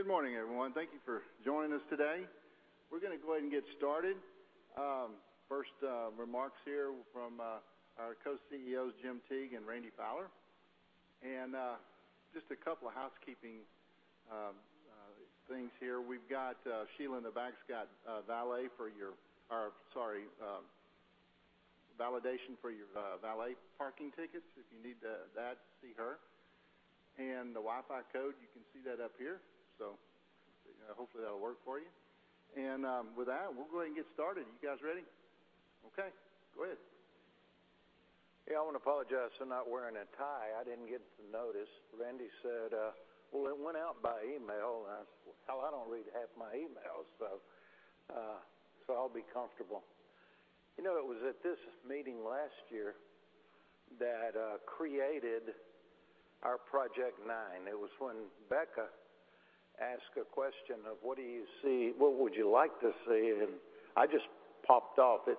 Good morning, everyone. Thank you for joining us today. We're gonna go ahead and get started. First, remarks here from our co-CEOs, Jim Teague and Randy Fowler. Just a couple of housekeeping things here. We've got Sheila in the back's got a validation for your valet parking tickets. If you need that, see her. The Wi-Fi code, you can see that up here, so hopefully that'll work for you. With that, we'll go ahead and get started. You guys ready? Okay, go ahead. Yeah. I wanna apologize for not wearing a tie. I didn't get the notice. Randy said, "Well, it went out by email," and I said, "Hell, I don't read half my emails," so I'll be comfortable. You know, it was at this meeting last year that created our Project Nine. It was when Becca asked a question of what would you like to see? I just popped off. It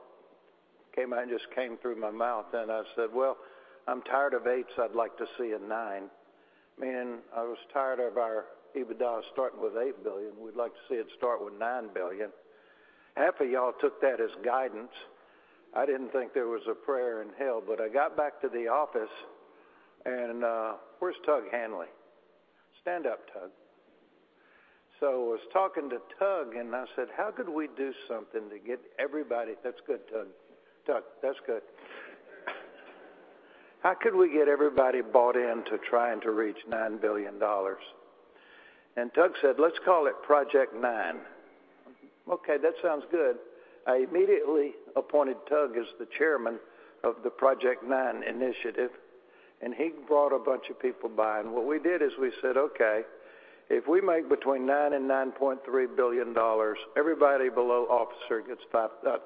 came out and just came through my mouth, and I said, "Well, I'm tired of eights. I'd like to see a nine." Meaning I was tired of our EBITDA starting with $8 billion. We'd like to see it start with $9 billion. Half of y'all took that as guidance. I didn't think there was a prayer in hell, I got back to the office and... Where's Tug Hanley? Stand up, Tug. I was talking to Tug, and I said, "How could we do something to get everybody." That's good, Tug. Tug, that's good. How could we get everybody bought in to trying to reach $9 billion? Tug said, "Let's call it Project Nine." Okay, that sounds good. I immediately appointed Tug as the chairman of the Project Nine initiative, and he brought a bunch of people by. What we did is we said, okay, if we make between $9 billion and $9.3 billion, everybody below officer gets $3,000.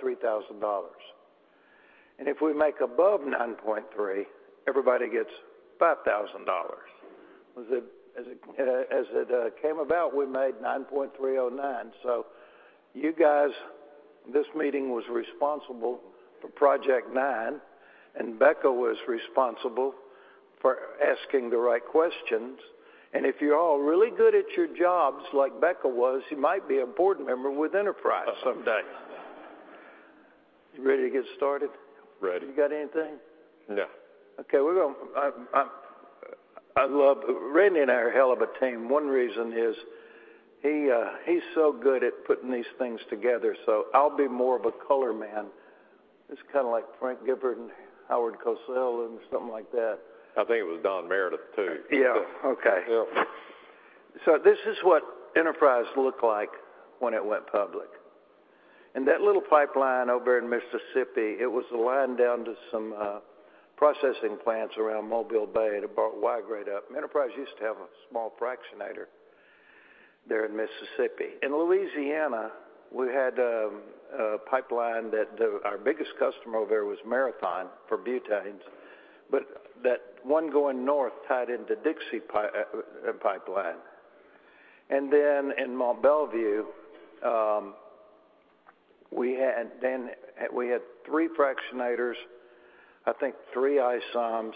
If we make above 9.3, everybody gets $5,000. As it came about, we made 9.309. You guys, this meeting was responsible for Project Nine, and Becca was responsible for asking the right questions. If you're all really good at your jobs like Becca was, you might be a board member with Enterprise someday. You ready to get started? Ready. You got anything? No. Okay. Randy and I are a hell of a team. One reason is he's so good at putting these things together, so I'll be more of a color man. Just kinda like Frank Gifford and Howard Cosell and something like that. I think it was Don Meredith, too. Yeah. Okay. Yeah. This is what Enterprise looked like when it went public. That little pipeline over in Mississippi, it was a line down to some processing plants around Mobile Bay to brought Y-grade up. Enterprise used to have a small fractionator there in Mississippi. In Louisiana, we had a pipeline that our biggest customer over there was Marathon for butanes, but that one going north tied into Dixie Pipeline. In Mont Belvieu, then we had three fractionators, I think three isoms,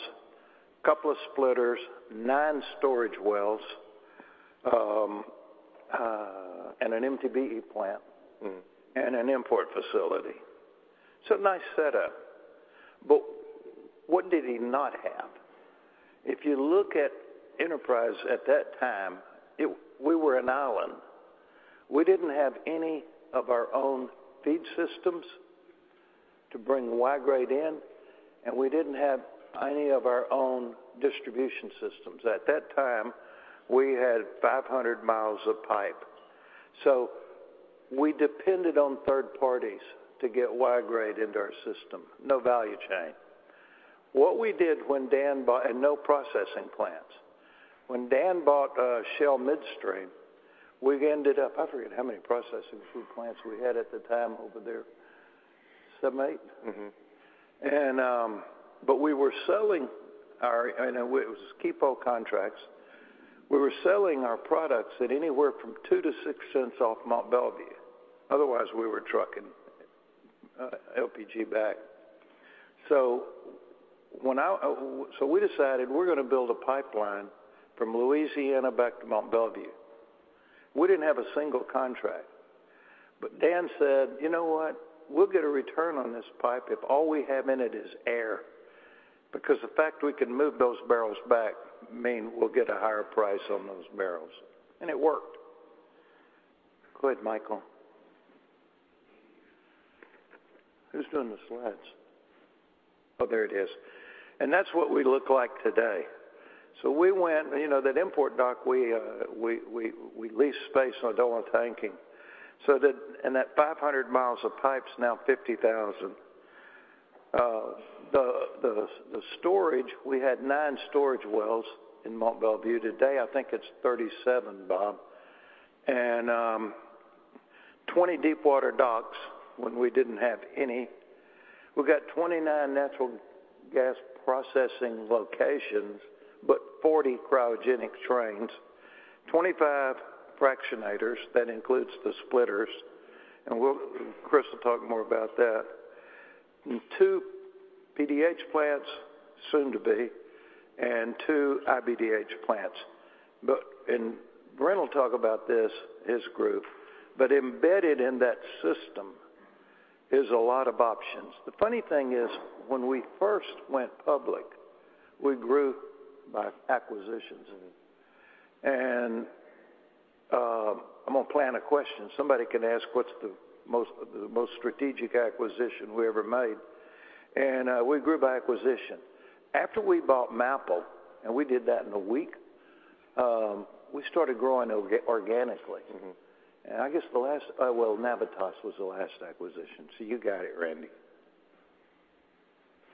couple of splitters, nine storage wells, and an MTBE plant. Mm. An import facility. It's a nice setup. What did he not have? If you look at Enterprise at that time, we were an island. We didn't have any of our own feed systems to bring Y-grade in, and we didn't have any of our own distribution systems. At that time, we had 500 mi of pipe, so we depended on third parties to get Y-grade into our system. No value chain. No processing plants. When Dan bought Shell Midstream, I forget how many processing food plants we had at the time over there. Seven, eight? Mm-hmm. It was keep-whole contracts. We were selling our products at anywhere from $0.02-$0.06 off Mont Belvieu. Otherwise, we were trucking LPG back. We decided we're gonna build a pipeline from Louisiana back to Mont Belvieu. We didn't have a single contract. Dan said, "You know what? We'll get a return on this pipe if all we have in it is air because the fact we can move those barrels back mean we'll get a higher price on those barrels." It worked. Go ahead, Michael. Who's doing the slides? There it is. That's what we look like today. We went, you know, that import dock, we leased space on a dollar tanking and that 500 mi of pipe's now 50,000. The storage, we had nine storage wells in Mont Belvieu. Today, I think it's 37, Bob. 20 deep water docks when we didn't have any. We've got 29 natural gas processing locations, but 40 cryogenic trains. 25 fractionators, that includes the splitters, Chris will talk more about that. In two PDH plants soon to be and two IBDH plants. Brent will talk about this, his group, but embedded in that system is a lot of options. The funny thing is when we first went public, we grew by acquisitions. I'm gonna plan a question. Somebody can ask what's the most strategic acquisition we ever made. We grew by acquisition. After we bought MAPL, and we did that in a week, we started growing organically. Mm-hmm. I guess well, Navitas was the last acquisition. You got it, Randy.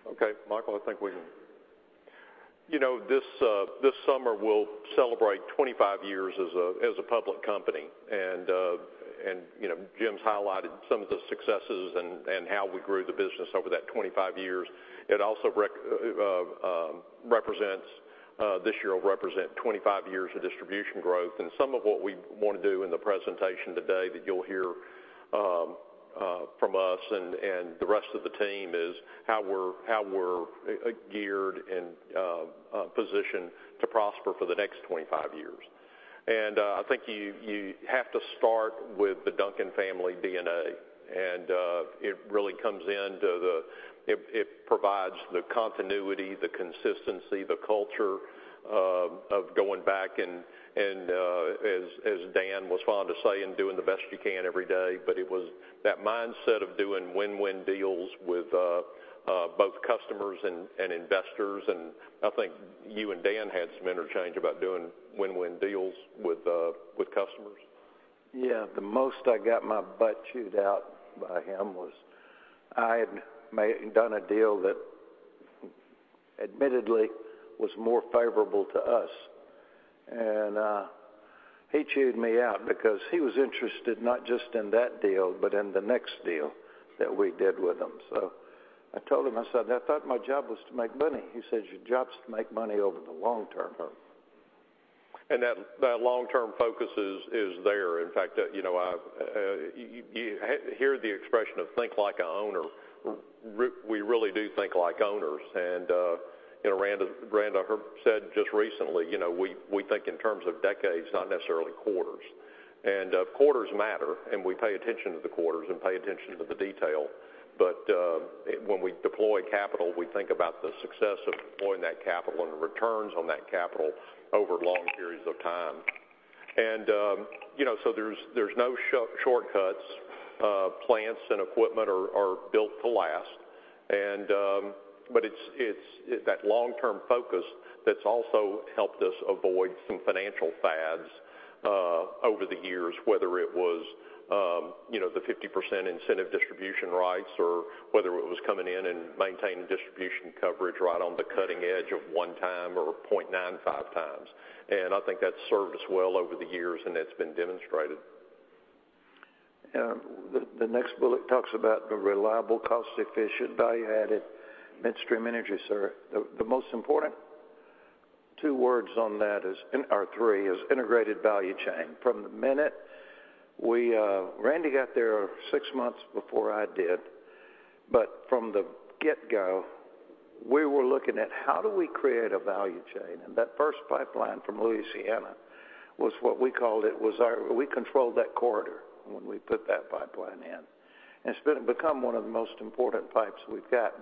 Okay. Michael, I think we can... You know, this summer, we'll celebrate 25 years as a public company. You know, Jim's highlighted some of the successes and how we grew the business over that 25 years. It also represents this year will represent 25 years of distribution growth. Some of what we wanna do in the presentation today that you'll hear from us and the rest of the team is how we're geared and positioned to prosper for the next 25 years. I think you have to start with the Duncan family DNA. It provides the continuity, the consistency, the culture of going back and as Dan was fond to say, and doing the best you can every day. It was that mindset of doing win-win deals with both customers and investors. I think you and Dan had some interchange about doing win-win deals with customers. Yeah. The most I got my butt chewed out by him was I had done a deal that admittedly was more favorable to us. He chewed me out because he was interested not just in that deal, but in the next deal that we did with him. I told him, I said, "I thought my job was to make money." He says, "Your job is to make money over the long term. That long-term focus is there. In fact, you know, you hear the expression of think like an owner. We really do think like owners. You know, Randa said just recently, you know, we think in terms of decades, not necessarily quarters. Quarters matter, and we pay attention to the quarters and pay attention to the detail. When we deploy capital, we think about the success of deploying that capital and the returns on that capital over long periods of time. You know, there's no shortcuts. Plants and equipment are built to last. But it's that long-term focus that's also helped us avoid some financial fads over the years, whether it was, you know, the 50% incentive distribution rights or whether it was coming in and maintaining distribution coverage right on the cutting edge of one time or 0.95x. I think that's served us well over the years, and it's been demonstrated. Yeah. The, the next bullet talks about the reliable, cost-efficient, value-added midstream energy, sir. The, the most important two words on that is, or three, is integrated value chain. From the minute we Randy got there six months before I did, from the get-go, we were looking at how do we create a value chain. That first pipeline from Louisiana was what we called it, we controlled that corridor when we put that pipeline in. It's become one of the most important pipes we've got.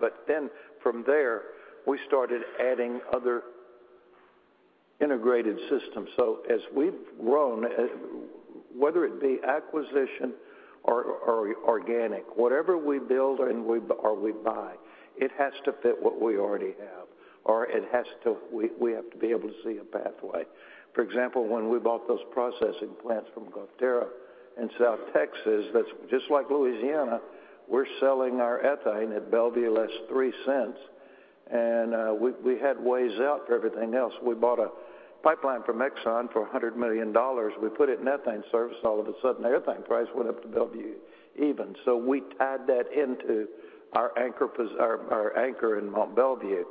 From there, we started adding other integrated systems. As we've grown, whether it be acquisition or organic, whatever we build or we buy, it has to fit what we already have, or we have to be able to see a pathway. For example, when we bought those processing plants from Gonterra in South Texas, that's just like Louisiana, we're selling our ethane at Belvieu less $0.03. We had ways out for everything else. We bought a pipeline from Exxon for $100 million. We put it in ethane service, all of a sudden ethane price went up to Belvieu even. We tied that into our anchor in Mont Belvieu.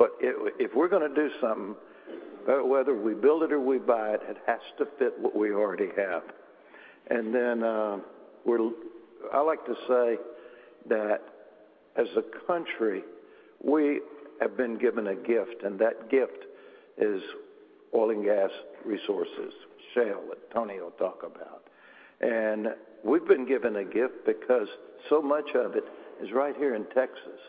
If we're gonna do something, whether we build it or we buy it has to fit what we already have. I like to say that as a country, we have been given a gift, and that gift is oil and gas resources, shale that Tony will talk about. We've been given a gift because so much of it is right here in Texas.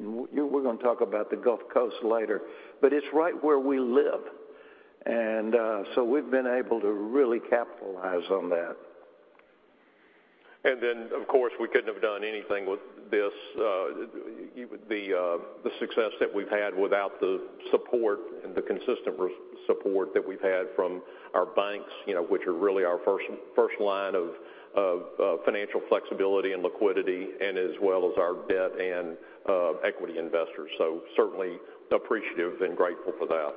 Mm-hmm. We're going to talk about the Gulf Coast later, but it's right where we live. So we've been able to really capitalize on that. Of course, we couldn't have done anything with this, the success that we've had without the support and the consistent support that we've had from our banks, you know, which are really our first line of financial flexibility and liquidity, and as well as our debt and equity investors. Certainly appreciative and grateful for that.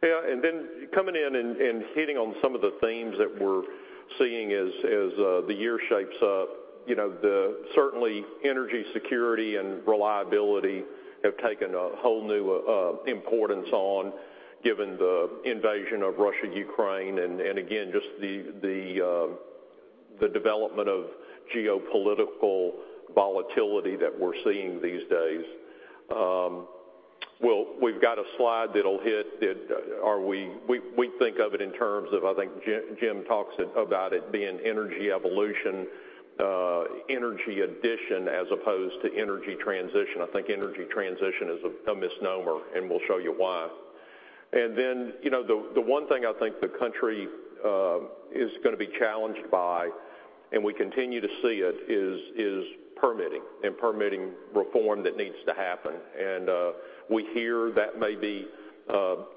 Yeah. Coming in and hitting on some of the themes that we're seeing as the year shapes up, you know, certainly energy security and reliability have taken a whole new importance on given the invasion of Russia, Ukraine, and again, just the development of geopolitical volatility that we're seeing these days. well, we've got a slide we think of it in terms of, I think, Jim talks about it being energy evolution, energy addition, as opposed to energy transition. I think energy transition is a misnomer, and we'll show you why. you know, the one thing I think the country is gonna be challenged by, and we continue to see it, is permitting, and permitting reform that needs to happen. We hear that may be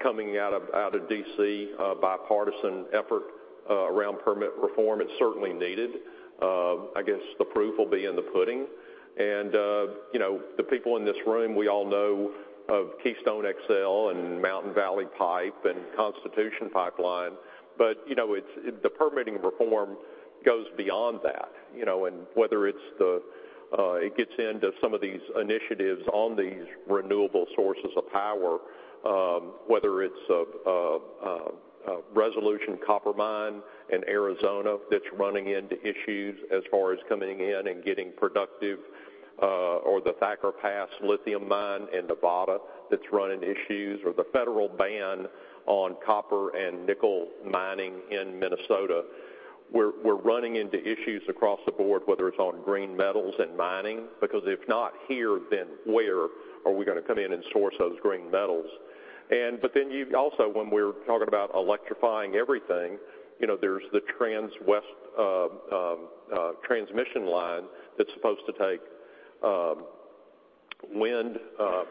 coming out of D.C., a bipartisan effort around permit reform. It's certainly needed. I guess the proof will be in the pudding. you know, the people in this room, we all know of Keystone XL and Mountain Valley Pipe and Constitution Pipeline. You know, the permitting reform goes beyond that, you know. Whether it's the, it gets into some of these initiatives on these renewable sources of power, whether it's a Resolution Copper Mine in Arizona that's running into issues as far as coming in and getting productive, or the Thacker Pass Lithium Mine in Nevada that's running issues, or the federal ban on copper and nickel mining in Minnesota. We're running into issues across the board, whether it's on green metals and mining. If not here, then where are we gonna come in and source those green metals? You also, when we're talking about electrifying everything, you know, there's the TransWest transmission line that's supposed to take wind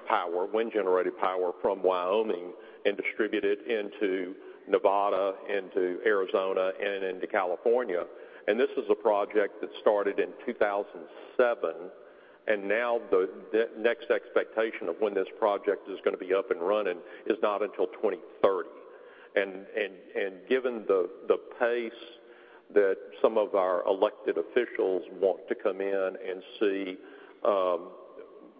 power, wind-generated power from Wyoming and distribute it into Nevada, into Arizona, and into California. This is a project that started in 2007, and now the next expectation of when this project is gonna be up and running is not until 2030. Given the pace that some of our elected officials want to come in and see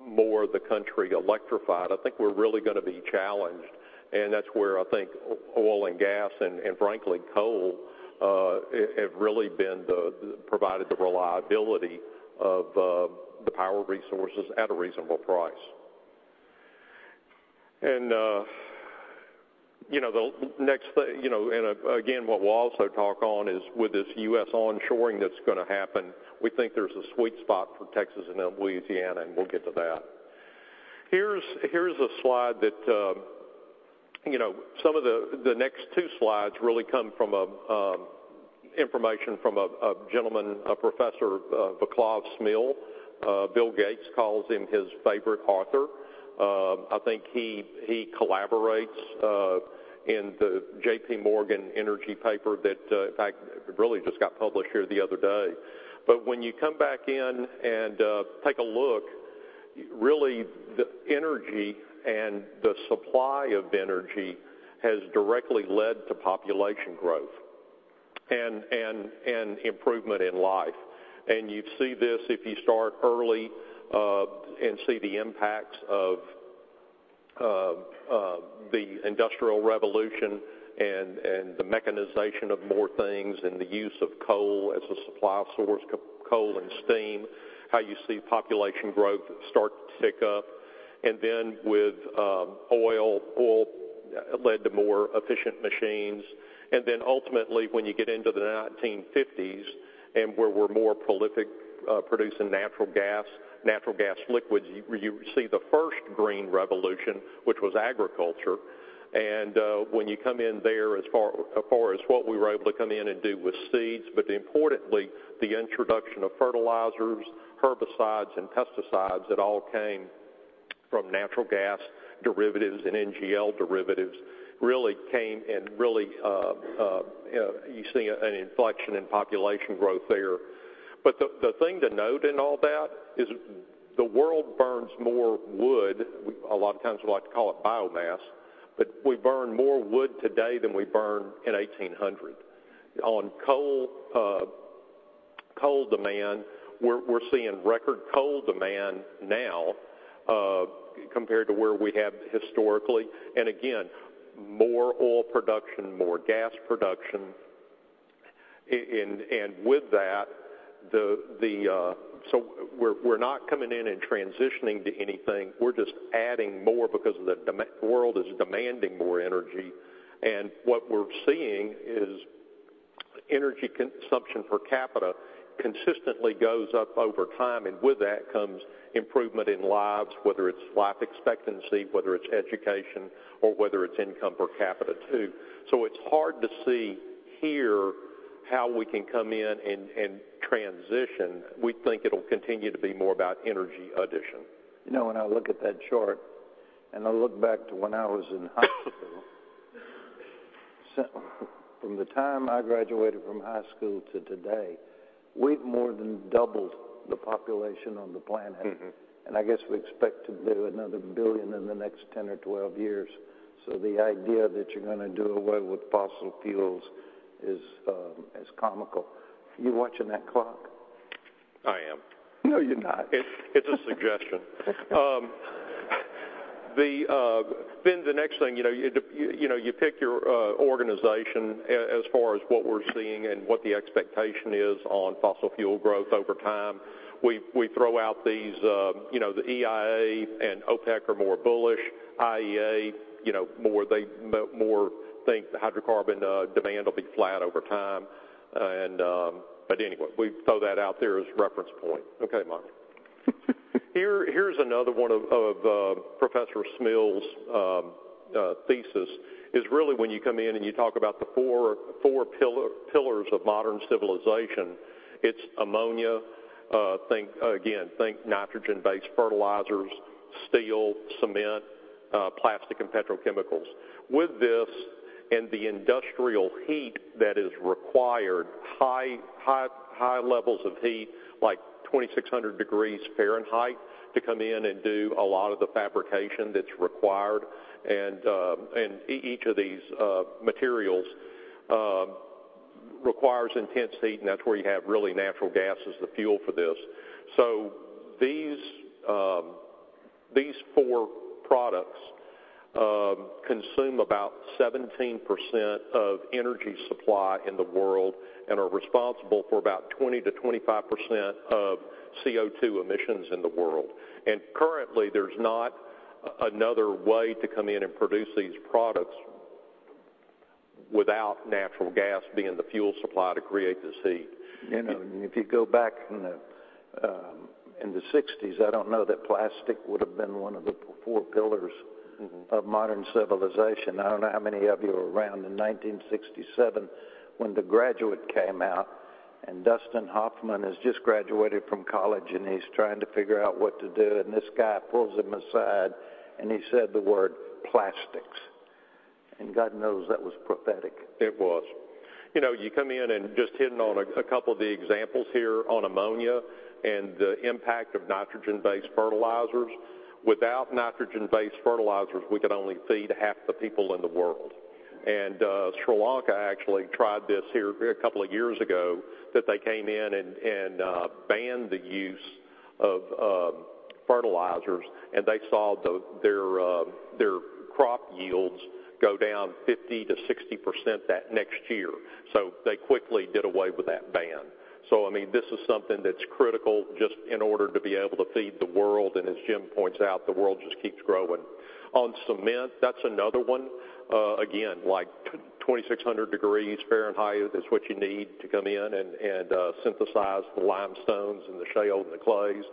more of the country electrified, I think we're really gonna be challenged. That's where I think oil and gas and frankly, coal have really been provided the reliability of the power resources at a reasonable price. You know, the next thing, you know, again, what we'll also talk on is with this U.S. onshoring that's gonna happen, we think there's a sweet spot for Texas and Louisiana, and we'll get to that. Here's a slide that, you know, some of the next two slides really come from information from a gentleman, a professor, Václav Smil. Bill Gates calls him his favorite author. I think he collaborates in the JPMorgan energy paper that, in fact, really just got published here the other day. When you come back in and take a look, really, the energy and the supply of energy has directly led to population growth and improvement in life. You see this if you start early, and see the impacts of the Industrial Revolution and the mechanization of more things and the use of coal as a supply source, coal and steam, how you see population growth start to tick up. Oil led to more efficient machines. Ultimately, when you get into the 1950s and where we're more prolific producing natural gas, natural gas liquids, you see the first green revolution, which was agriculture. When you come in there, as far as what we were able to come in and do with seeds, but importantly, the introduction of fertilizers, herbicides, and pesticides that all came from natural gas derivatives and NGL derivatives, really came and really, you know, you see an inflection in population growth there. The thing to note in all that is the world burns more wood. A lot of times we like to call it biomass, but we burn more wood today than we burned in 1800. On coal demand, we're seeing record coal demand now compared to where we have historically. Again, more oil production, more gas production. And with that, we're not coming in and transitioning to anything. We're just adding more because the world is demanding more energy. What we're seeing is energy consumption per capita consistently goes up over time, and with that comes improvement in lives, whether it's life expectancy, whether it's education, or whether it's income per capita too. It's hard to see here how we can come in and transition. We think it'll continue to be more about energy addition. You know, when I look at that chart, and I look back to when I was in high school, so from the time I graduated from high school to today, we've more than doubled the population on the planet. Mm-hmm. I guess we expect to do another billion in the next 10 or 12 years. The idea that you're gonna do away with fossil fuels is comical. You watching that clock? I am. No, you're not. It's a suggestion. Then the next thing, you know, you know, you pick your organization as far as what we're seeing and what the expectation is on fossil fuel growth over time. We throw out these, you know, the EIA and OPEC are more bullish. IEA, you know, more think the hydrocarbon demand will be flat over time. Anyway, we throw that out there as reference point. Okay, Bob. Here's another one of Professor Smil's thesis, is really when you come in and you talk about the four pillars of modern civilization, it's ammonia. Think again, think nitrogen-based fertilizers, steel, cement, plastic and petrochemicals. With this the industrial heat that is required, high, high, high levels of heat, like 2,600 degrees Fahrenheit, to come in and do a lot of the fabrication that's required. Each of these materials requires intense heat, and that's where you have really natural gas as the fuel for this. These 4 products consume about 17% of energy supply in the world and are responsible for about 20%-25% of CO2 emissions in the world. Currently, there's not another way to come in and produce these products without natural gas being the fuel supply to create this heat. You know, if you go back in the '60s, I don't know that plastic would've been one of the four pillars... Mm-hmm. of modern civilization. I don't know how many of you were around in 1967 when The Graduate came out, and Dustin Hoffman has just graduated from college, and he's trying to figure out what to do, and this guy pulls him aside, and he said the word plastics. God knows that was prophetic. It was. You know, you come in and just hitting on a couple of the examples here on ammonia and the impact of nitrogen-based fertilizers. Without nitrogen-based fertilizers, we could only feed half the people in the world. Sri Lanka actually tried this here a couple of years ago, that they came in and banned the use of fertilizers, and they saw their crop yields go down 50%-60% that next year. They quickly did away with that ban. I mean, this is something that's critical just in order to be able to feed the world. As Jim points out, the world just keeps growing. On cement, that's another one. Again, like 2,600 degrees Fahrenheit is what you need to come in and synthesize the limestones and the shale and the clays.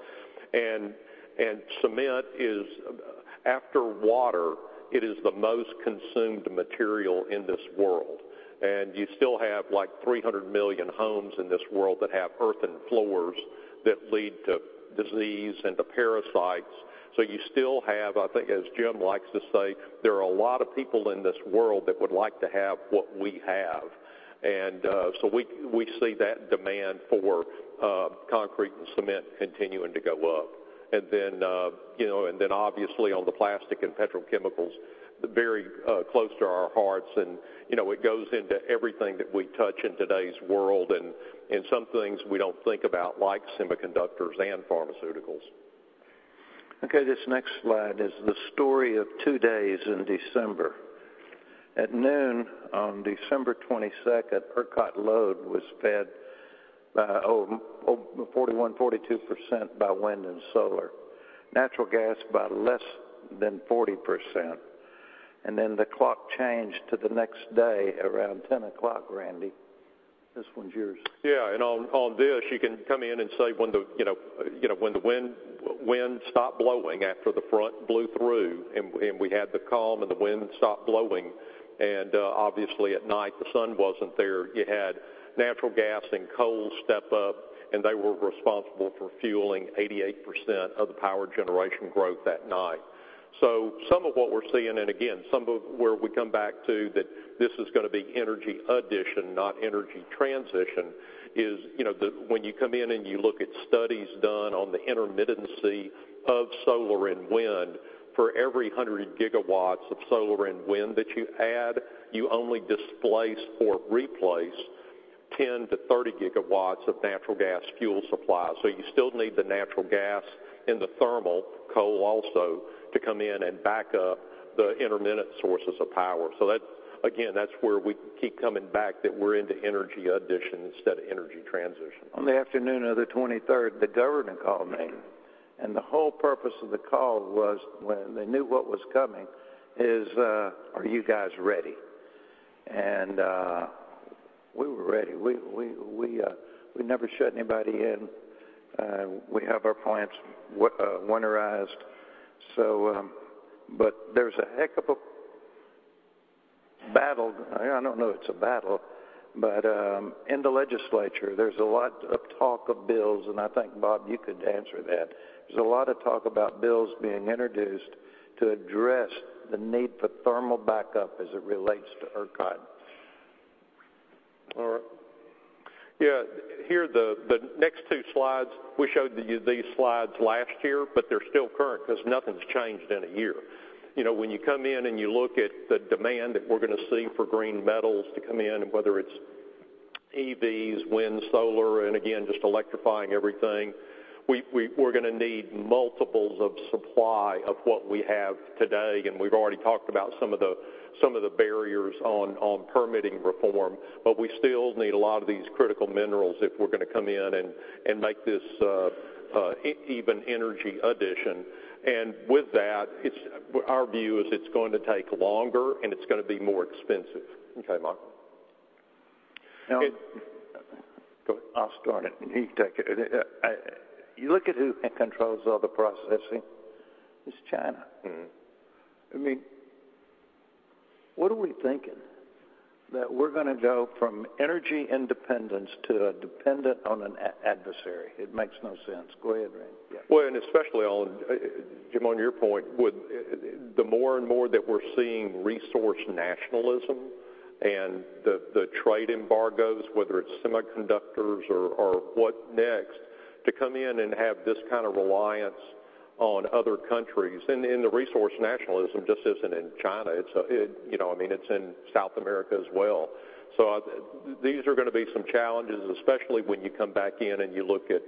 Cement is, after water, it is the most consumed material in this world. You still have, like, 300 million homes in this world that have earthen floors that lead to disease and to parasites. You still have, I think as Jim likes to say, there are a lot of people in this world that would like to have what we have. We see that demand for concrete and cement continuing to go up. You know, then obviously on the plastic and petrochemicals, very close to our hearts and, you know, it goes into everything that we touch in today's world and some things we don't think about, like semiconductors and pharmaceuticals. Okay, this next slide is the story of two days in December. At noon on December 22nd, ERCOT load was fed by 41%, 42% by wind and solar, natural gas by less than 40%. The clock changed to the next day around 10:00, Randy. This one's yours. Yeah. On this, you can come in and say when the, you know, when the wind stopped blowing after the front blew through, and we had the calm and the wind stopped blowing, and obviously at night, the sun wasn't there. You had natural gas and coal step up, and they were responsible for fueling 88% of the power generation growth that night. Some of what we're seeing, and again, some of where we come back to that this is gonna be energy addition, not energy transition, is, you know, when you come in and you look at studies done on the intermittency of solar and wind, for every 100 GW of solar and wind that you add, you only displace or replace 10-30 GW of natural gas fuel supply. You still need the natural gas and the thermal, coal also, to come in and back up the intermittent sources of power. That's, again, that's where we keep coming back, that we're into energy addition instead of energy transition. On the afternoon of the 23rd, the governor called me, the whole purpose of the call was when they knew what was coming, is, are you guys ready? We were ready. We never shut anybody in. We have our plants winterized. There's a heck of a battle. I don't know it's a battle, in the legislature, there's a lot of talk of bills, I think, Bob, you could answer that. There's a lot of talk about bills being introduced to address the need for thermal backup as it relates to ERCOT. All right. Yeah. Here, the next two slides, we showed you these slides last year, but they're still current 'cause nothing's changed in a year. You know, when you come in and you look at the demand that we're gonna see for green metals to come in, and whether it's EVs, wind, solar, and again, just electrifying everything. We're gonna need multiples of supply of what we have today, and we've already talked about some of the barriers on permitting reform. We still need a lot of these critical minerals if we're gonna come in and make this even energy addition. With that, our view is it's going to take longer, and it's gonna be more expensive. Okay, Mark. Now- It- Go. I'll start it, and you take it. You look at who controls all the processing, it's China. Mm-hmm. I mean, what are we thinking? That we're gonna go from energy independence to dependent on an adversary. It makes no sense. Go ahead, Randy. Yeah. Especially on, Jim, on your point, with the more and more that we're seeing resource nationalism and the trade embargoes, whether it's semiconductors or what next, to come in and have this kind of reliance on other countries. The resource nationalism just isn't in China. It's, you know, I mean, it's in South America as well. These are gonna be some challenges, especially when you come back in and you look at,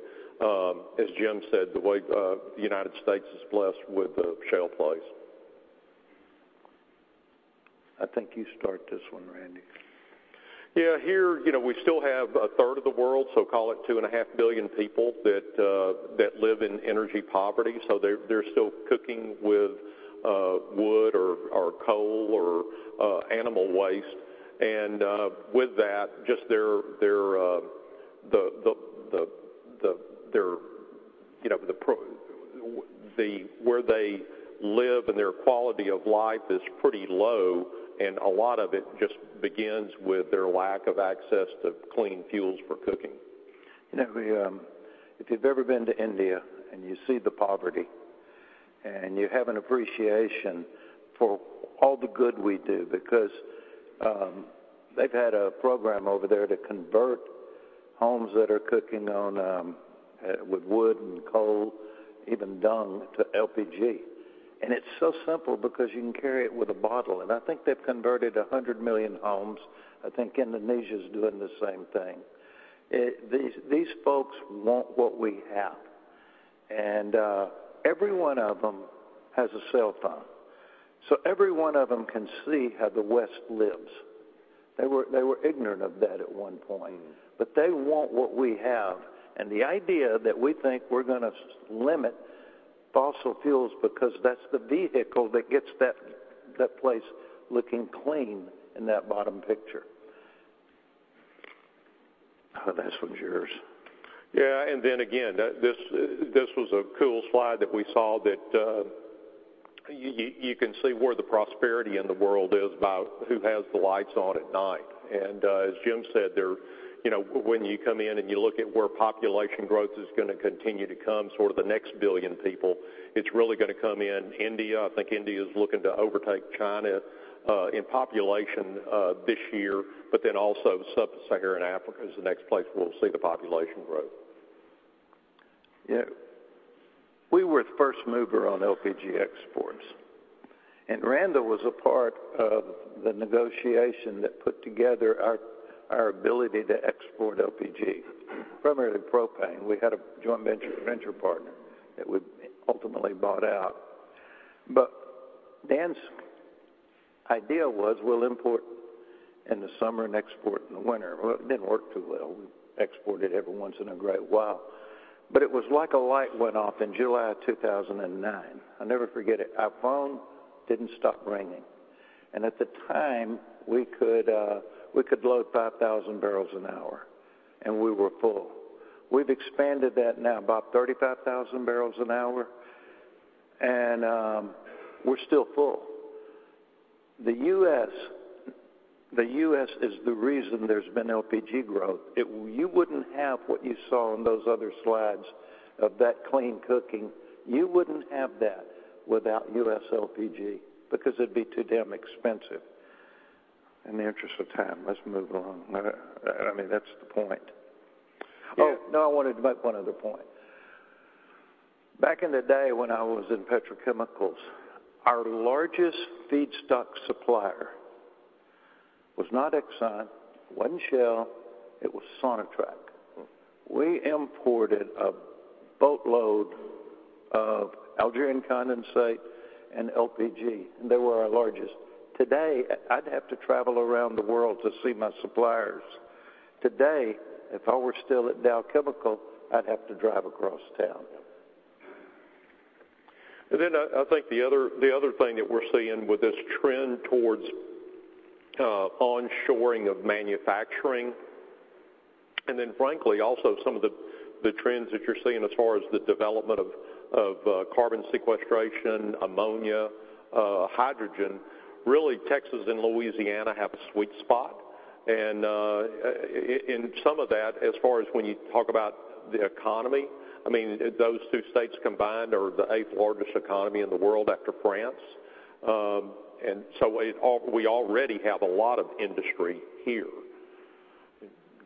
as Jim said, the way the United States is blessed with the shale plays. I think you start this one, Randy. Yeah. Here, you know, we still have a third of the world, so call it 2.5 billion people that live in energy poverty, so they're still cooking with wood or coal or animal waste. With that, just their, you know, where they live and their quality of life is pretty low, and a lot of it just begins with their lack of access to clean fuels for cooking. You know, if you've ever been to India, and you see the poverty, and you have an appreciation for all the good we do because they've had a program over there to convert homes that are cooking on with wood and coal, even dung, to LPG. It's so simple because you can carry it with a bottle, and I think they've converted 100 million homes. I think Indonesia's doing the same thing. These folks want what we have. Every one of them has a cell phone, so every one of them can see how the West lives. They were ignorant of that at one point, but they want what we have. The idea that we think we're gonna limit fossil fuels because that's the vehicle that gets that place looking clean in that bottom picture. This one's yours. Yeah. Then again, this was a cool slide that we saw that you can see where the prosperity in the world is by who has the lights on at night. As Jim said, there, you know, when you come in and you look at where population growth is gonna continue to come, sort of the next 1 billion people, it's really gonna come in India. I think India is looking to overtake China in population this year, Also Sub-Saharan Africa is the next place we'll see the population grow. Yeah. We were the first mover on LPG exports. Randall was a part of the negotiation that put together our ability to export LPG, primarily propane. We had a joint venture partner that we ultimately bought out. Dan's idea was we'll import in the summer and export in the winter. Well, it didn't work too well. We exported every once in a great while. It was like a light went off in July of 2009. I'll never forget it. Our phone didn't stop ringing. At the time, we could load 5,000 barrels an hour, and we were full. We've expanded that now, about 35,000 barrels an hour, and we're still full. The U.S. is the reason there's been LPG growth. You wouldn't have what you saw in those other slides of that clean cooking. You wouldn't have that without U.S. LPG because it'd be too damn expensive. In the interest of time, let's move on. I mean, that's the point. Yeah. Oh, no, I wanted to make one other point. Back in the day when I was in petrochemicals, our largest feedstock supplier was not Exxon, wasn't Shell, it was Sonatrach. We imported a boatload of Algerian condensate and LPG. They were our largest. Today, I'd have to travel around the world to see my suppliers. Today, if I were still at Dow Chemical, I'd have to drive across town. I think the other, the other thing that we're seeing with this trend towards onshoring of manufacturing, and then frankly also some of the trends that you're seeing as far as the development of carbon sequestration, ammonia, hydrogen, really, Texas and Louisiana have a sweet spot. In some of that, as far as when you talk about the economy, I mean, those two states combined are the eighth largest economy in the world after France. We already have a lot of industry here.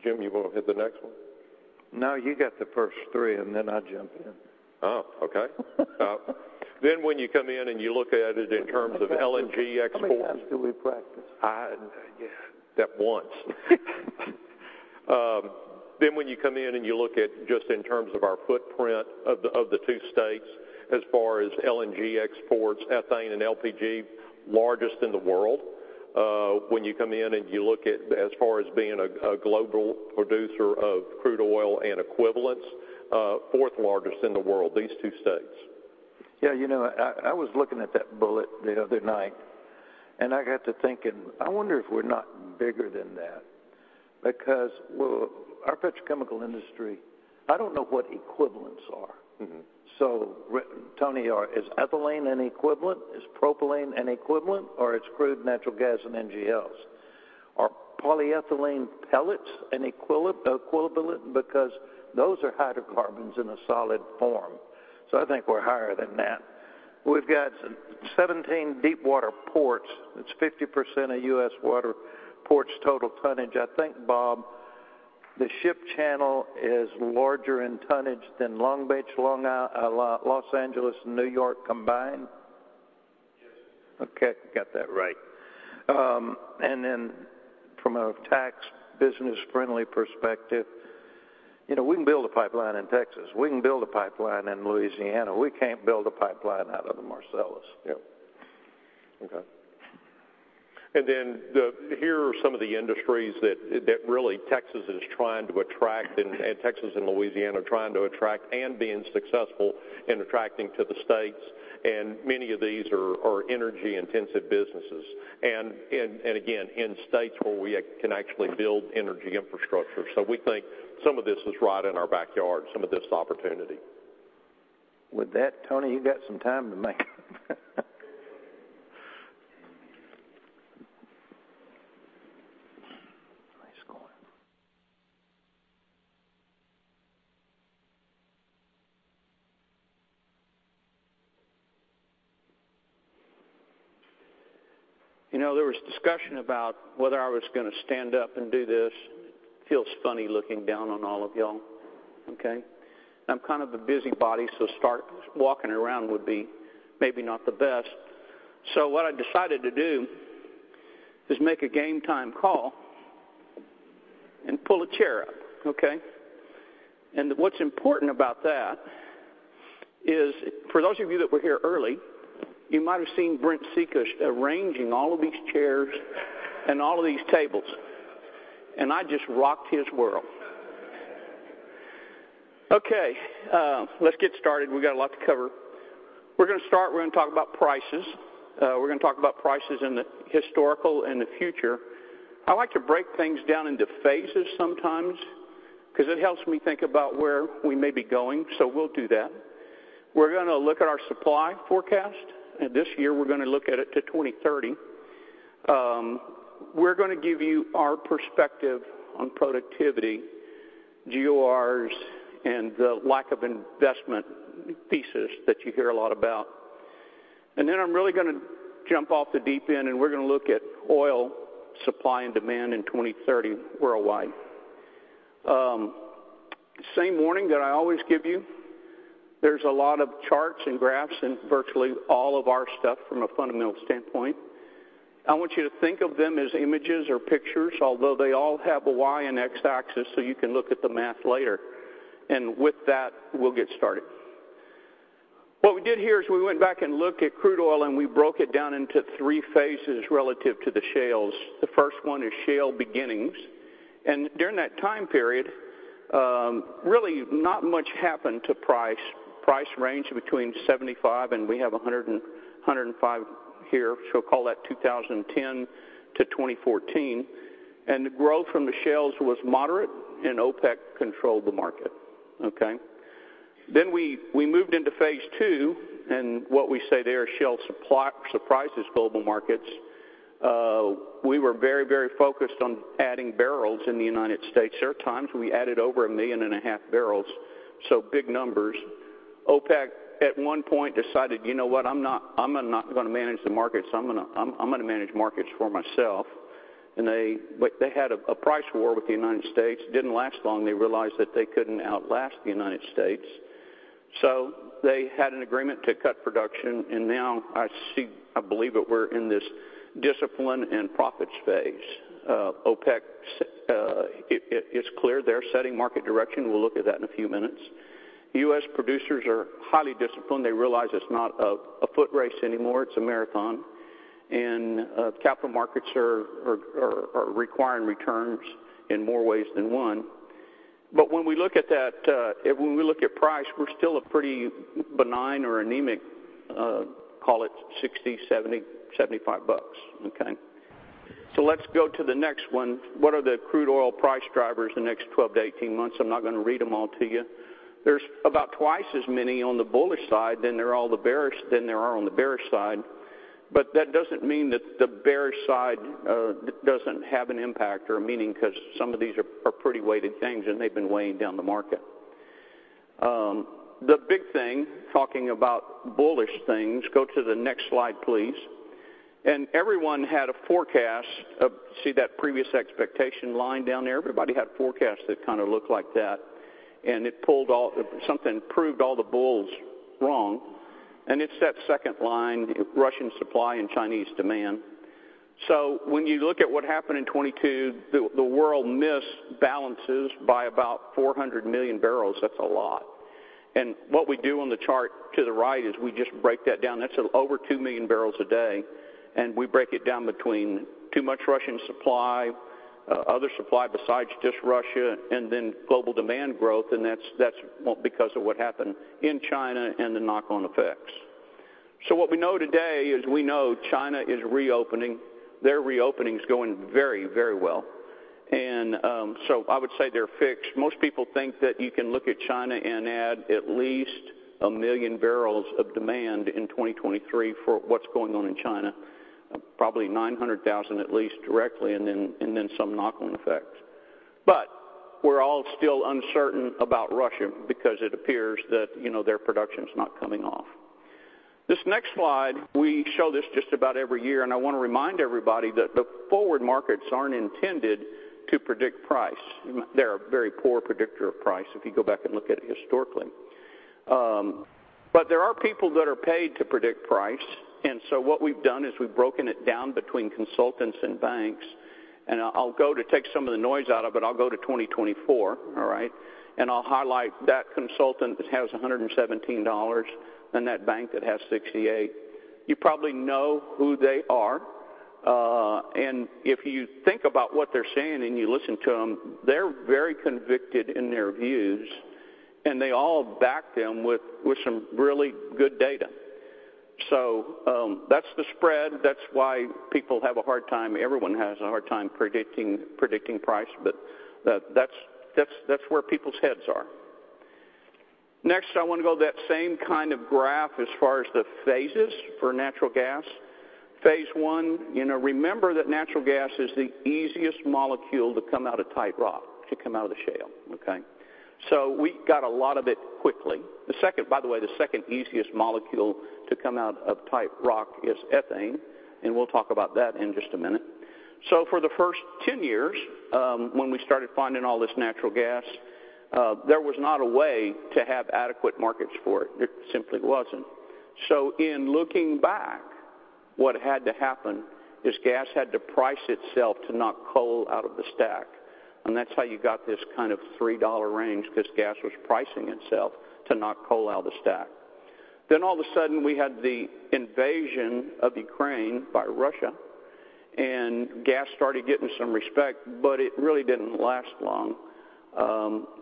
Jim, you wanna hit the next one? No, you got the first three. Then I jump in. Oh, okay. When you come in and you look at it in terms of LNG exports. How many times did we practice? Yeah, that once. When you come in and you look at just in terms of our footprint of the two states as far as LNG exports, ethane and LPG, largest in the world. When you come in and you look at as far as being a global producer of crude oil and equivalents, fourth largest in the world, these two states. Yeah, you know, I was looking at that bullet the other night, I got to thinking, I wonder if we're not bigger than that because our petrochemical industry, I don't know what equivalents are. Mm-hmm. Tony, is ethylene an equivalent? Is propylene an equivalent, or it's crude natural gas and NGLs? Are polyethylene pellets an equivalent because those are hydrocarbons in a solid form. I think we're higher than that. We've got 17 deep water ports. It's 50% of U.S. water ports total tonnage. I think, Bob, the ship channel is larger in tonnage than Long Beach, Los Angeles and New York combined. Yes. Okay, got that right. From a tax business friendly perspective, you know, we can build a pipeline in Texas. We can build a pipeline in Louisiana. We can't build a pipeline out of the Marcellus. Yep. Okay. Here are some of the industries that really Texas is trying to attract and Texas and Louisiana are trying to attract and being successful in attracting to the states, and many of these are energy-intensive businesses. Again, in states where we can actually build energy infrastructure. We think some of this is right in our backyard, some of this opportunity. With that, Tony, you got some time to make. Nice going. You know, there was discussion about whether I was gonna stand up and do this. Feels funny looking down on all of y'all. Okay? I'm kind of a busy body, so start walking around would be maybe not the best. What I decided to do is make a game time call and pull a chair up. Okay? What's important about that is for those of you that were here early, you might have seen Brent Secrest arranging all of these chairs and all of these tables, and I just rocked his world. Okay, let's get started. We got a lot to cover. We're gonna start, we're gonna talk about prices. We're gonna talk about prices in the historical and the future. I like to break things down into phases sometimes 'cause it helps me think about where we may be going, so we'll do that. We're gonna look at our supply forecast, this year, we're gonna look at it to 2030. We're gonna give you our perspective on productivity, GORs, and the lack of investment pieces that you hear a lot about. I'm really gonna jump off the deep end, and we're gonna look at oil supply and demand in 2030 worldwide. Same warning that I always give you. There's a lot of charts and graphs in virtually all of our stuff from a fundamental standpoint. I want you to think of them as images or pictures, although they all have a Y and X-axis, so you can look at the math later. With that, we'll get started. What we did here is we went back and looked at crude oil, and we broke it down into three phases relative to the shales. The first one is shale beginnings. During that time period, really not much happened to price. Price ranged between 75, and we have 105 here. Call that 2010 to 2014. The growth from the shales was moderate, and OPEC controlled the market. Okay? We moved into phase II, and what we say there, shale supply surprises global markets. We were very, very focused on adding barrels in the United States. There are times when we added over 1.5 million barrels, so big numbers. OPEC at one point decided, "You know what? I'm not gonna manage the markets. I'm gonna, I'm gonna manage markets for myself." They, like, they had a price war with the United States. Didn't last long. They realized that they couldn't outlast the United States. They had an agreement to cut production, and now I believe that we're in this discipline and profit phase. OPEC's, it's clear they're setting market direction. We'll look at that in a few minutes. U.S. producers are highly disciplined. They realize it's not a foot race anymore, it's a marathon. Capital markets are requiring returns in more ways than one. When we look at that, when we look at price, we're still a pretty benign or anemic, call it $60, $70, $75 bucks. Okay? Let's go to the next one. What are the crude oil price drivers the next 12-18 months? I'm not gonna read them all to you. There's about twice as many on the bullish side than there are on the bearish side. That doesn't mean that the bearish side doesn't have an impact or a meaning, 'cause some of these are pretty weighted things, and they've been weighing down the market. The big thing, talking about bullish things, go to the next slide, please. Everyone had a forecast of. See that previous expectation line down there? Everybody had forecasts that kind of looked like that. It pulled all. Something proved all the bulls wrong, and it's that second line, Russian supply and Chinese demand. When you look at what happened in 2022, the world missed balances by about 400 million barrels. That's a lot. What we do on the chart to the right is we just break that down. That's over 2 million barrels a day, and we break it down between too much Russian supply, other supply besides just Russia, and then global demand growth, and that's because of what happened in China and the knock-on effects. What we know today is we know China is reopening. Their reopening is going very, very well. I would say they're fixed. Most people think that you can look at China and add at least 1 million barrels of demand in 2023 for what's going on in China, probably 900,000 at least directly, and then some knock-on effects. We're all still uncertain about Russia because it appears that, you know, their production's not coming off. This next slide, we show this just about every year, and I wanna remind everybody that the forward markets aren't intended to predict price. They're a very poor predictor of price if you go back and look at it historically. There are people that are paid to predict price, and so what we've done is we've broken it down between consultants and banks. I'll go to take some of the noise out of it. I'll go to 2024, all right? I'll highlight that consultant that has $117 and that bank that has $68. You probably know who they are, and if you think about what they're saying and you listen to 'em, they're very convicted in their views, and they all back them with some really good data. That's the spread. That's why people have a hard time. Everyone has a hard time predicting price, that's where people's heads are. Next, I wanna go to that same kind of graph as far as the phases for natural gas. Phase I, you know, remember that natural gas is the easiest molecule to come out of tight rock, to come out of the shale, okay? We got a lot of it quickly. By the way, the second easiest molecule to come out of tight rock is ethane, we'll talk about that in just a minute. For the first 10 years, when we started finding all this natural gas, there was not a way to have adequate markets for it. There simply wasn't. In looking back, what had to happen is gas had to price itself to knock coal out of the stack, and that's how you got this kind of $3 range, because gas was pricing itself to knock coal out of the stack. All of a sudden, we had the invasion of Ukraine by Russia, and gas started getting some respect, but it really didn't last long.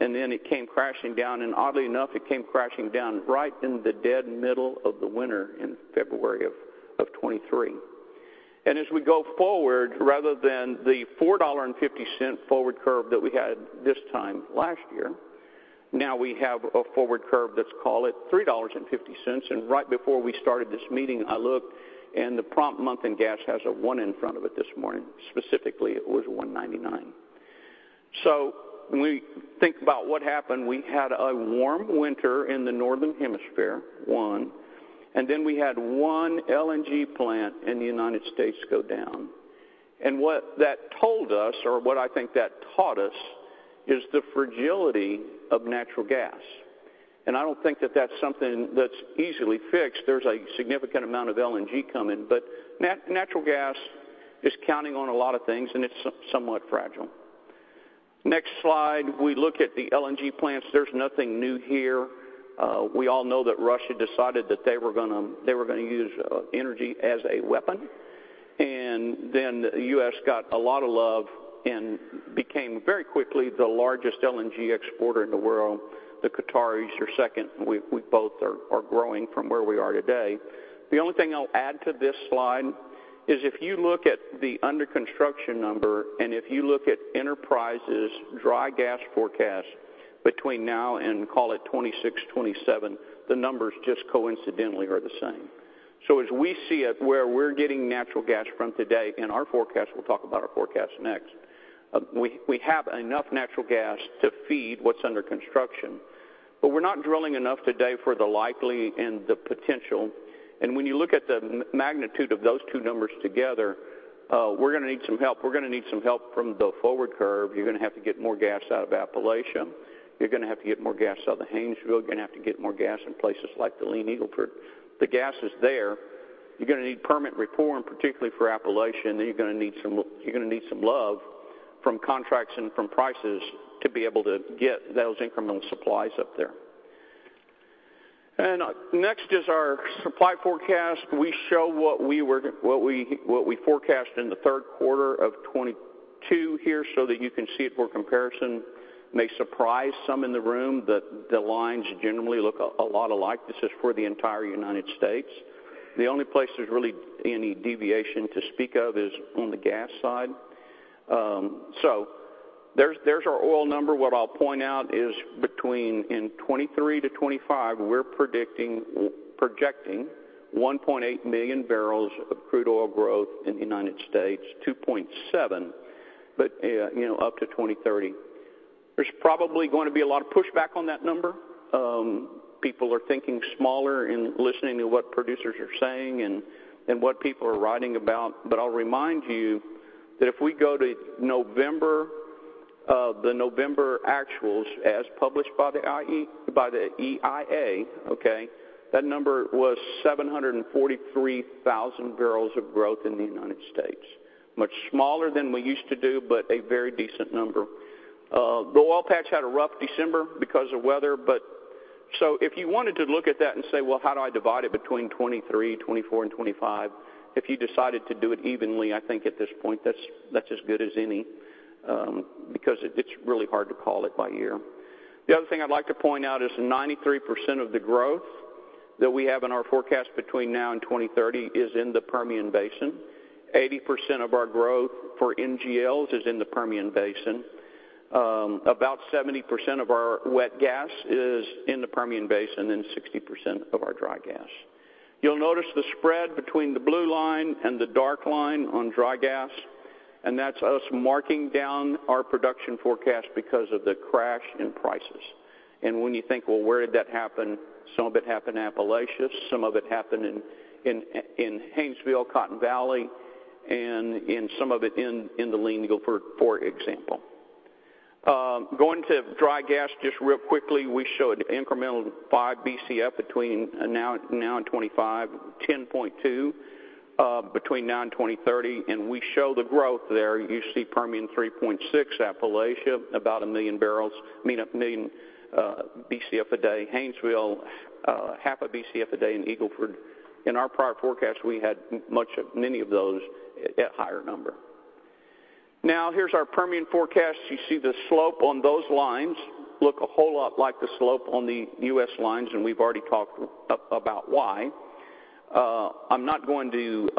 It came crashing down, and oddly enough, it came crashing down right in the dead middle of the winter in February of 2023. As we go forward, rather than the $4.50 forward curve that we had this time last year, now we have a forward curve that's, call it, $3.50. Right before we started this meeting, I looked, and the prompt month in gas has a one in front of it this morning. Specifically, it was $1.99. When we think about what happened, we had a warm winter in the Northern Hemisphere, one, we had one LNG plant in the United States go down. What that told us, or what I think that taught us, is the fragility of natural gas. I don't think that that's something that's easily fixed. There's a significant amount of LNG coming, but natural gas is counting on a lot of things, and it's somewhat fragile. Next slide, we look at the LNG plants. There's nothing new here. We all know that Russia decided that they were gonna use energy as a weapon. The U.S. got a lot of love and became very quickly the largest LNG exporter in the world. The Qataris are second. We both are growing from where we are today. The only thing I'll add to this slide is if you look at the under construction number, and if you look at Enterprise's dry gas forecast between now and, call it, 2026, 2027, the numbers just coincidentally are the same. As we see it, where we're getting natural gas from today, and our forecast, we'll talk about our forecast next, we have enough natural gas to feed what's under construction. We're not drilling enough today for the likely and the potential, and when you look at the magnitude of those two numbers together, we're gonna need some help. We're gonna need some help from the forward curve. You're gonna have to get more gas out of Appalachia. You're gonna have to get more gas out of Haynesville. You're gonna have to get more gas in places like the Lean Eagle Ford. The gas is there. You're gonna need permanent reform, particularly for Appalachia, and you're gonna need some love from contracts and from prices to be able to get those incremental supplies up there. Next is our supply forecast. We show what we, what we forecast in the third quarter of 2022 here so that you can see it for comparison. May surprise some in the room that the lines generally look a lot alike. This is for the entire United States. The only place there's really any deviation to speak of is on the gas side. There's our oil number. What I'll point out is in 2023 to 2025, we're projecting 1.8 million barrels of crude oil growth in the United States, 2.7 you know, up to 2030. There's probably going to be a lot of pushback on that number. People are thinking smaller and listening to what producers are saying and what people are writing about, but I'll remind you that if we go to November, the November actuals as published by the EIA, okay, that number was 743,000 barrels of growth in the United States. Much smaller than we used to do, but a very decent number. The oil patch had a rough December because of weather. If you wanted to look at that and say, "Well, how do I divide it between 2023, 2024, and 2025?" If you decided to do it evenly, I think at this point, that's as good as any, because it's really hard to call it by year. The other thing I'd like to point out is 93% of the growth that we have in our forecast between now and 2030 is in the Permian Basin. 80% of our growth for NGLs is in the Permian Basin. About 70% of our wet gas is in the Permian Basin and 60% of our dry gas. You'll notice the spread between the blue line and the dark line on dry gas, that's us marking down our production forecast because of the crash in prices. When you think, "Well, where did that happen?" Some of it happened in Appalachia, some of it happened in Haynesville, Cotton Valley, some of it in the Eagle Ford, for example. Going to dry gas just real quickly. We show an incremental 5 Bcf between now and now and 2025, 10.2 between now and 2030, and we show the growth there. You see Permian 3.6, Appalachia, about 1 million Bcf a day, Haynesville, half a Bcf a day in Eagle Ford. In our prior forecast, we had many of those at higher number. Here's our Permian forecast. You see the slope on those lines look a whole lot like the slope on the U.S. lines, and we've already talked about why. I'm not going to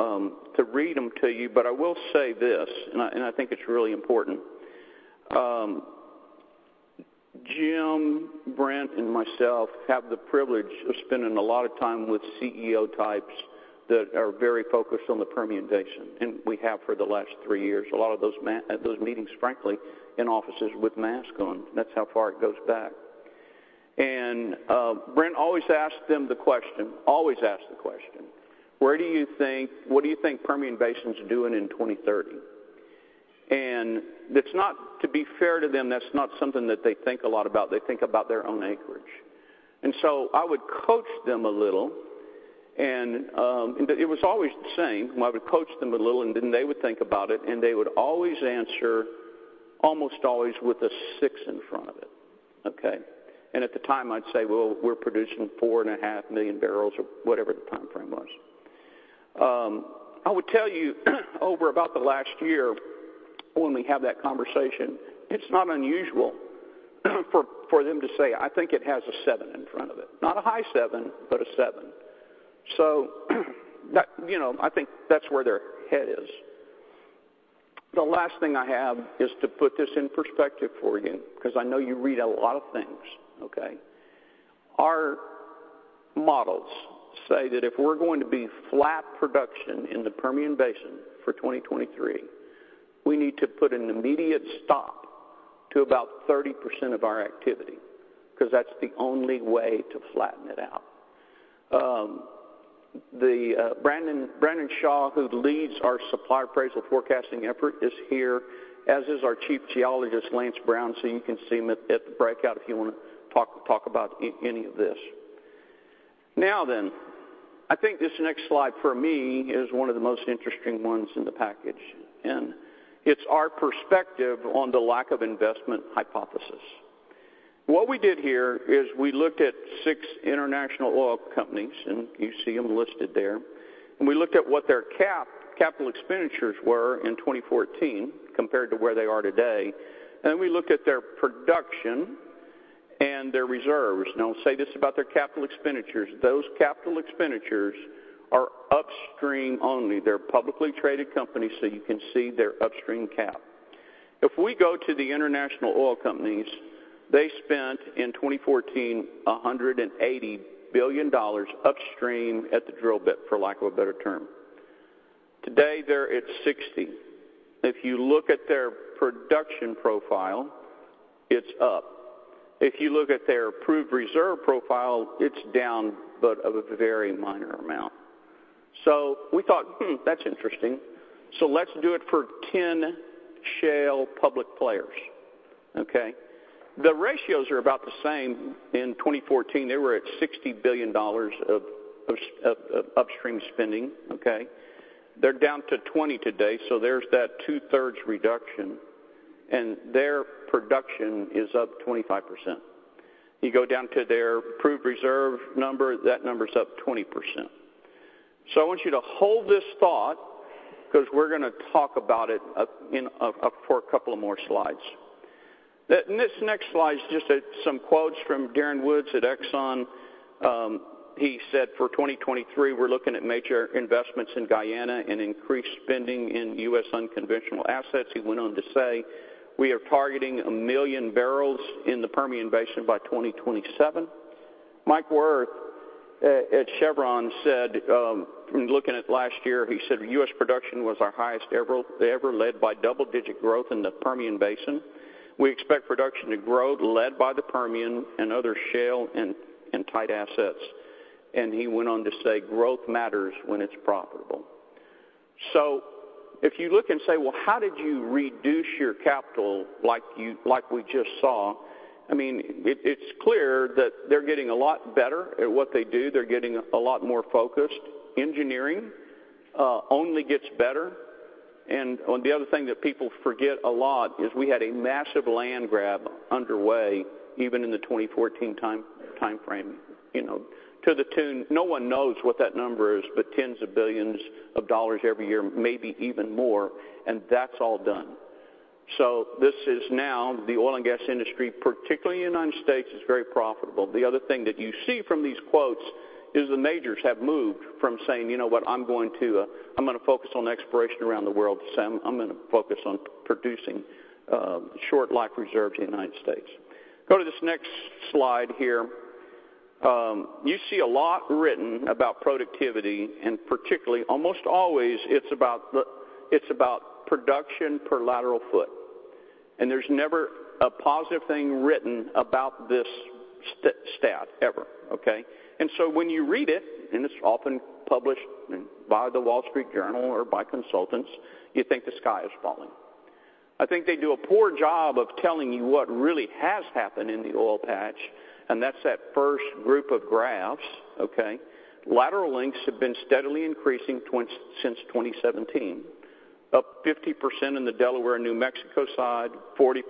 read them to you, but I will say this, and I think it's really important. Jim, Brent, and myself have the privilege of spending a lot of time with CEO types that are very focused on the Permian Basin, and we have for the last three years. A lot of those meetings, frankly, in offices with masks on. That's how far it goes back. Brent always asks them the question: "What do you think Permian Basin's doing in 2030?" That's not To be fair to them, that's not something that they think a lot about. They think about their own acreage. I would coach them a little and it was always the same. I would coach them a little and then they would think about it, and they would always answer, almost always with a six in front of it, okay? At the time, I'd say, "Well, we're producing 4.5 million barrels," or whatever the timeframe was. I would tell you, over about the last year when we have that conversation, it's not unusual for them to say, "I think it has a seven in front of it. Not a high seven, but a seven." That you know, I think that's where their head is. The last thing I have is to put this in perspective for you, 'cause I know you read a lot of things, okay? Our models say that if we're going to be flat production in the Permian Basin for 2023, we need to put an immediate stop to about 30% of our activity, 'cause that's the only way to flatten it out. Brandon Shaw, who leads our supply appraisal forecasting effort, is here, as is our chief geologist, Lance Brown. You can see him at the breakout if you wanna talk about any of this. I think this next slide, for me, is one of the most interesting ones in the package, and it's our perspective on the lack of investment hypothesis. What we did here is we looked at six international oil companies, and you see them listed there, and we looked at what their capital expenditures were in 2014 compared to where they are today. We looked at their production and their reserves. Now, I'll say this about their capital expenditures. Those capital expenditures are upstream only. They're a publicly traded company, so you can see their upstream CapEx. If we go to the international oil companies, they spent, in 2014, $180 billion upstream at the drill bit, for lack of a better term. Today, they're at $60 billion. If you look at their production profile, it's up. If you look at their approved reserve profile, it's down but of a very minor amount. We thought, "Hmm, that's interesting. Let's do it for 10 shale public players." Okay? The ratios are about the same. In 2014, they were at $60 billion of upstream spending, okay? They're down to $20 billion today, so there's that two-thirds reduction, and their production is up 25%. You go down to their approved reserve number, that number's up 20%. I want you to hold this thought, 'cause we're gonna talk about it for a couple of more slides. This next slide's just some quotes from Darren Woods at Exxon. He said, "For 2023, we're looking at major investments in Guyana and increased spending in U.S. unconventional assets." He went on to say, "We are targeting 1 million barrels in the Permian Basin by 2027." Mike Wirth at Chevron said, looking at last year, he said, "U.S. production was our highest ever, led by double-digit growth in the Permian Basin. We expect production to grow, led by the Permian and other shale and tight assets." He went on to say, "Growth matters when it's profitable." If you look and say, "Well, how did you reduce your capital like we just saw?" I mean, it's clear that they're getting a lot better at what they do. They're getting a lot more focused. Engineering only gets better. On the other thing that people forget a lot is we had a massive land grab underway, even in the 2014 timeframe, you know, to the tune... No one knows what that number is, but tens of billions of dollars every year, maybe even more, and that's all done. This is now the oil and gas industry, particularly United States, is very profitable. The other thing that you see from these quotes is the majors have moved from saying, "You know what? I'm going to, I'm gonna focus on exploration around the world." To say, "I'm gonna focus on producing, short life reserves in the United States." Go to this next slide here. You see a lot written about productivity, particularly almost always, it's about production per lateral foot. There's never a positive thing written about this stat, ever. Okay? When you read it, and it's often published by The Wall Street Journal or by consultants, you think the sky is falling. I think they do a poor job of telling you what really has happened in the oil patch, and that's that first group of graphs. Okay? Lateral lengths have been steadily increasing since 2017. Up 50% in the Delaware, New Mexico side, 40%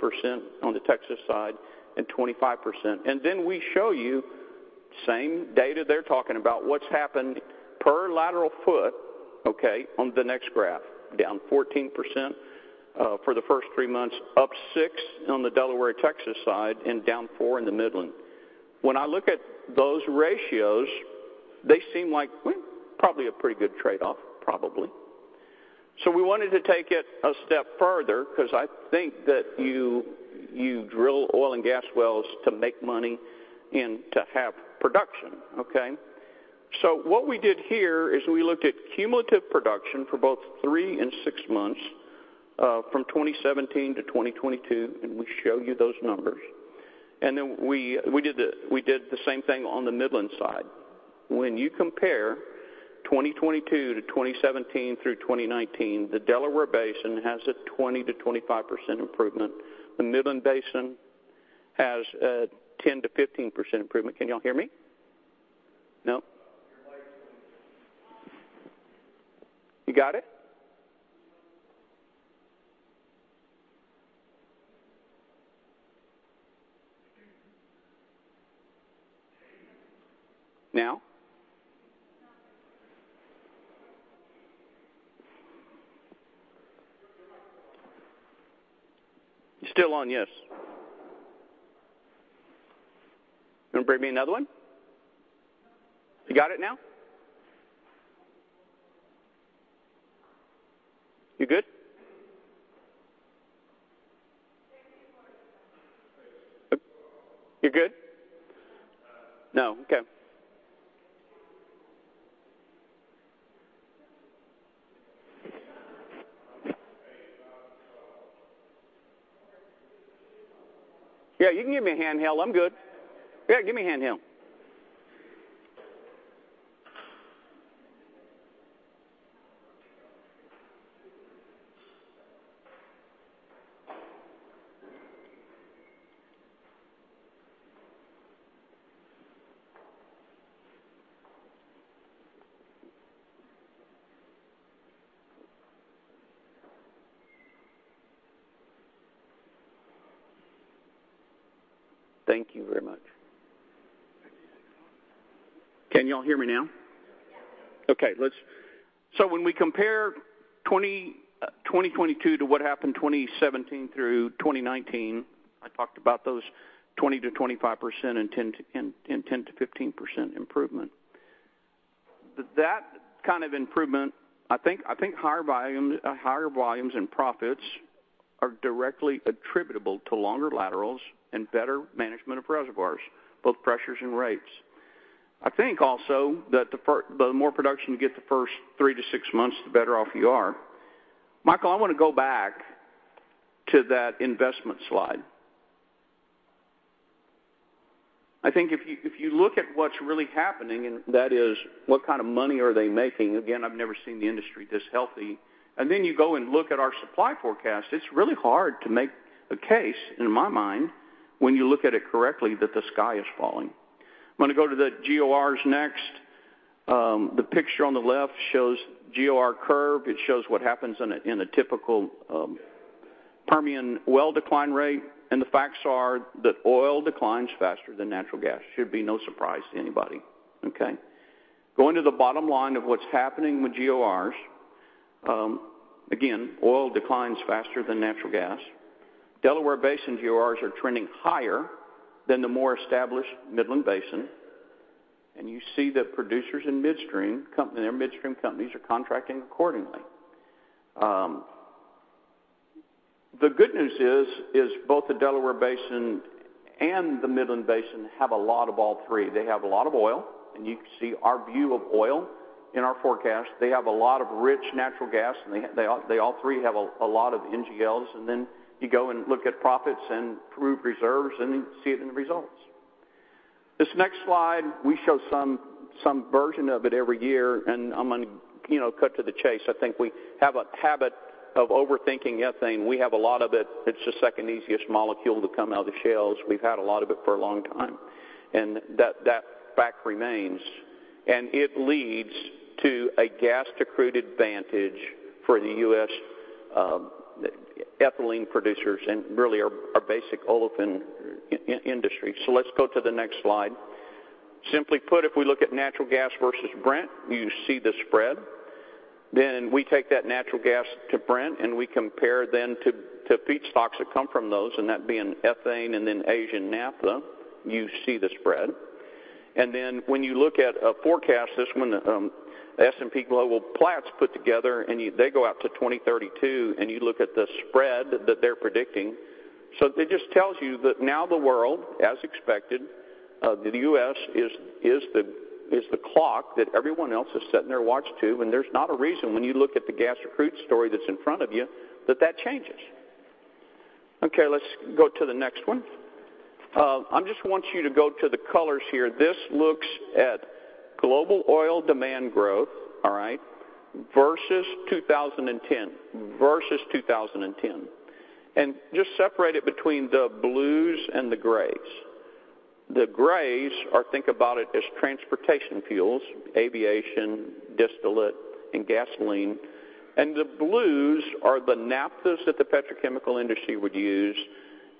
on the Texas side, and 25%. We show you same data they're talking about, what's happened per lateral foot, okay, on the next graph. Down 14% for the first three months, up six on the Delaware, Texas side, and down four in the Midland. When I look at those ratios, they seem like, probably a pretty good trade-off, probably. We wanted to take it a step further because I think that you drill oil and gas wells to make money and to have production. Okay? What we did here is we looked at cumulative production for both three and six months from 2017 to 2022, and we show you those numbers. We did the same thing on the Midland side. When you compare 2022 to 2017 through 2019, the Delaware Basin has a 20%-25% improvement. The Midland Basin has a 10%-15% improvement. Can y'all hear me? No. Your mic is on. You got it? Now? Your mic is off. It's still on, yes. You wanna bring me another one? You got it now? You good? There you are. You're good? Uh. No. Okay. Yeah, you can give me a handheld. I'm good. Yeah, give me a handheld. Thank you very much. Can y'all hear me now? Yes. Okay, let's. When we compare 20, 2022 to what happened 2017 through 2019, I talked about those 20%-25% and 10%-15% improvement. That kind of improvement, I think higher volume, higher volumes and profits are directly attributable to longer laterals and better management of reservoirs, both pressures and rates. I think also that the more production you get the first three to six months, the better off you are. Michael, I wanna go back to that investment slide. I think if you, if you look at what's really happening, and that is what kind of money are they making? Again, I've never seen the industry this healthy. Then you go and look at our supply forecast. It's really hard to make a case, in my mind, when you look at it correctly, that the sky is falling. I'm gonna go to the GORs next. The picture on the left shows GOR curve. It shows what happens in a, in a typical Permian well decline rate. The facts are that oil declines faster than natural gas. Should be no surprise to anybody. Okay? Going to the bottom line of what's happening with GORs. Again, oil declines faster than natural gas. Delaware Basin GORs are trending higher than the more established Midland Basin. You see that producers and their midstream companies are contracting accordingly. The good news is both the Delaware Basin and the Midland Basin have a lot of all three. They have a lot of oil, and you can see our view of oil in our forecast. They have a lot of rich natural gas, they all three have a lot of NGLs. You go and look at profits and prove reserves, and you see it in the results. This next slide, we show some version of it every year, and I'm gonna, you know, cut to the chase. I think we have a habit of overthinking ethane. We have a lot of it. It's the second easiest molecule to come out of shales. We've had a lot of it for a long time, and that fact remains. It leads to a gas-to-crude advantage for the U.S. ethylene producers and really our basic olefin industry. Let's go to the next slide. Simply put, if we look at natural gas versus Brent, you see the spread. We take that natural gas to Brent, and we compare then to feedstocks that come from those, and that being ethane and Asian naphtha. You see the spread. When you look at a forecast, this one, S&P Global Commodity Insights put together, they go out to 2032, and you look at the spread that they're predicting. It just tells you that now the world, as expected, the U.S. is the clock that everyone else is setting their watch to. There's not a reason, when you look at the gas recruit story that's in front of you, that that changes. Okay, let's go to the next one. I just want you to go to the colors here. This looks at global oil demand growth, all right? Versus 2010. Versus 2010. Just separate it between the blues and the grays. The grays are, think about it, as transportation fuels, aviation, distillate, and gasoline. The blues are the naphthas that the petrochemical industry would use,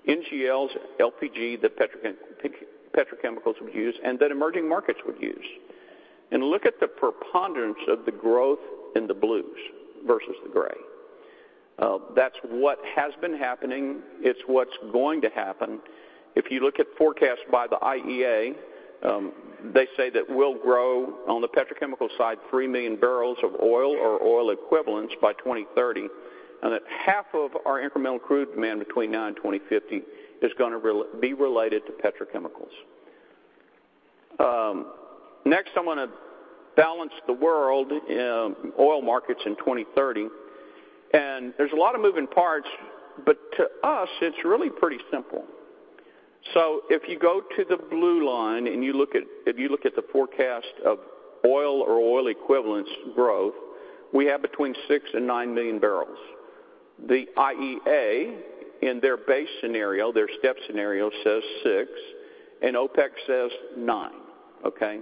NGLs, LPG that petrochemicals would use and that emerging markets would use. Look at the preponderance of the growth in the blues versus the gray. That's what has been happening. It's what's going to happen. If you look at forecasts by the IEA, they say that we'll grow on the petrochemical side 3 million barrels of oil or oil equivalents by 2030, and that half of our incremental crude demand between now and 2050 is gonna be related to petrochemicals. Next, I wanna balance the world, oil markets in 2030. There's a lot of moving parts, but to us, it's really pretty simple. If you go to the blue line, if you look at the forecast of oil or oil equivalents growth, we have between six and nine million barrels. The IEA, in their base scenario, their step scenario, says six, and OPEC says nine, okay?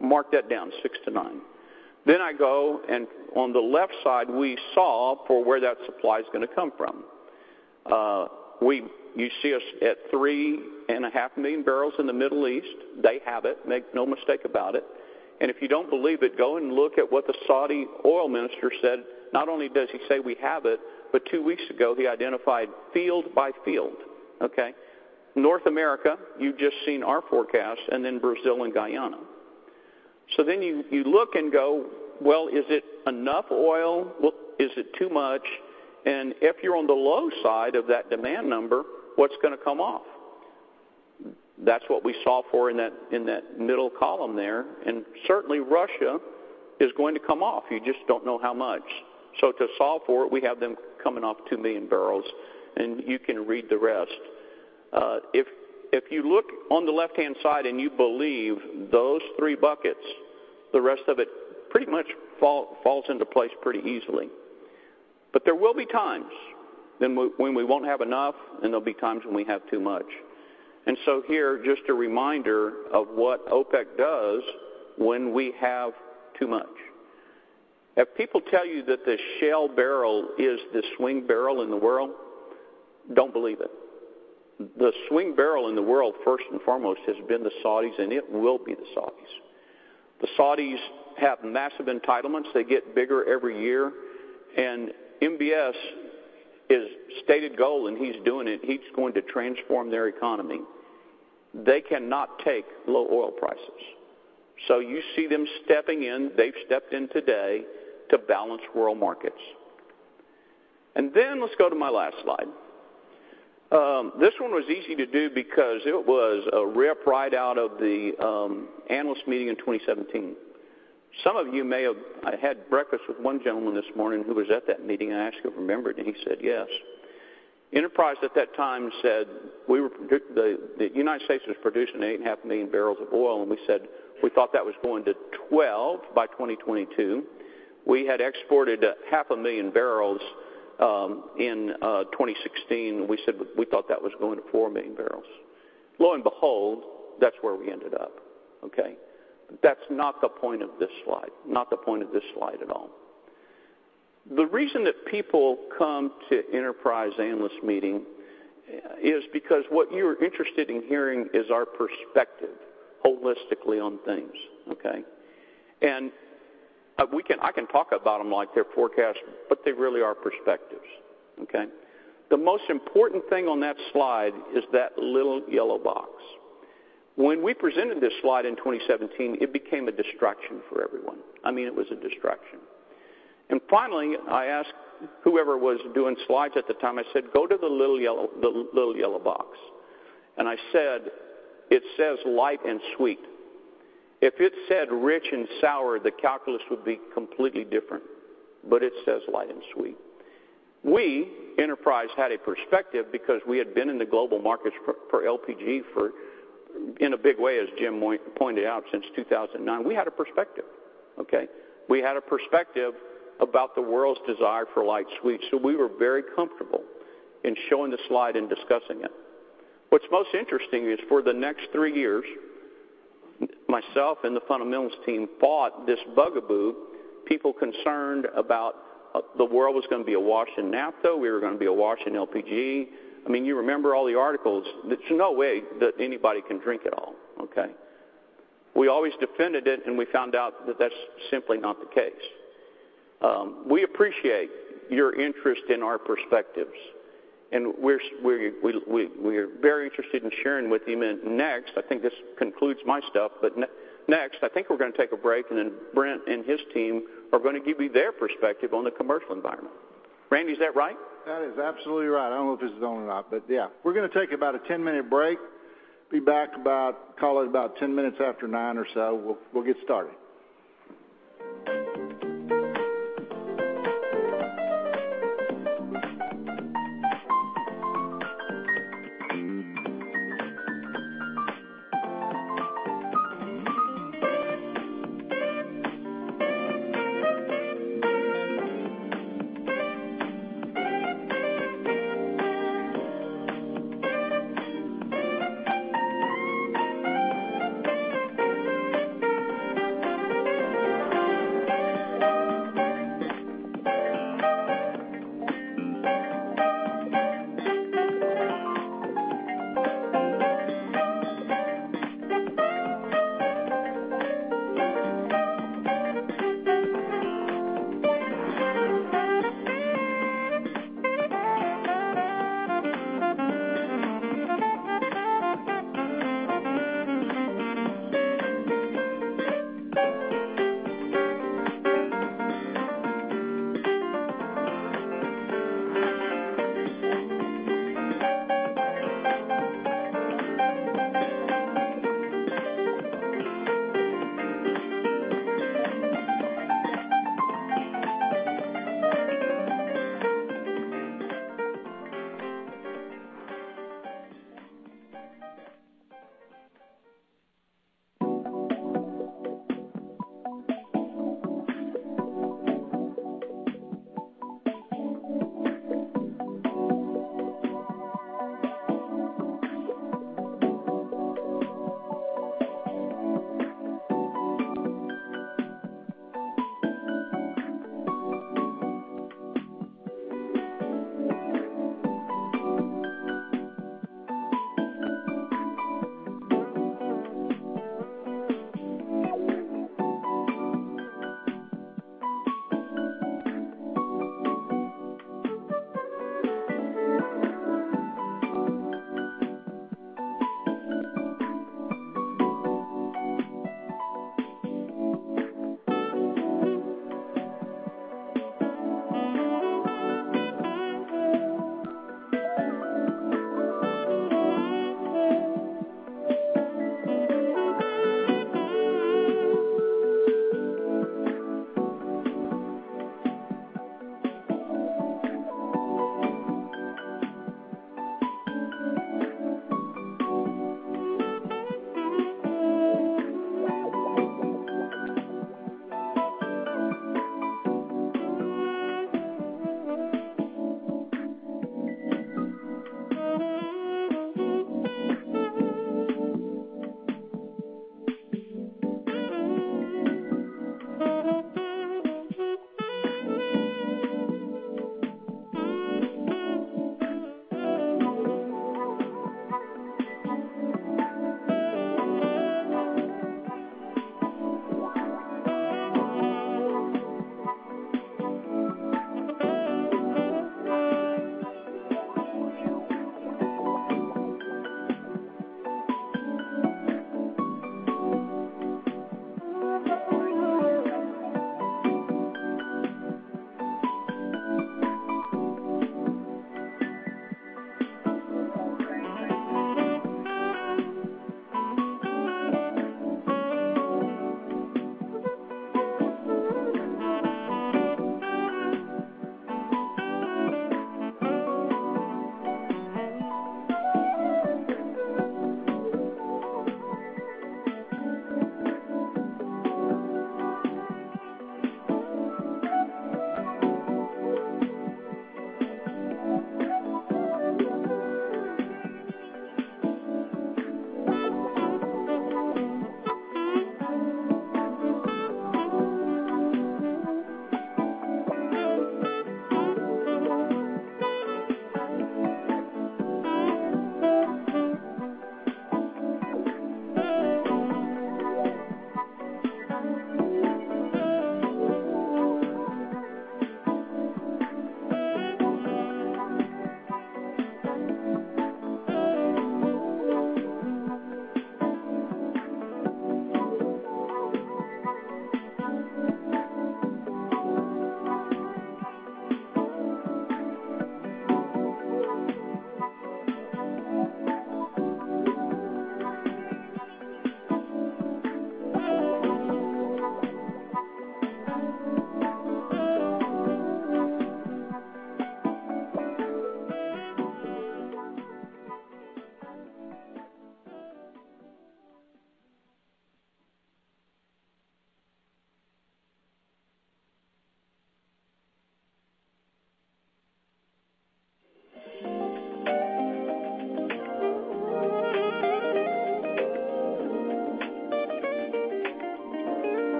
Mark that down, six to nine. I go, and on the left side, we solve for where that supply's gonna come from. You see us at 3.5 million barrels in the Middle East. They have it, make no mistake about it. If you don't believe it, go and look at what the Saudi oil minister said. Not only does he say we have it, but two weeks ago, he identified field by field, okay? North America, you've just seen our forecast, and then Brazil and Guyana. You look and go, "Well, is it enough oil? Well, is it too much?" If you're on the low side of that demand number, what's gonna come off? That's what we solve for in that, in that middle column there. Certainly Russia is going to come off. You just don't know how much. To solve for it, we have them coming off 2 million barrels, and you can read the rest. If you look on the left-hand side and you believe those three buckets, the rest of it pretty much falls into place pretty easily. There will be times when we won't have enough, and there'll be times when we have too much. Here, just a reminder of what OPEC does when we have too much. If people tell you that the shale barrel is the swing barrel in the world, don't believe it. The swing barrel in the world, first and foremost, has been the Saudis, it will be the Saudis. The Saudis have massive entitlements. They get bigger every year. MBS, his stated goal, and he's doing it, he's going to transform their economy. They cannot take low oil prices. You see them stepping in, they've stepped in today, to balance world markets. Let's go to my last slide. This one was easy to do because it was a rip right out of the analyst meeting in 2017. Some of you I had breakfast with one gentleman this morning who was at that meeting, I asked if he remembered, he said yes. Enterprise at that time said we were the United States was producing 8.5 million barrels of oil, we said we thought that was going to 12 by 2022. We had exported 0.5 million barrels in 2016. We said we thought that was going to 4 million barrels. Lo and behold, that's where we ended up, okay? That's not the point of this slide. Not the point of this slide at all. The reason that people come to Enterprise analyst meeting is because what you're interested in hearing is our perspective holistically on things, okay? I can talk about them like they're forecasts, but they really are perspectives, okay? The most important thing on that slide is that little yellow box. When we presented this slide in 2017, it became a distraction for everyone. I mean, it was a distraction. Finally, I asked whoever was doing slides at the time, I said, "Go to the little yellow box." I said, "It says light and sweet. If it said rich and sour, the calculus would be completely different, but it says light and sweet." We, Enterprise, had a perspective because we had been in the global markets for LPG for, in a big way, as Jim pointed out, since 2009. We had a perspective, okay? We had a perspective about the world's desire for light sweet, so we were very comfortable in showing the slide and discussing it. What's most interesting is for the next three years, myself and the fundamentals team fought this bugaboo, people concerned about, the world was gonna be awash in naphtha. We were gonna be awash in LPG. I mean, you remember all the articles. There's no way that anybody can drink it all, okay? We always defended it, and we found out that that's simply not the case. We appreciate your interest in our perspectives, and we're very interested in sharing with you. Next, I think this concludes my stuff. Next, I think we're gonna take a break, and then Brent and his team are gonna give you their perspective on the commercial environment. Randy, is that right? That is absolutely right. I don't know if this is on or not, but yeah. We're gonna take about a 10-minute break. Be back about, call it about 10 minutes after nine or so. We'll get started.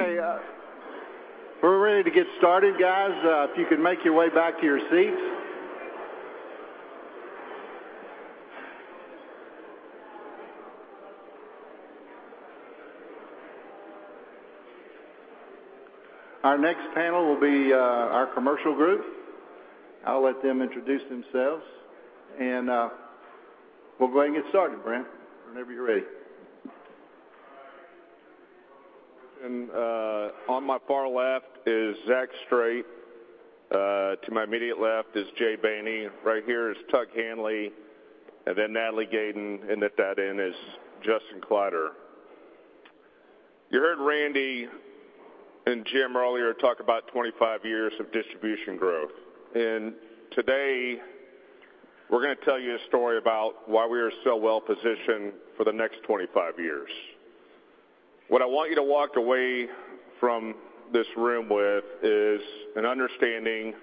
Okay, we're ready to get started guys. If you could make your way back to your seats. Our next panel will be our commercial group. I'll let them introduce themselves and we'll go ahead and get started, Brent, whenever you're ready. On my far left is Zach Strait. To my immediate left is Jay Bany. Right here is Tug Hanley, and then Natalie Gayden, and at that end is Justin Kleider. You heard Randy and Jim earlier talk about 25 years of distribution growth. Today, we're gonna tell you a story about why we are so well-positioned for the next 25 years. What I want you to walk away from this room with is an understanding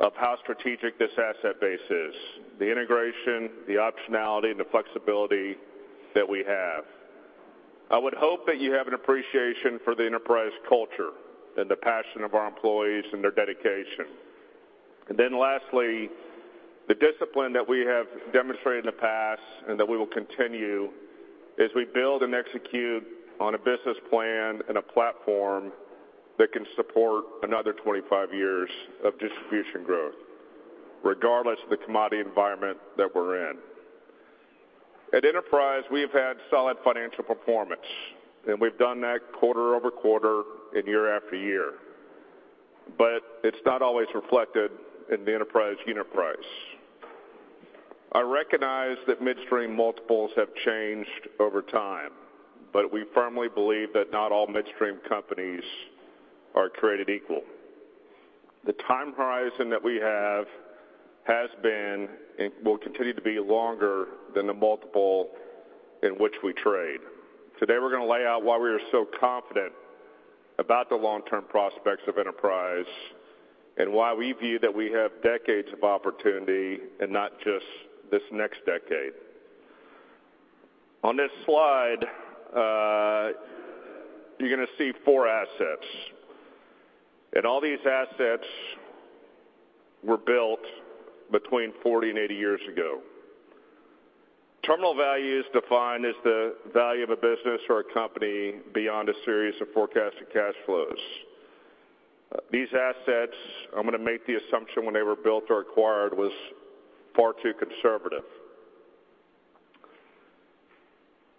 of how strategic this asset base is, the integration, the optionality, and the flexibility that we have. I would hope that you have an appreciation for the Enterprise culture and the passion of our employees and their dedication. Lastly, the discipline that we have demonstrated in the past and that we will continue as we build and execute on a business plan and a platform that can support another 25 years of distribution growth, regardless of the commodity environment that we're in. At Enterprise, we have had solid financial performance, and we've done that quarter-over-quarter and year-after-year, but it's not always reflected in the Enterprise unit price. I recognize that midstream multiples have changed over time, but we firmly believe that not all midstream companies are created equal. The time horizon that we have has been and will continue to be longer than the multiple in which we trade. Today, we're gonna lay out why we are so confident about the long-term prospects of Enterprise and why we view that we have decades of opportunity and not just this next decade. On this slide, you're going to see four assets. All these assets were built between 40 and 80 years ago. Terminal value is defined as the value of a business or a company beyond a series of forecasted cash flows. These assets, I'm going to make the assumption when they were built or acquired, was far too conservative.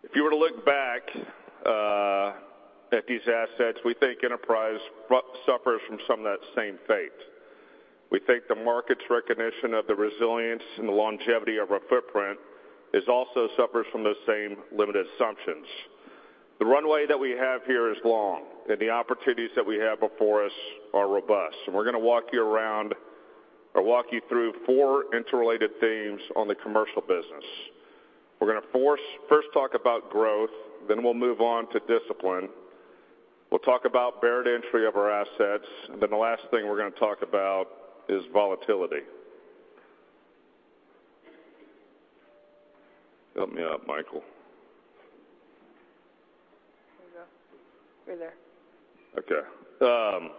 If you were to look back at these assets, we think Enterprise suffers from some of that same fate. We think the market's recognition of the resilience and the longevity of our footprint is also suffers from the same limited assumptions. The runway that we have here is long. The opportunities that we have before us are robust. We're going to walk you around or walk you through four interrelated themes on the commercial business. We're going to first talk about growth. We'll move on to discipline. We'll talk about barrier to entry of our assets, and then the last thing we're gonna talk about is volatility. Help me out, Michael. Here we go. We're there. Okay.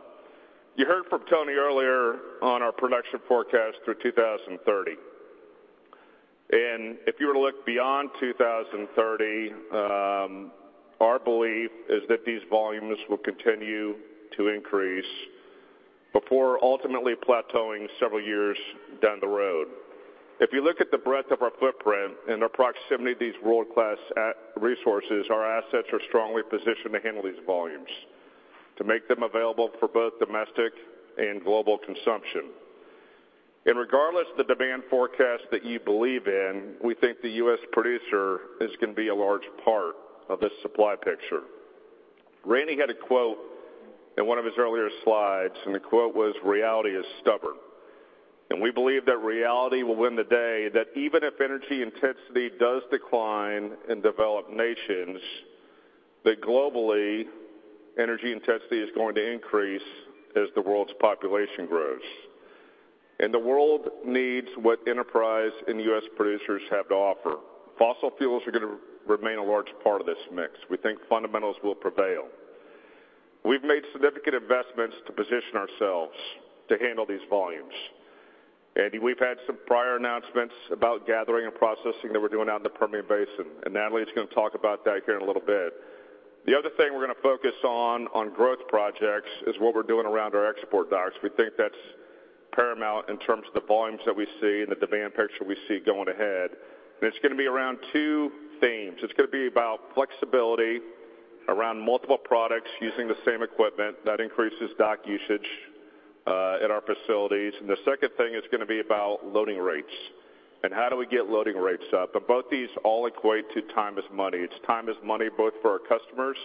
You heard from Tony earlier on our production forecast through 2030. If you were to look beyond 2030, our belief is that these volumes will continue to increase before ultimately plateauing several years down the road. If you look at the breadth of our footprint and the proximity to these world-class at resources, our assets are strongly positioned to handle these volumes to make them available for both domestic and global consumption. Regardless of the demand forecast that you believe in, we think the U.S. producer is gonna be a large part of this supply picture. Randy had a quote in one of his earlier slides, and the quote was, "Reality is stubborn." We believe that reality will win the day, that even if energy intensity does decline in developed nations, that globally, energy intensity is going to increase as the world's population grows. The world needs what Enterprise and U.S. producers have to offer. Fossil fuels are gonna remain a large part of this mix. We think fundamentals will prevail. We've made significant investments to position ourselves to handle these volumes. We've had some prior announcements about gathering and processing that we're doing out in the Permian Basin, and Natalie's gonna talk about that here in a little bit. The other thing we're gonna focus on on growth projects is what we're doing around our export docks. We think that's paramount in terms of the volumes that we see and the demand picture we see going ahead. It's gonna be around two themes. It's gonna be about flexibility around multiple products using the same equipment. That increases dock usage at our facilities. The second thing is gonna be about loading rates and how do we get loading rates up. Both these all equate to time is money. It's time is money, both for our customers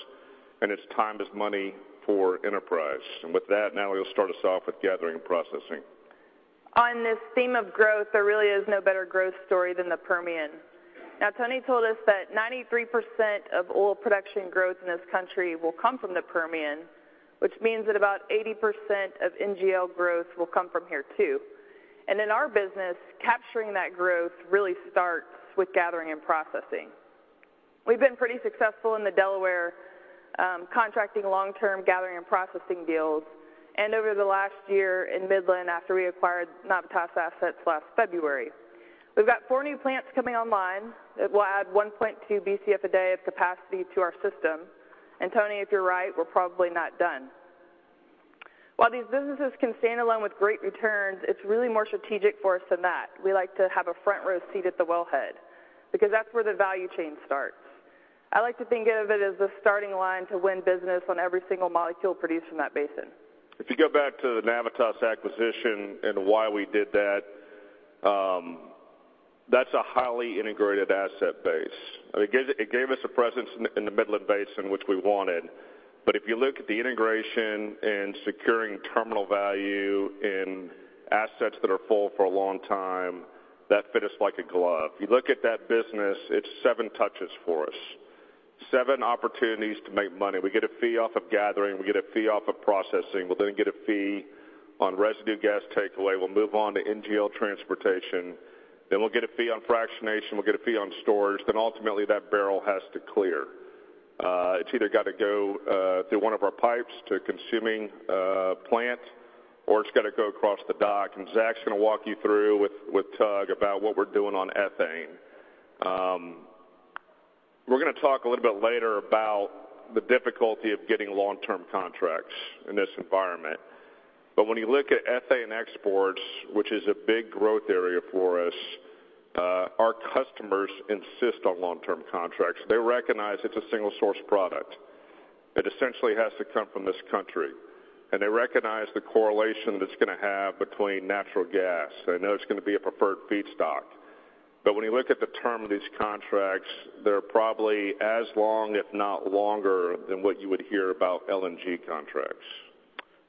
and it's time is money for Enterprise. With that, Natalie will start us off with gathering and processing. On this theme of growth, there really is no better growth story than the Permian. Tony told us that 93% of oil production growth in this country will come from the Permian, which means that about 80% of NGL growth will come from here too. In our business, capturing that growth really starts with gathering and processing. We've been pretty successful in the Delaware, contracting long-term gathering and processing deals, and over the last year in Midland, after we acquired Navitas assets last February. We've got four new plants coming online that will add 1.2 Bcf a day of capacity to our system. Tony, if you're right, we're probably not done. While these businesses can stand alone with great returns, it's really more strategic for us than that. We like to have a front row seat at the wellhead because that's where the value chain starts. I like to think of it as the starting line to win business on every single molecule produced from that basin. If you go back to the Navitas acquisition and why we did that's a highly integrated asset base. I mean, it gave us a presence in the Midland Basin, which we wanted. If you look at the integration and securing terminal value in assets that are full for a long time, that fit us like a glove. You look at that business, it's seven touches for us. Seven opportunities to make money. We get a fee off of gathering, we get a fee off of processing, we'll get a fee on residue gas takeaway. We'll move on to NGL transportation, we'll get a fee on fractionation, we'll get a fee on storage, ultimately that barrel has to clear. It's either got to go through one of our pipes to a consuming plant, or it's got to go across the dock, and Zach's gonna walk you through with Tug about what we're doing on ethane. We're gonna talk a little bit later about the difficulty of getting long-term contracts in this environment. When you look at ethane exports, which is a big growth area for us, our customers insist on long-term contracts. They recognize it's a single source product. It essentially has to come from this country. They recognize the correlation that it's gonna have between natural gas. They know it's gonna be a preferred feedstock. When you look at the term of these contracts, they're probably as long, if not longer than what you would hear about LNG contracts.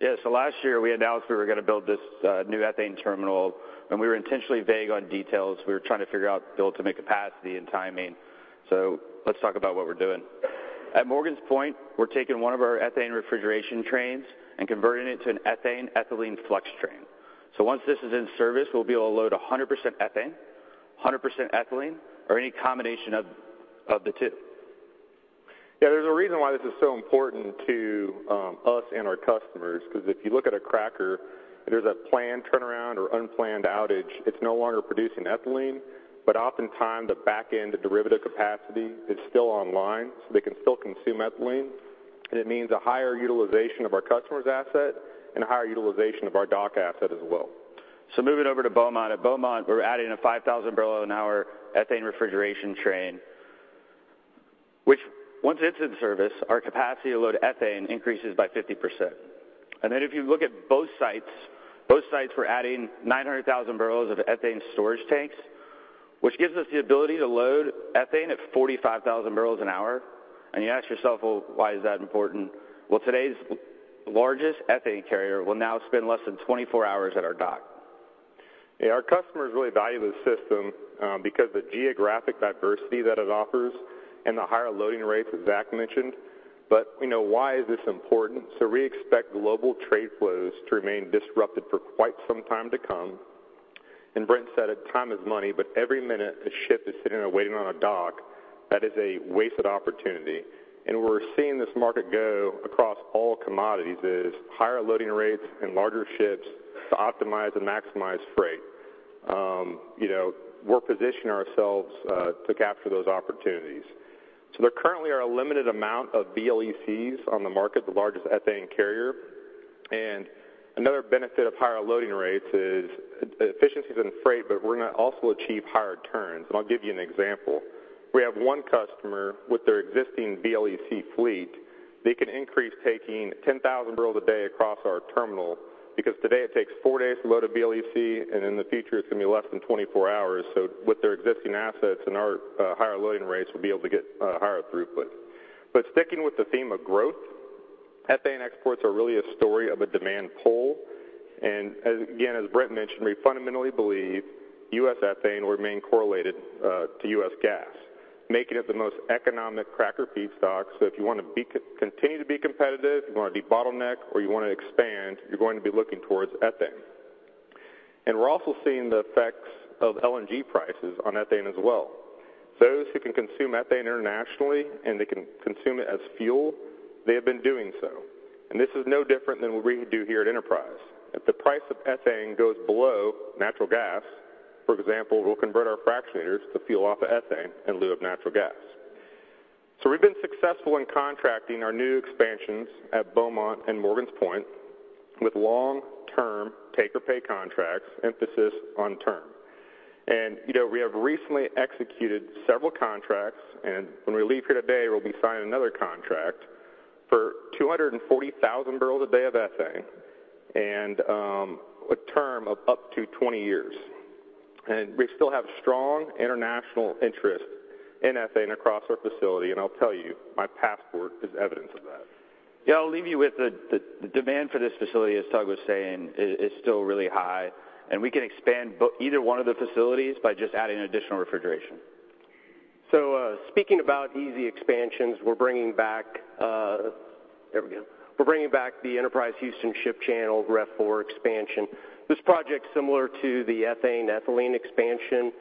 Yeah. Last year, we announced we were gonna build this new ethane terminal. We were intentionally vague on details. We were trying to figure out build-to-make capacity and timing. Let's talk about what we're doing. At Morgan's Point, we're taking one of our ethane refrigeration trains and converting it to an ethane ethylene flex train. Once this is in service, we'll be able to load 100% ethane, 100% ethylene or any combination of the two. Yeah. There's a reason why this is so important to us and our customers, 'cause if you look at a cracker and there's a planned turnaround or unplanned outage, it's no longer producing ethylene, but oftentimes the back end, the derivative capacity is still online, so they can still consume ethylene. It means a higher utilization of our customer's asset and a higher utilization of our dock asset as well. Moving over to Beaumont. At Beaumont, we're adding a 5,000 barrel an hour ethane refrigeration train, which once it's in service, our capacity to load ethane increases by 50%. If you look at both sites, both sites we're adding 900,000 barrels of ethane storage tanks, which gives us the ability to load ethane at 45,000 barrels an hour. You ask yourself, "Well, why is that important?" Well, today's largest ethane carrier will now spend less than 24 hours at our dock. Yeah. Our customers really value the system because the geographic diversity that it offers and the higher loading rates that Zach mentioned. We know why is this important? We expect global trade flows to remain disrupted for quite some time to come. Brent said it, time is money, but every minute a ship is sitting and waiting on a dock, that is a wasted opportunity. We're seeing this market go across all commodities is higher loading rates and larger ships to optimize and maximize freight. You know, we're positioning ourselves to capture those opportunities. There currently are a limited amount of VLEC on the market, the largest ethane carrier. Another benefit of higher loading rates is e-efficiencies in freight, but we're gonna also achieve higher turns, and I'll give you an example. We have one customer with their existing VLEC fleet. They can increase taking 10,000 barrels a day across our terminal because today it takes four days to load a VLEC, and in the future it's gonna be less than 24 hours. With their existing assets and our higher loading rates, we'll be able to get a higher throughput. Sticking with the theme of growth, ethane exports are really a story of a demand pull. Again, as Brent mentioned, we fundamentally believe U.S. ethane will remain correlated to U.S. gas, making it the most economic cracker feedstock. If you want to be continue to be competitive, you wanna de-bottleneck or you wanna expand, you're going to be looking towards ethane. We're also seeing the effects of LNG prices on ethane as well. Those who can consume ethane internationally and they can consume it as fuel, they have been doing so. This is no different than what we do here at Enterprise. If the price of ethane goes below natural gas, for example, we'll convert our fractionators to fuel off of ethane in lieu of natural gas. We've been successful in contracting our new expansions at Beaumont and Morgan's Point with long-term take-or-pay contracts, emphasis on term. You know, we have recently executed several contracts, and when we leave here today, we'll be signing another contract for 240,000 barrels a day of ethane and a term of up to 20 years. We still have strong international interest in ethane across our facility, and I'll tell you, my passport is evidence of that. Yeah, I'll leave you with the demand for this facility, as Tug was saying, is still really high, and we can expand either one of the facilities by just adding additional refrigeration. Speaking about easy expansions, we're bringing back the Enterprise Houston Ship Channel Ref 4 expansion. This project's similar to the ethane ethylene expansion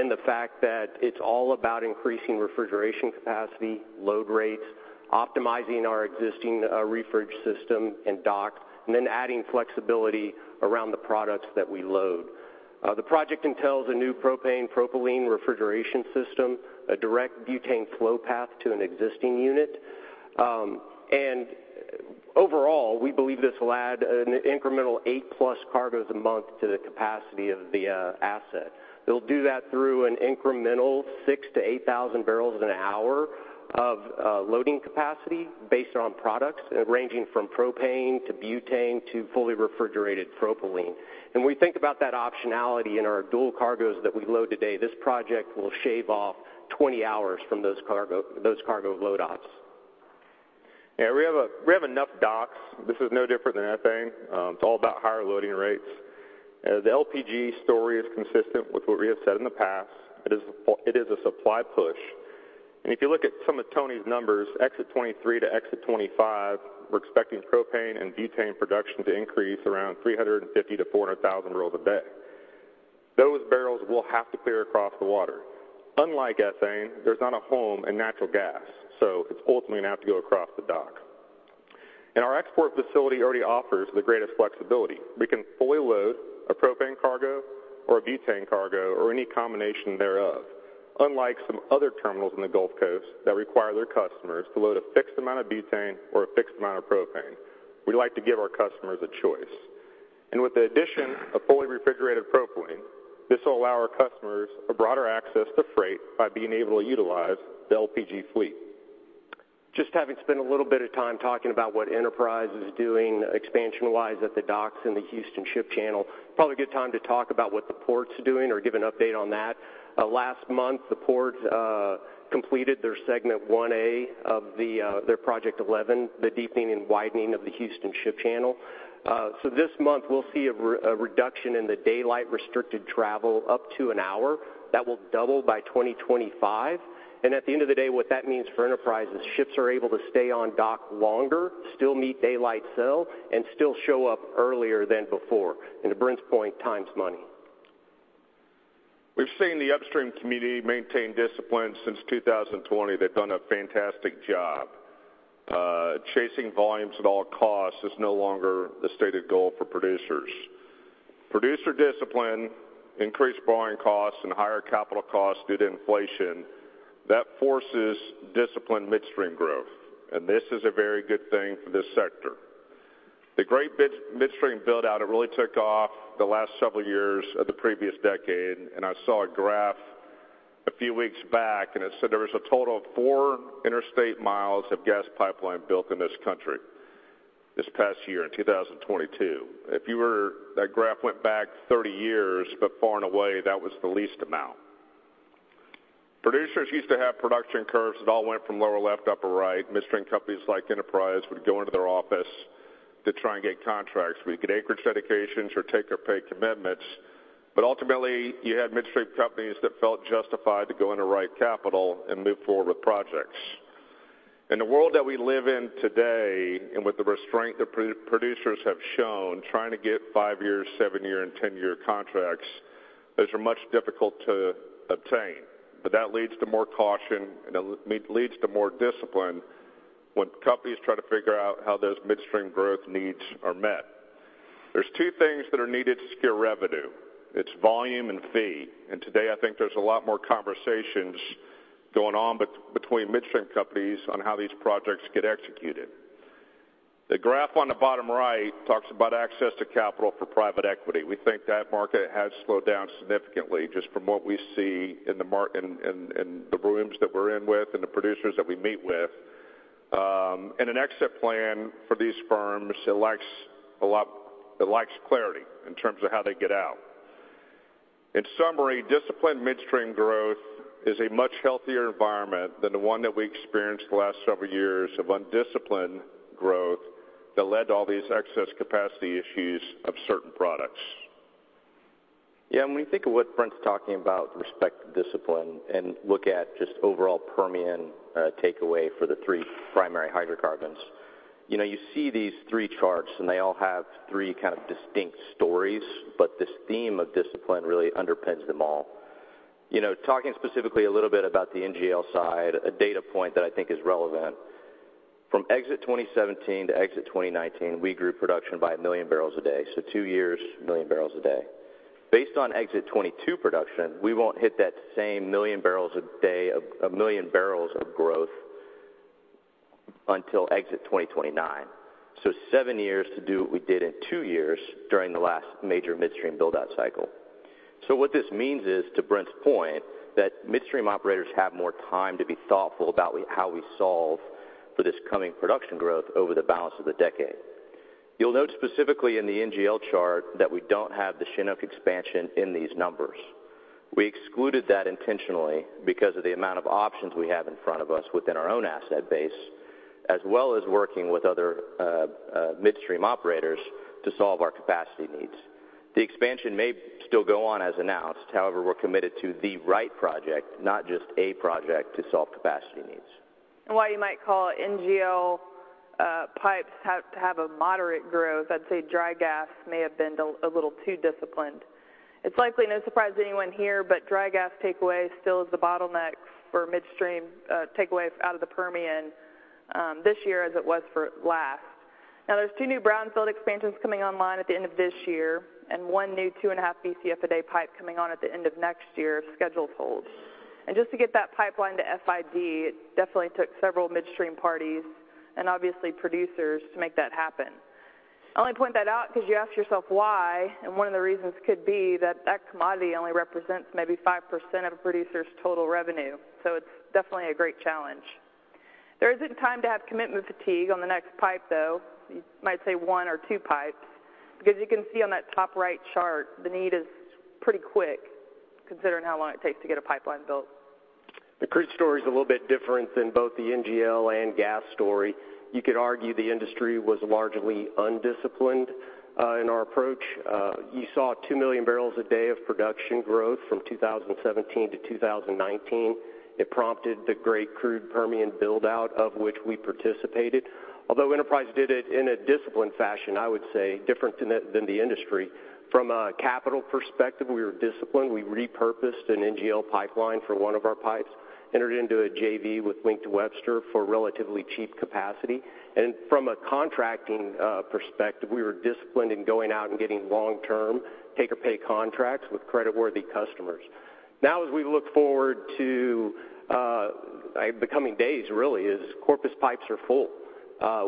in the fact that it's all about increasing refrigeration capacity, load rates, optimizing our existing refrig system and dock, and then adding flexibility around the products that we load. The project entails a new propane propylene refrigeration system, a direct butane flow path to an existing unit. Overall, we believe this will add an incremental 8+ cargoes a month to the capacity of the asset. They'll do that through an incremental six to eight thousand barrels an hour of loading capacity based on products ranging from propane to butane to fully refrigerated propylene. When we think about that optionality in our dual cargoes that we load today, this project will shave off 20 hours from those cargo load ops. Yeah, we have enough docks. This is no different than ethane. It's all about higher loading rates. The LPG story is consistent with what we have said in the past. It is a supply push. If you look at some of Tony's numbers, exit 2023 to exit 2025, we're expecting propane and butane production to increase around 350,000-400,000 barrels a day. Those barrels will have to clear across the water. Unlike ethane, there's not a home in natural gas, so it's ultimately gonna have to go across the dock. Our export facility already offers the greatest flexibility. We can fully load a propane cargo or a butane cargo or any combination thereof. Unlike some other terminals in the Gulf Coast that require their customers to load a fixed amount of butane or a fixed amount of propane. We like to give our customers a choice. With the addition of fully refrigerated propylene, this will allow our customers a broader access to freight by being able to utilize the LPG fleet. Just having spent a little bit of time talking about what Enterprise is doing expansion-wise at the docks in the Houston Ship Channel, probably a good time to talk about what the port's doing or give an update on that. Last month, the port completed their Segment 1A of their Project 11, the deepening and widening of the Houston Ship Channel. This month we'll see a reduction in the daylight restricted travel up to an hour that will double by 2025. At the end of the day, what that means for Enterprise is ships are able to stay on dock longer, still meet daylight sail, and still show up earlier than before. To Brent's point, time's money. We've seen the upstream community maintain discipline since 2020. They've done a fantastic job. Chasing volumes at all costs is no longer the stated goal for producers. Producer discipline increased borrowing costs and higher capital costs due to inflation, that forces disciplined midstream growth, and this is a very good thing for this sector. The great bid- midstream build-out, it really took off the last several years of the previous decade. I saw a graph a few weeks back, and it said there was a total of four interstate miles of gas pipeline built in this country this past year in 2022. That graph went back 30 years. Far and away, that was the least amount. Producers used to have production curves that all went from lower left, upper right. Midstream companies like Enterprise would go into their office to try and get contracts. We'd get acreage dedications or take-or-pay commitments, but ultimately, you had midstream companies that felt justified to go into right capital and move forward with projects. In the world that we live in today, and with the restraint the producers have shown, trying to get five-year, seven-year, and 10-year contracts, those are much difficult to obtain. That leads to more caution, and it leads to more discipline when companies try to figure out how those midstream growth needs are met. There's two things that are needed to secure revenue. It's volume and fee. Today, I think there's a lot more conversations going on between midstream companies on how these projects get executed. The graph on the bottom right talks about access to capital for private equity. We think that market has slowed down significantly just from what we see in the rooms that we're in with and the producers that we meet with. An exit plan for these firms lacks a lot, it lacks clarity in terms of how they get out. In summary, disciplined midstream growth is a much healthier environment than the one that we experienced the last several years of undisciplined growth that led to all these excess capacity issues of certain products. Yeah, when you think of what Brent's talking about with respect to discipline and look at just overall Permian takeaway for the three primary hydrocarbons, you know, you see these three charts. They all have three kind of distinct stories, but this theme of discipline really underpins them all. You know, talking specifically a little bit about the NGL side, a data point that I think is relevant. From exit 2017 to exit 2019, we grew production by 1 million barrels a day. Two years, 1 million barrels a day. Based on exit 2022 production, we won't hit that same 1 million barrels a day, 1 million barrels of growth until exit 2029.Seven years to do what we did in two years during the last major midstream build-out cycle. What this means is, to Brent's point, that midstream operators have more time to be thoughtful about how we solve for this coming production growth over the balance of the decade. You'll note specifically in the NGL chart that we don't have the Chinook expansion in these numbers. We excluded that intentionally because of the amount of options we have in front of us within our own asset base, as well as working with other midstream operators to solve our capacity needs. The expansion may still go on as announced. However, we're committed to the right project, not just a project to solve capacity needs. While you might call NGL pipes have a moderate growth, I'd say dry gas may have been a little too disciplined. It's likely no surprise to anyone here, but dry gas takeaway still is the bottleneck for midstream takeaway out of the Permian this year as it was for last. There's two new brownfield expansions coming online at the end of this year, and one new 2.5 Bcf a day pipe coming on at the end of next year if schedule holds. Just to get that pipeline to FID, it definitely took several midstream parties and obviously producers to make that happen. I only point that out because you ask yourself why, and one of the reasons could be that that commodity only represents maybe 5% of a producer's total revenue. It's definitely a great challenge. There isn't time to have commitment fatigue on the next pipe, though. You might say one or two pipes, because you can see on that top right chart, the need is pretty quick considering how long it takes to get a pipeline built. The crude story is a little bit different than both the NGL and gas story. You could argue the industry was largely undisciplined in our approach. You saw 2 million barrels a day of production growth from 2017 to 2019. It prompted the great crude Permian build-out of which we participated. Although Enterprise did it in a disciplined fashion, I would say different than the industry. From a capital perspective, we were disciplined. We repurposed an NGL pipeline for one of our pipes, entered into a JV with EnLink to Webster for relatively cheap capacity. From a contracting perspective, we were disciplined in going out and getting long-term take-or-pay contracts with creditworthy customers. As we look forward to the coming days, really, Corpus pipes are full.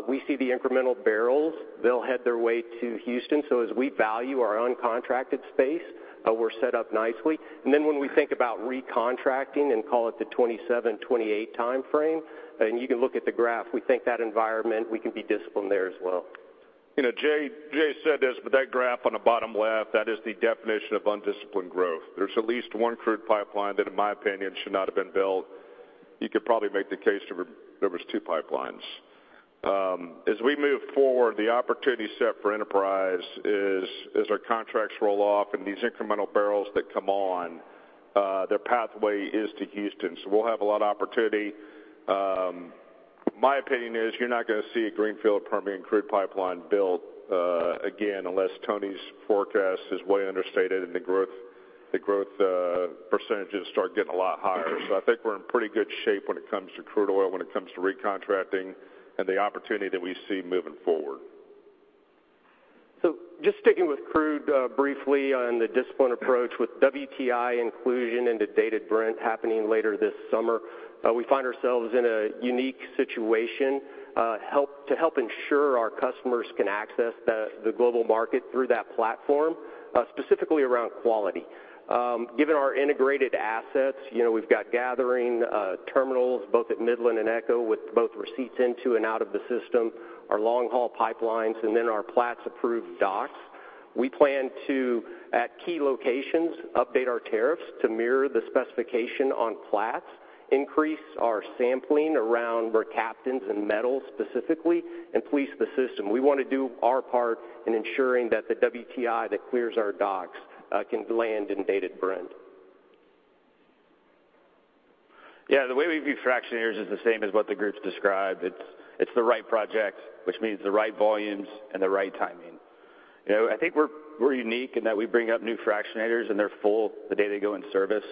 We see the incremental barrels. They'll head their way to Houston. As we value our uncontracted space, we're set up nicely. And then when we think about recontracting and call it the 2027, 2028 timeframe, and you can look at the graph, we think that environment, we can be disciplined there as well. You know, Jay said this, that graph on the bottom left, that is the definition of undisciplined growth. There's at least one crude pipeline that, in my opinion, should not have been built. You could probably make the case there was two pipelines. As we move forward, the opportunity set for Enterprise is as our contracts roll off and these incremental barrels that come on, their pathway is to Houston. We'll have a lot of opportunity. My opinion is you're not gonna see a greenfield Permian crude pipeline built again, unless Tony's forecast is way understated and the growth percentages start getting a lot higher. I think we're in pretty good shape when it comes to crude oil, when it comes to recontracting and the opportunity that we see moving forward. Just sticking with crude, briefly on the discipline approach with WTI inclusion into Dated Brent happening later this summer, we find ourselves in a unique situation to help ensure our customers can access the global market through that platform, specifically around quality. Given our integrated assets, you know, we've got gathering, terminals both at Midland and ECHO with both receipts into and out of the system, our long-haul pipelines, and then our Platts-approved docks. We plan to, at key locations, update our tariffs to mirror the specification on Platts, increase our sampling around mercaptans and metals specifically, and police the system. We want to do our part in ensuring that the WTI that clears our docks can land in Dated Brent. Yeah. The way we view fractionators is the same as what the group's described. It's, it's the right project, which means the right volumes and the right timing. You know, I think we're unique in that we bring up new fractionators, and they're full the day they go in service.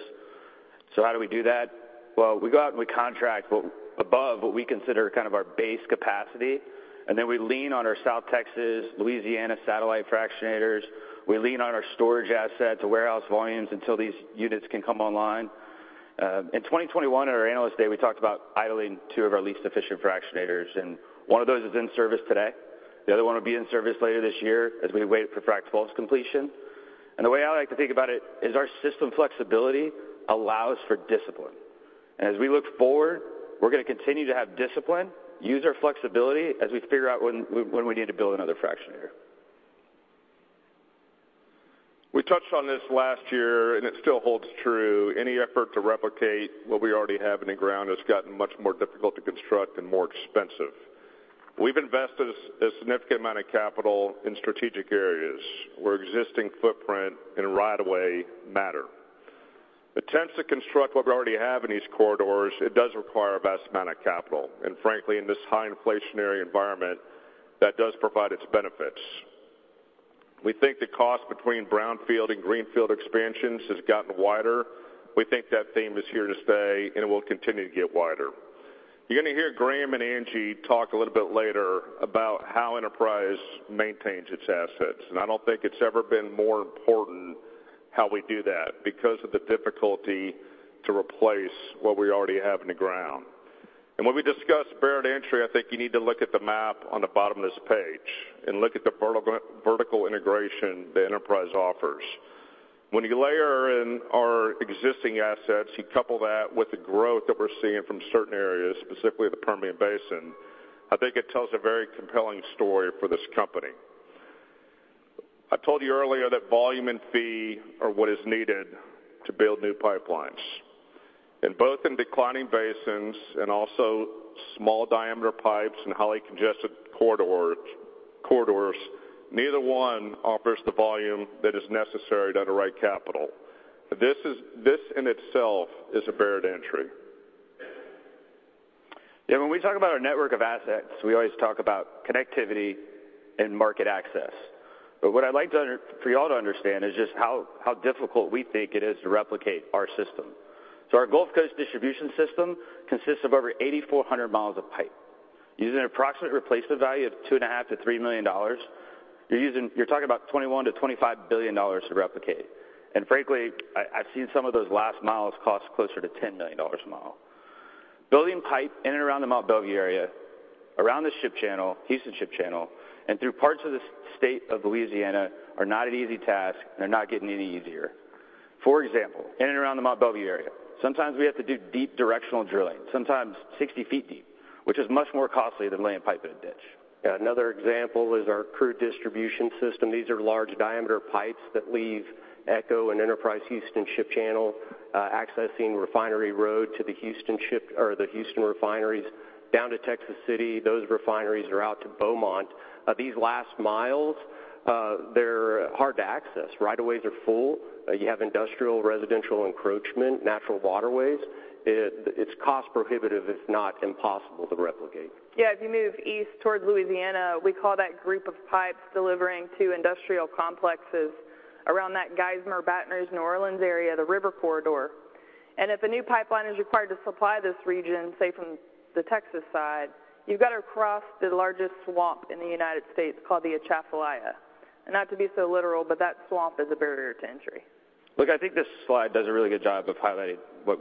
How do we do that? Well, we go out and we contract above what we consider kind of our base capacity, and then we lean on our South Texas, Louisiana satellite fractionators. We lean on our storage assets to warehouse volumes until these units can come online. In 2021 at our Analyst Day, we talked about idling two of our least efficient fractionators, and one of those is in service today. The other one will be in service later this year as we wait for Frac 12's completion. The way I like to think about it is our system flexibility allows for discipline. As we look forward, we're gonna continue to have discipline, use our flexibility as we figure out when we need to build another fractionator. We touched on this last year, and it still holds true. Any effort to replicate what we already have in the ground has gotten much more difficult to construct and more expensive. We've invested a significant amount of capital in strategic areas where existing footprint and right of way matter. Attempts to construct what we already have in these corridors, it does require a vast amount of capital. Frankly, in this high inflationary environment, that does provide its benefits. We think the cost between brownfield and greenfield expansions has gotten wider. We think that theme is here to stay, and it will continue to get wider. You're gonna hear Graham and Angie talk a little bit later about how Enterprise maintains its assets, and I don't think it's ever been more important how we do that because of the difficulty to replace what we already have in the ground. When we discuss barrier to entry, I think you need to look at the map on the bottom of this page and look at the vertical integration that Enterprise offers. When you layer in our existing assets, you couple that with the growth that we're seeing from certain areas, specifically the Permian Basin, I think it tells a very compelling story for this company. I told you earlier that volume and fee are what is needed to build new pipelines. Both in declining basins and also small-diameter pipes and highly congested corridors, neither one offers the volume that is necessary to underwrite capital. This in itself is a barrier to entry. When we talk about our network of assets, we always talk about connectivity and market access. What I'd like for y'all to understand is just how difficult we think it is to replicate our system. Our Gulf Coast distribution system consists of over 8,400 mi of pipe. Using an approximate replacement value of $2.5 million-$3 million, you're talking about $21 billion-$25 billion to replicate. Frankly, I've seen some of those last miles cost closer to $10 million a mile. Building pipe in and around the Mont Belvieu area, around the Houston Ship Channel, and through parts of the state of Louisiana are not an easy task, and they're not getting any easier. For example, in and around the Mont Belvieu area, sometimes we have to do deep directional drilling, sometimes 60 ft deep, which is much more costly than laying pipe in a ditch. Another example is our crude distribution system. These are large-diameter pipes that leave ECHO and Enterprise Houston Ship Channel, accessing Refinery Road to the Houston refineries down to Texas City. Those refineries are out to Beaumont. These last miles, they're hard to access. Right of ways are full. You have industrial, residential encroachment, natural waterways. It's cost prohibitive, if not impossible to replicate. Yeah. If you move east towards Louisiana, we call that group of pipes delivering to industrial complexes around that Geismar, Baton Rouge, New Orleans area, the river corridor. If a new pipeline is required to supply this region, say from the Texas side, you've got to cross the largest swamp in the United States called the Atchafalaya. Not to be so literal, but that swamp is a barrier to entry. Look, I think this slide does a really good job of highlighting what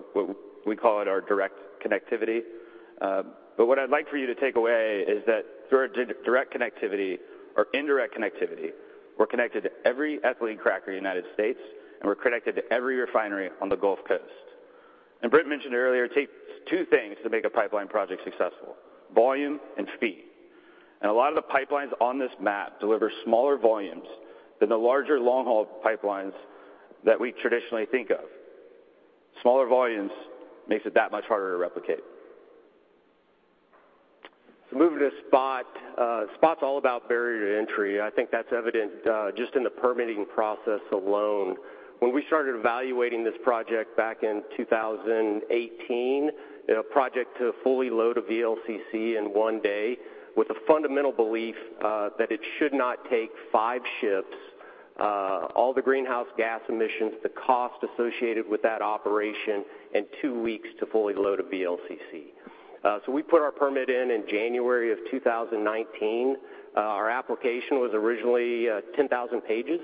we call it our direct connectivity. What I'd like for you to take away is that through our direct connectivity or indirect connectivity, we're connected to every ethylene cracker in the United States, and we're connected to every refinery on the Gulf Coast. Brent mentioned earlier, it takes two things to make a pipeline project successful: volume and speed. A lot of the pipelines on this map deliver smaller volumes than the larger long-haul pipelines that we traditionally think of. Smaller volumes makes it that much harder to replicate. Moving to SPOT. SPOT's all about barrier to entry. I think that's evident just in the permitting process alone. When we started evaluating this project back in 2018, a project to fully load a VLCC in one day with a fundamental belief that it should not take five ships, all the greenhouse gas emissions, the cost associated with that operation, and two weeks to fully load a VLCC. We put our permit in in January of 2019. Our application was originally 10,000 pages,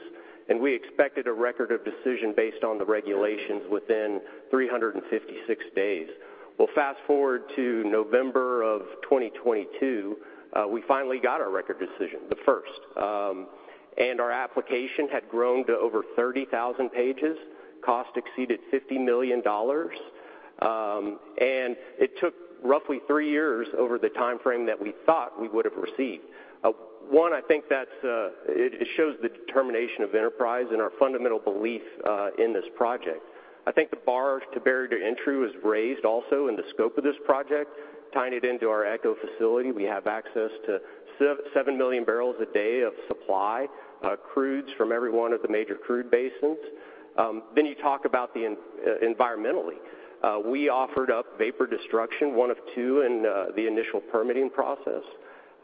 and we expected a record of decision based on the regulations within 356 days. Fast-forward to November of 2022, we finally got our record decision, the first. Our application had grown to over 30,000 pages. Cost exceeded $50 million. It took roughly three years over the timeframe that we thought we would have received. One, I think that's it shows the determination of Enterprise Products Partners and our fundamental belief in this project. I think the bar to barrier to entry was raised also in the scope of this project, tying it into our ECHO facility. We have access to 7 million barrels a day of supply, crudes from every one of the major crude basins. You talk about the environmentally. We offered up vapor destruction, one of two in the initial permitting process.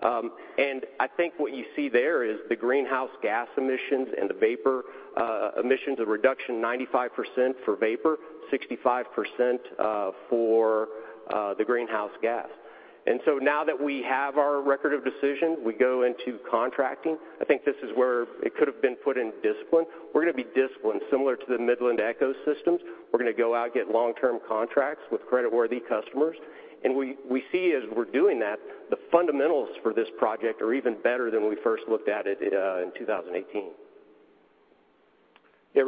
I think what you see there is the greenhouse gas emissions and the vapor emissions of reduction 95% for vapor, 65% for the greenhouse gas. Now that we have our record of decision, we go into contracting. I think this is where it could have been put in discipline. We're gonna be disciplined similar to the Midland ECHO systems. We're gonna go out, get long-term contracts with credit-worthy customers. We see as we're doing that, the fundamentals for this project are even better than when we first looked at it in 2018. Yeah.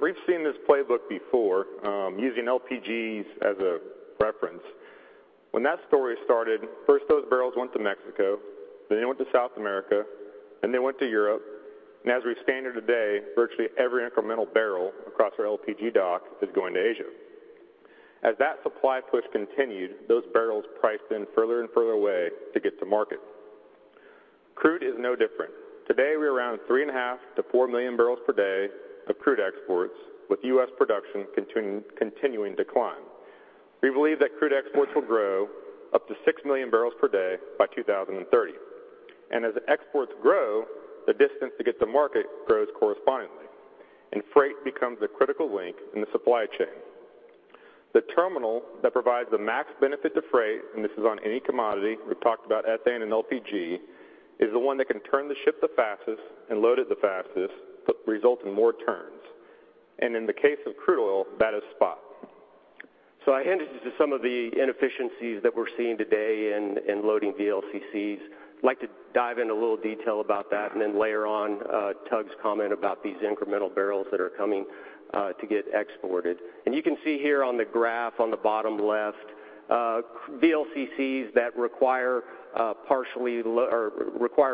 We've seen this playbook before, using LPGs as a reference. When that story started, first those barrels went to Mexico, then they went to South America, then they went to Europe. As we stand here today, virtually every incremental barrel across our LPG dock is going to Asia. As that supply push continued, those barrels priced in further and further away to get to market. Crude is no different. Today, we're around 3.5 million-4 million barrels per day of crude exports, with U.S. production continuing to climb. We believe that crude exports will grow up to 6 million barrels per day by 2030. As exports grow, the distance to get to market grows correspondingly, and freight becomes a critical link in the supply chain. The terminal that provides the max benefit to freight, and this is on any commodity, we've talked about ethane and LPG, is the one that can turn the ship the fastest and load it the fastest, re-result in more turns. In the case of crude oil, that is SPOT. I hinted into some of the inefficiencies that we're seeing today in loading VLCCs. I'd like to dive into a little detail about that and then layer on Tug's comment about these incremental barrels that are coming to get exported. You can see here on the graph on the bottom left, VLCCs that require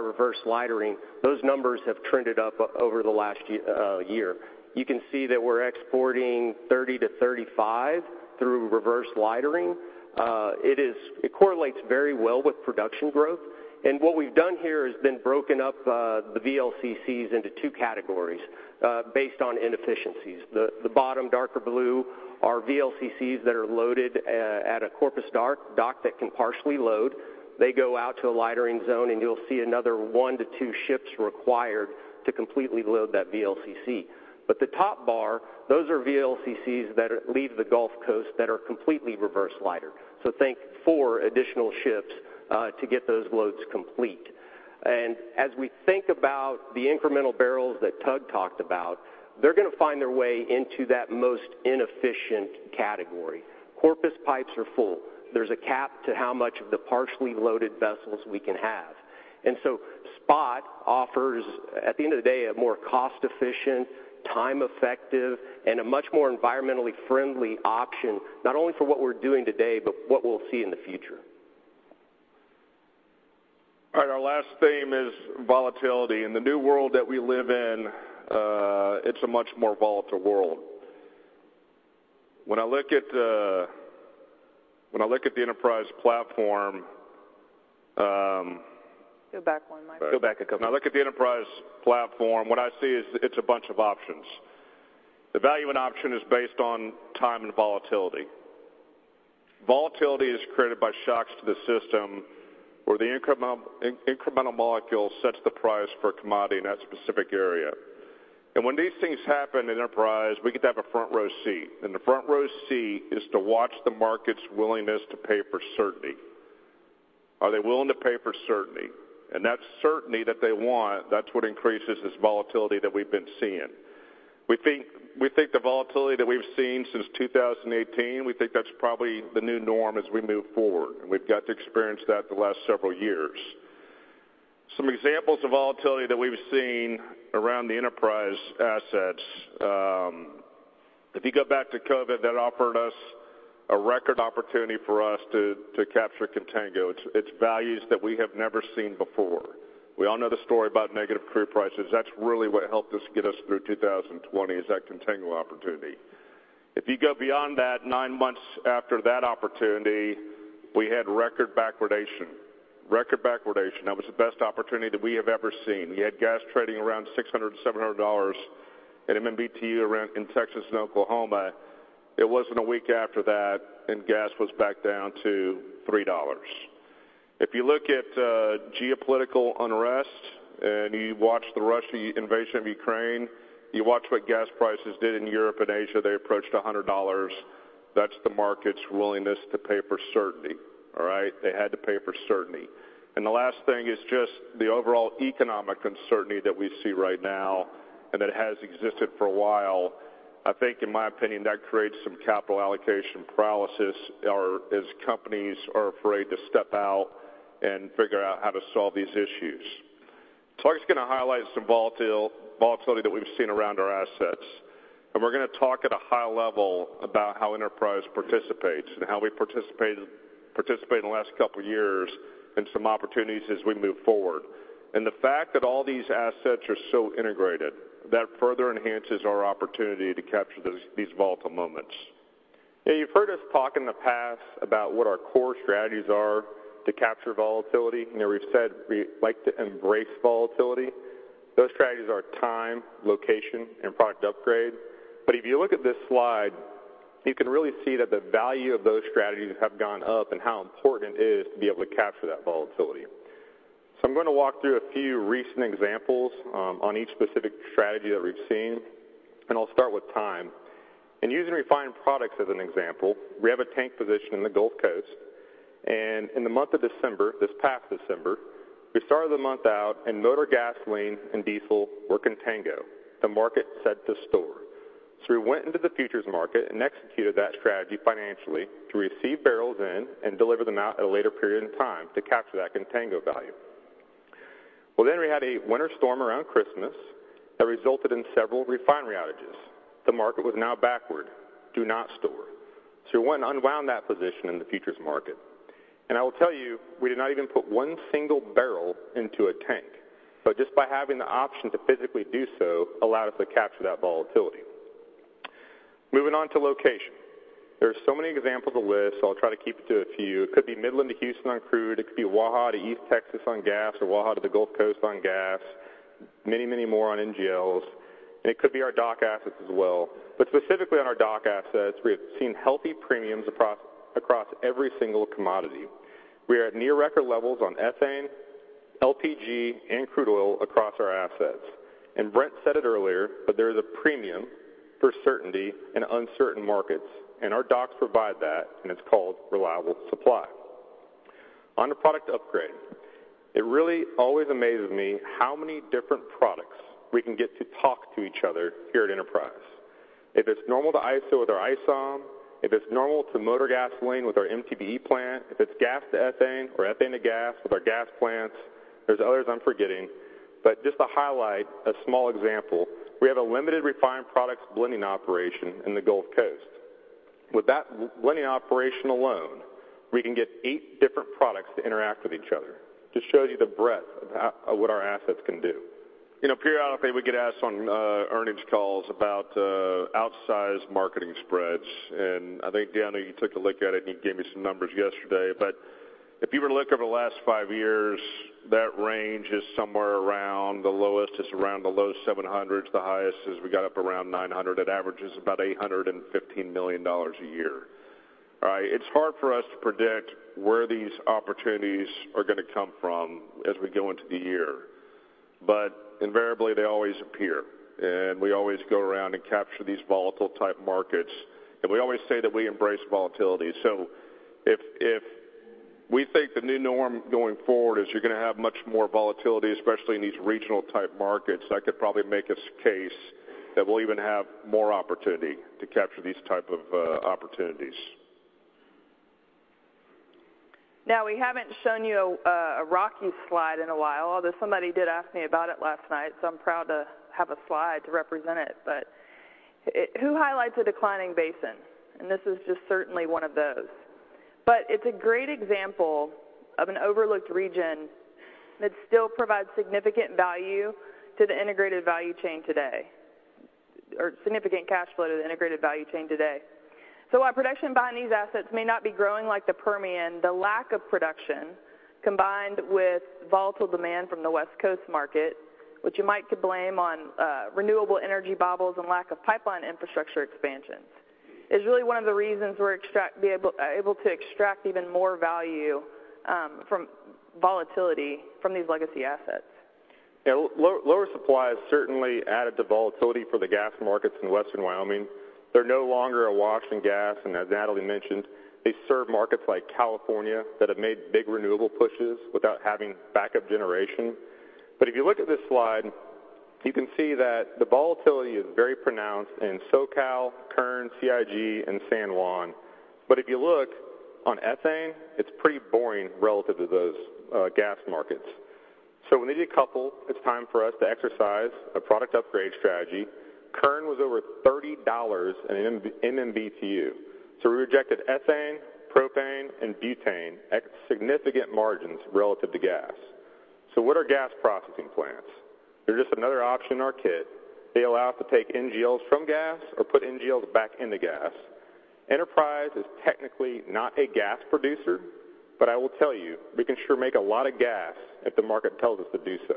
reverse lightering, those numbers have trended up over the last year. You can see that we're exporting 30 to 35 through reverse lightering. It correlates very well with production growth. What we've done here has been broken up, the VLCCs into two categories, based on inefficiencies. The bottom darker blue are VLCCs that are loaded at a Corpus dock that can partially load. They go out to a lightering zone. You'll see another one to two ships required to completely load that VLCC. The top bar, those are VLCCs that leave the Gulf Coast that are completely reverse lighter. Think four additional ships to get those loads complete. As we think about the incremental barrels that Tug talked about, they're gonna find their way into that most inefficient category. Corpus pipes are full. There's a cap to how much of the partially loaded vessels we can have. Spot offers, at the end of the day, a more cost-efficient, time-effective, and a much more environmentally friendly option, not only for what we're doing today, but what we'll see in the future. All right. Our last theme is volatility. In the new world that we live in, it's a much more volatile world. When I look at the Enterprise platform, Go back one, Mike. Go back a couple. When I look at the Enterprise platform, what I see is it's a bunch of options. The value and option is based on time and volatility. Volatility is created by shocks to the system where the incremental molecule sets the price for a commodity in that specific area. When these things happen in Enterprise, we get to have a front row seat. The front row seat is to watch the market's willingness to pay for certainty. Are they willing to pay for certainty? That certainty that they want, that's what increases this volatility that we've been seeing. We think the volatility that we've seen since 2018, we think that's probably the new norm as we move forward, and we've got to experience that the last several years. Some examples of volatility that we've seen around the Enterprise assets, if you go back to COVID, that offered us a record opportunity for us to capture contango. It's values that we have never seen before. We all know the story about negative crude prices. That's really what helped us get us through 2020 is that contango opportunity. If you go beyond that, nine months after that opportunity, we had record backwardation. Record backwardation. That was the best opportunity that we have ever seen. You had gas trading around $600, $700 at MMBtu around in Texas and Oklahoma. It wasn't a week after that, gas was back down to $3. If you look at geopolitical unrest and you watch the Russia invasion of Ukraine, you watch what gas prices did in Europe and Asia, they approached $100. That's the market's willingness to pay for certainty. All right? They had to pay for certainty. The last thing is just the overall economic uncertainty that we see right now and that has existed for a while. I think in my opinion, that creates some capital allocation paralysis or as companies are afraid to step out and figure out how to solve these issues. Tug's gonna highlight some volatility that we've seen around our assets, and we're gonna talk at a high level about how Enterprise participates and how we participated in the last couple of years and some opportunities as we move forward. The fact that all these assets are so integrated, that further enhances our opportunity to capture these volatile moments. Yeah. You've heard us talk in the past about what our core strategies are to capture volatility. You know, we've said we like to embrace volatility. Those strategies are time, location, and product upgrade. If you look at this slide, you can really see that the value of those strategies have gone up and how important it is to be able to capture that volatility. I'm gonna walk through a few recent examples on each specific strategy that we've seen, and I'll start with time. In using refined products as an example, we have a tank position in the Gulf Coast. In the month of December, this past December, we started the month out and motor gasoline and diesel were contango, the market set to store. We went into the futures market and executed that strategy financially to receive barrels in and deliver them out at a later period in time to capture that contango value. We had a winter storm around Christmas that resulted in several refinery outages. The market was now backward. Do not store. We went and unwound that position in the futures market. I will tell you, we did not even put one single barrel into a tank. Just by having the option to physically do so allowed us to capture that volatility. Moving on to location. There are so many examples to list, so I'll try to keep it to a few. It could be Midland to Houston on crude, it could be Waha to East Texas on gas or Waha to the Gulf Coast on gas. Many more on NGLs, it could be our dock assets as well. Specifically on our dock assets, we have seen healthy premiums across every single commodity. We are at near record levels on ethane, LPG, and crude oil across our assets. Brent said it earlier, there is a premium for certainty in uncertain markets, our docks provide that, it's called reliable supply. On to product upgrade. It really always amazes me how many different products we can get to talk to each other here at Enterprise. If it's normal to ISO with our isom, if it's normal to motor gasoline with our MTBE plant, if it's gas to ethane or ethane to gas with our gas plants, there's others I'm forgetting. Just to highlight a small example, we have a limited refined products blending operation in the Gulf Coast. With that blending operation alone, we can get eight different products to interact with each other. Just shows you the breadth of what our assets can do. You know, periodically, we get asked on earnings calls about outsized marketing spreads. I think, Danny, you took a look at it, and you gave me some numbers yesterday. If you were to look over the last five years, that range is somewhere around the lowest. It's around the low 700s. The highest is we got up around 900. It averages about $815 million a year. All right? It's hard for us to predict where these opportunities are gonna come from as we go into the year. Invariably, they always appear, and we always go around and capture these volatile type markets. We always say that we embrace volatility. If we think the new norm going forward is you're gonna have much more volatility, especially in these regional type markets, I could probably make this case that we'll even have more opportunity to capture these type of opportunities. We haven't shown you a Rocky slide in a while, although somebody did ask me about it last night, I'm proud to have a slide to represent it. Who highlights a declining basin? This is just certainly one of those. It's a great example of an overlooked region that still provides significant value to the integrated value chain today, or significant cash flow to the integrated value chain today. While production behind these assets may not be growing like the Permian, the lack of production, combined with volatile demand from the West Coast market, which you might could blame on renewable energy bubbles and lack of pipeline infrastructure expansions, is really one of the reasons we're able to extract even more value from volatility from these legacy assets. Yeah. Low-lower supply has certainly added to volatility for the gas markets in Western Wyoming. They're no longer a wash and gas, and as Natalie mentioned, they serve markets like California that have made big renewable pushes without having backup generation. If you look at this slide, you can see that the volatility is very pronounced in SoCal, Kern, CIG, and San Juan. If you look on ethane, it's pretty boring relative to those gas markets. When they decouple, it's time for us to exercise a product upgrade strategy. Kern was over $30 in an MMBtu, so we rejected ethane, propane, and butane at significant margins relative to gas. What are gas processing plants? They're just another option in our kit. They allow us to take NGLs from gas or put NGLs back into gas. Enterprise is technically not a gas producer, but I will tell you, we can sure make a lot of gas if the market tells us to do so.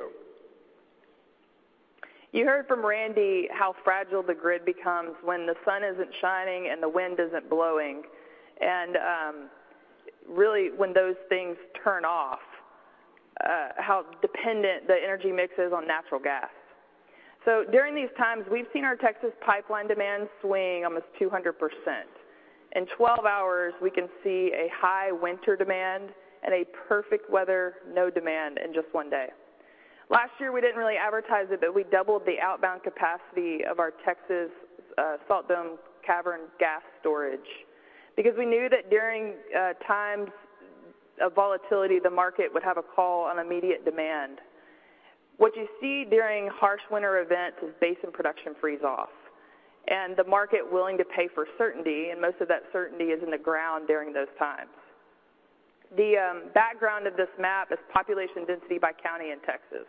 You heard from Randy how fragile the grid becomes when the sun isn't shining and the wind isn't blowing. Really when those things turn off, how dependent the energy mix is on natural gas. During these times, we've seen our Texas pipeline demand swing almost 200%. In 12 hours, we can see a high winter demand and a perfect weather, no demand in just 1 day. Last year, we didn't really advertise it, but we doubled the outbound capacity of our Texas salt dome cavern gas storage because we knew that during times of volatility, the market would have a call on immediate demand. What you see during harsh winter events is basin production freeze off, and the market willing to pay for certainty, and most of that certainty is in the ground during those times. The background of this map is population density by county in Texas.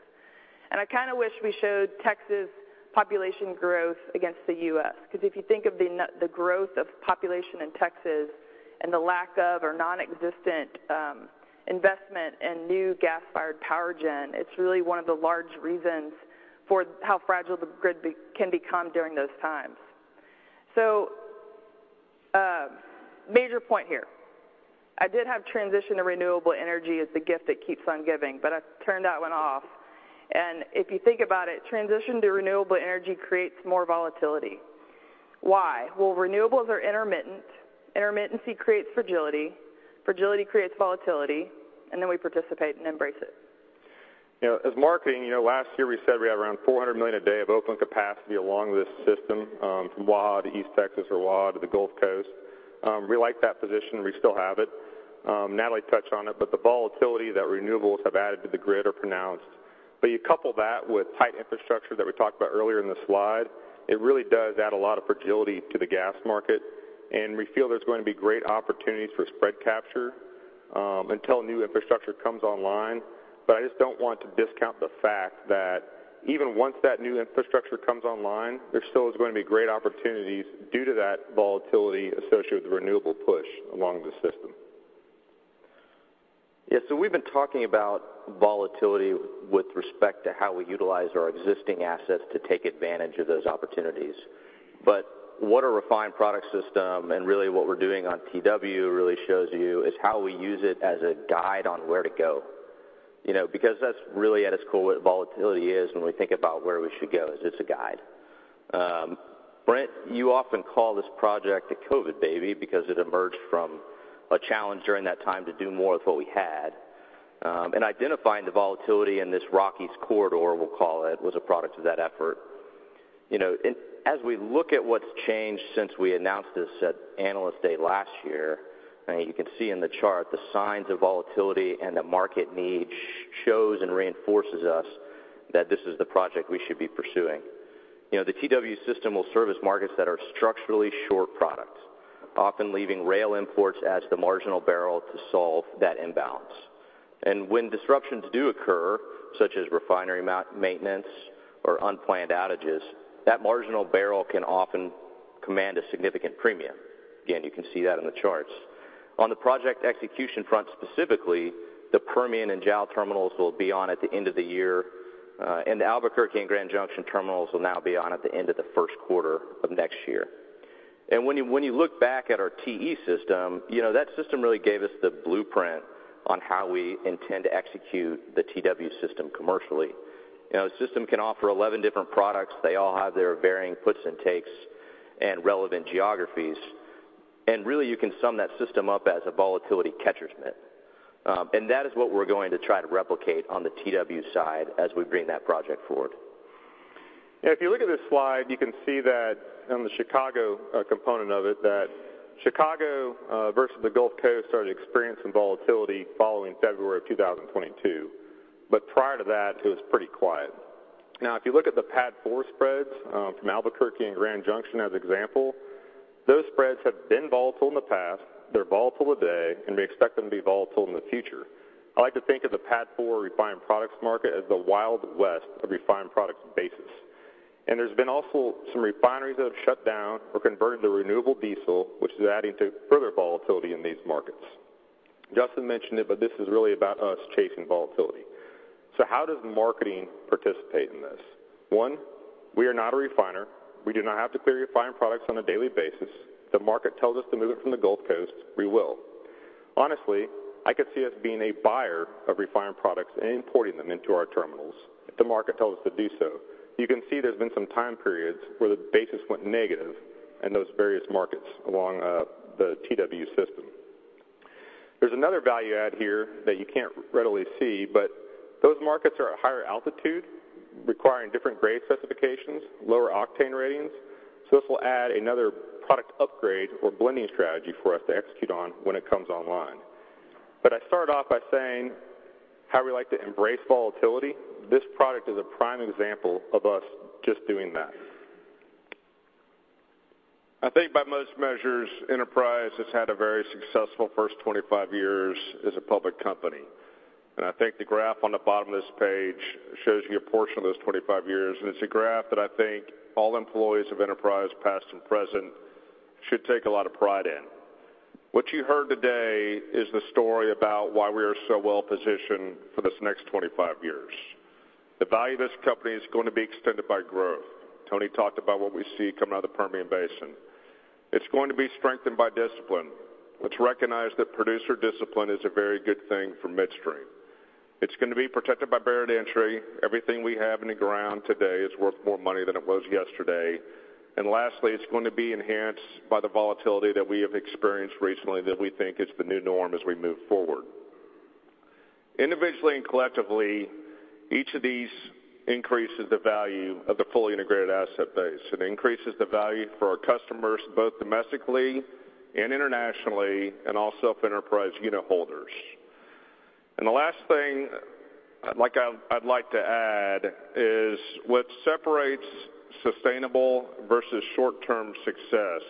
I kind of wish we showed Texas population growth against the U.S., because if you think of the growth of population in Texas and the lack of or nonexistent investment in new gas-fired power gen, it's really one of the large reasons for how fragile the grid can become during those times. Major point here. I did have transition to renewable energy as the gift that keeps on giving, but I turned that one off. If you think about it, transition to renewable energy creates more volatility. Why? Well, renewables are intermittent. Intermittency creates fragility. Fragility creates volatility, and then we participate and embrace it. You know, as marketing, you know, last year we said we had around 400 million a day of open capacity along this system, from Waha to East Texas or Waha to the Gulf Coast. We like that position. We still have it. Natalie touched on it, but the volatility that renewables have added to the grid are pronounced. You couple that with tight infrastructure that we talked about earlier in the slide, it really does add a lot of fragility to the gas market, and we feel there's going to be great opportunities for spread capture until new infrastructure comes online. I just don't want to discount the fact that even once that new infrastructure comes online, there still is going to be great opportunities due to that volatility associated with the renewable push along the system. Yes, we've been talking about volatility with respect to how we utilize our existing assets to take advantage of those opportunities. What a refined product system and really what we're doing on TW really shows you is how we use it as a guide on where to go. You know, because that's really at its core what volatility is when we think about where we should go is it's a guide. Brent, you often call this project a COVID baby because it emerged from a challenge during that time to do more with what we had. Identifying the volatility in this Rockies corridor, we'll call it, was a product of that effort. You know, as we look at what's changed since we announced this at Analyst Day last year, I mean, you can see in the chart the signs of volatility and the market need shows and reinforces us that this is the project we should be pursuing. You know, the TW system will serve as markets that are structurally short products, often leaving rail imports as the marginal barrel to solve that imbalance. When disruptions do occur, such as refinery maintenance or unplanned outages, that marginal barrel can often command a significant premium. Again, you can see that in the charts. On the project execution front specifically, the Permian and Jal terminals will be on at the end of the year, and Albuquerque and Grand Junction terminals will now be on at the end of the first quarter of next year. When you, when you look back at our TE system, you know, that system really gave us the blueprint on how we intend to execute the TW system commercially. You know, the system can offer 11 different products. They all have their varying puts and takes and relevant geographies. Really, you can sum that system up as a volatility catcher's mitt. That is what we're going to try to replicate on the TW side as we bring that project forward. If you look at this slide, you can see that on the Chicago component of it, that Chicago versus the Gulf Coast started experiencing volatility following February of 2022. Prior to that, it was pretty quiet. Now, if you look at the PADD 4 spreads from Albuquerque and Grand Junction as example, those spreads have been volatile in the past, they're volatile today, and we expect them to be volatile in the future. I like to think of the PADD 4 refined products market as the Wild West of refined products basis. There's been also some refineries that have shut down or converted to renewable diesel, which is adding to further volatility in these markets. Justin mentioned it, but this is really about us chasing volatility. How does marketing participate in this? One, we are not a refiner. We do not have to clear refined products on a daily basis. The market tells us to move it from the Gulf Coast, we will. Honestly, I could see us being a buyer of refined products and importing them into our terminals if the market tells us to do so. You can see there's been some time periods where the basis went negative in those various markets along the TW system. There's another value add here that you can't readily see, but those markets are at higher altitude, requiring different grade specifications, lower octane ratings. This will add another product upgrade or blending strategy for us to execute on when it comes online. I started off by saying how we like to embrace volatility. This product is a prime example of us just doing that. I think by most measures, Enterprise has had a very successful first 25 years as a public company. I think the graph on the bottom of this page shows you a portion of those 25 years. It's a graph that I think all employees of Enterprise, past and present, should take a lot of pride in. What you heard today is the story about why we are so well-positioned for this next 25 years. The value of this company is going to be extended by growth. Tony talked about what we see coming out of the Permian Basin. It's going to be strengthened by discipline. Let's recognize that producer discipline is a very good thing for midstream. It's gonna be protected by barrier to entry. Everything we have in the ground today is worth more money than it was yesterday. Lastly, it's going to be enhanced by the volatility that we have experienced recently that we think is the new norm as we move forward. Individually and collectively, each of these increases the value of the fully integrated asset base. It increases the value for our customers, both domestically and internationally, and also of Enterprise unitholders. The last thing I'd like to add is what separates sustainable versus short-term success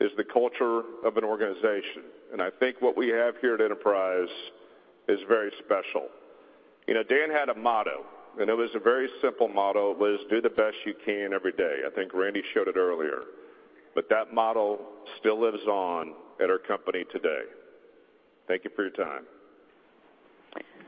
is the culture of an organization. I think what we have here at Enterprise is very special. You know, Dan had a motto, and it was a very simple motto. It was, "Do the best you can every day." I think Randy showed it earlier. That motto still lives on at our company today. Thank you for your time. That's to go forward. Yeah. That's back. Over here. If you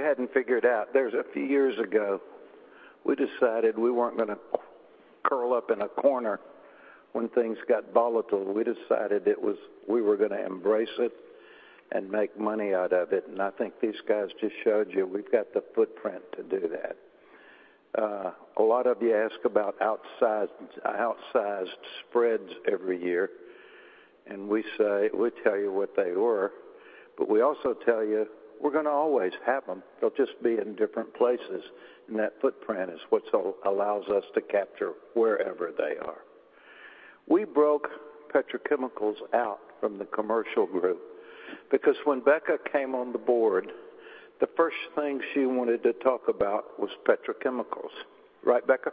hadn't figured out, there's a few years ago, we decided we weren't gonna curl up in a corner when things got volatile. We decided we were gonna embrace it and make money out of it. I think these guys just showed you we've got the footprint to do that. A lot of you ask about outsized spreads every year, and we say, we tell you what they were, but we also tell you we're gonna always have them. They'll just be in different places, and that footprint is what allows us to capture wherever they are. We broke petrochemicals out from the commercial group because when Becca came on the board, the first thing she wanted to talk about was petrochemicals. Right, Becca?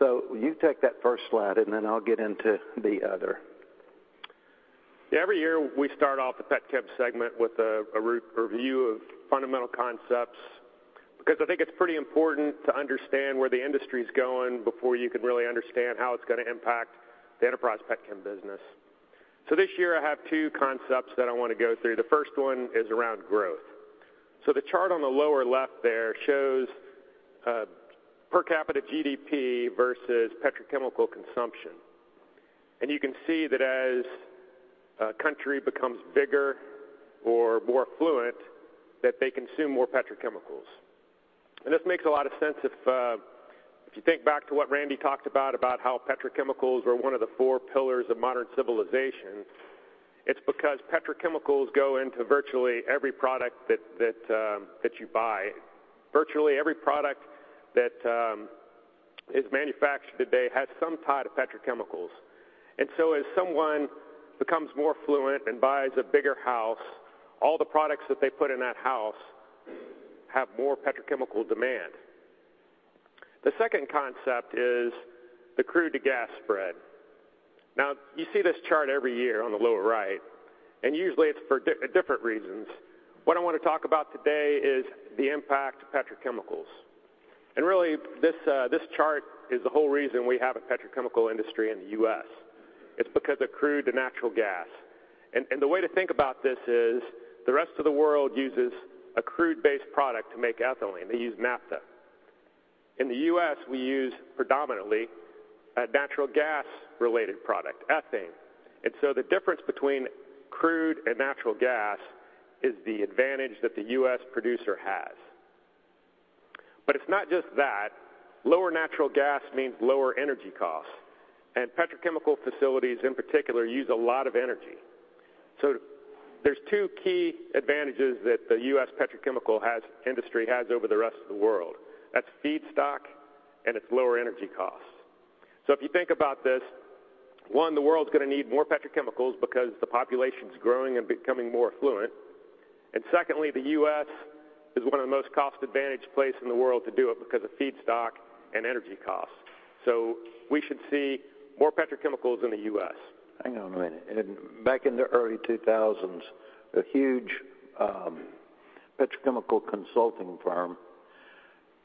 You take that first slide, and then I'll get into the other. Every year, we start off the pet chem segment with a re-review of fundamental concepts because I think it's pretty important to understand where the industry's going before you can really understand how it's gonna impact the Enterprise pet chem business. This year, I have two concepts that I wanna go through. The first one is around growth. The chart on the lower left there shows per capita GDP versus petrochemical consumption. You can see that as a country becomes bigger or more affluent, that they consume more petrochemicals. This makes a lot of sense if you think back to what Randy talked about how petrochemicals were one of the four pillars of modern civilization. It's because petrochemicals go into virtually every product that you buy. Virtually every product that is manufactured today has some tie to petrochemicals. As someone becomes more affluent and buys a bigger house, all the products that they put in that house have more petrochemical demand. The second concept is the crude to gas spread. You see this chart every year on the lower right, and usually it's for different reasons. What I wanna talk about today is the impact to petrochemicals. Really, this chart is the whole reason we have a petrochemical industry in the U.S. It's because of crude to natural gas. The way to think about this is the rest of the world uses a crude-based product to make ethylene. They use naphtha. In the U.S., we use predominantly a natural gas-related product, ethane. The difference between crude and natural gas is the advantage that the U.S. producer has. It's not just that. Lower natural gas means lower energy costs, and petrochemical facilities, in particular, use a lot of energy. There's two key advantages that the U.S. petrochemical industry has over the rest of the world. That's feedstock, and it's lower energy costs. If you think about this, one, the world's gonna need more petrochemicals because the population's growing and becoming more affluent. Secondly, the U.S. is one of the most cost-advantaged place in the world to do it because of feedstock and energy costs. We should see more petrochemicals in the U.S. Hang on a minute. Back in the early 2000s, a huge petrochemical consulting firm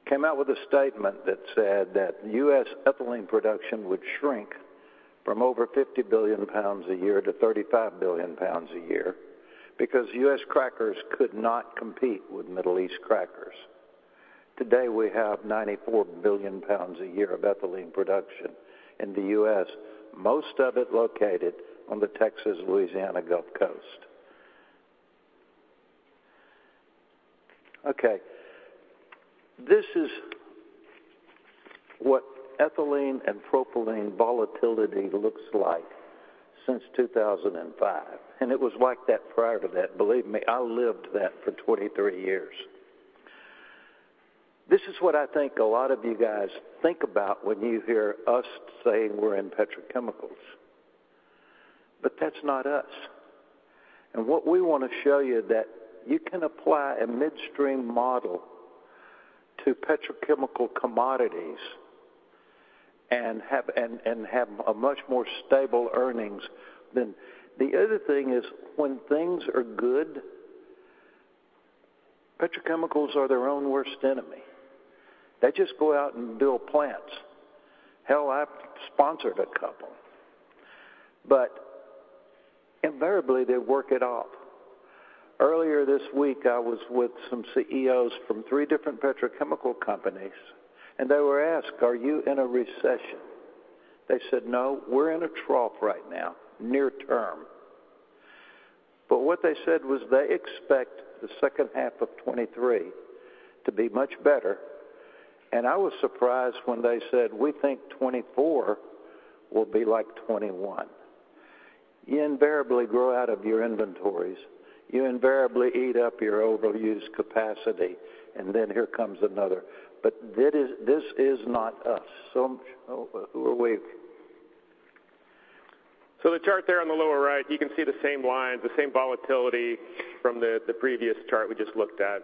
came out with a statement that said that U.S. ethylene production would shrink from over 50 billion pounds a year to 35 billion pounds a year because U.S. crackers could not compete with Middle East crackers. Today, we have 94 billion pounds a year of ethylene production in the U.S., most of it located on the Texas-Louisiana Gulf Coast. Okay. This is what ethylene and propylene volatility looks like since 2005. And it was like that prior to that. Believe me, I lived that for 23 years. This is what I think a lot of you guys think about when you hear us saying we're in petrochemicals. But that's not us. What we wanna show you that you can apply a midstream model to petrochemical commodities and have, and have a much more stable earnings than. The other thing is when things are good, petrochemicals are their own worst enemy. They just go out and build plants. Hell, I sponsored a couple. Invariably, they work it off. Earlier this week, I was with some CEOs from three different petrochemical companies, and they were asked, "Are you in a recession?" They said, "No, we're in a trough right now, near-term." What they said was they expect the second half of 2023 to be much better. I was surprised when they said, "We think 2024 will be like 2021." You invariably grow out of your inventories. You invariably eat up your overused capacity, and then here comes another. This is, this is not us. Wade. The chart there on the lower right, you can see the same lines, the same volatility from the previous chart we just looked at.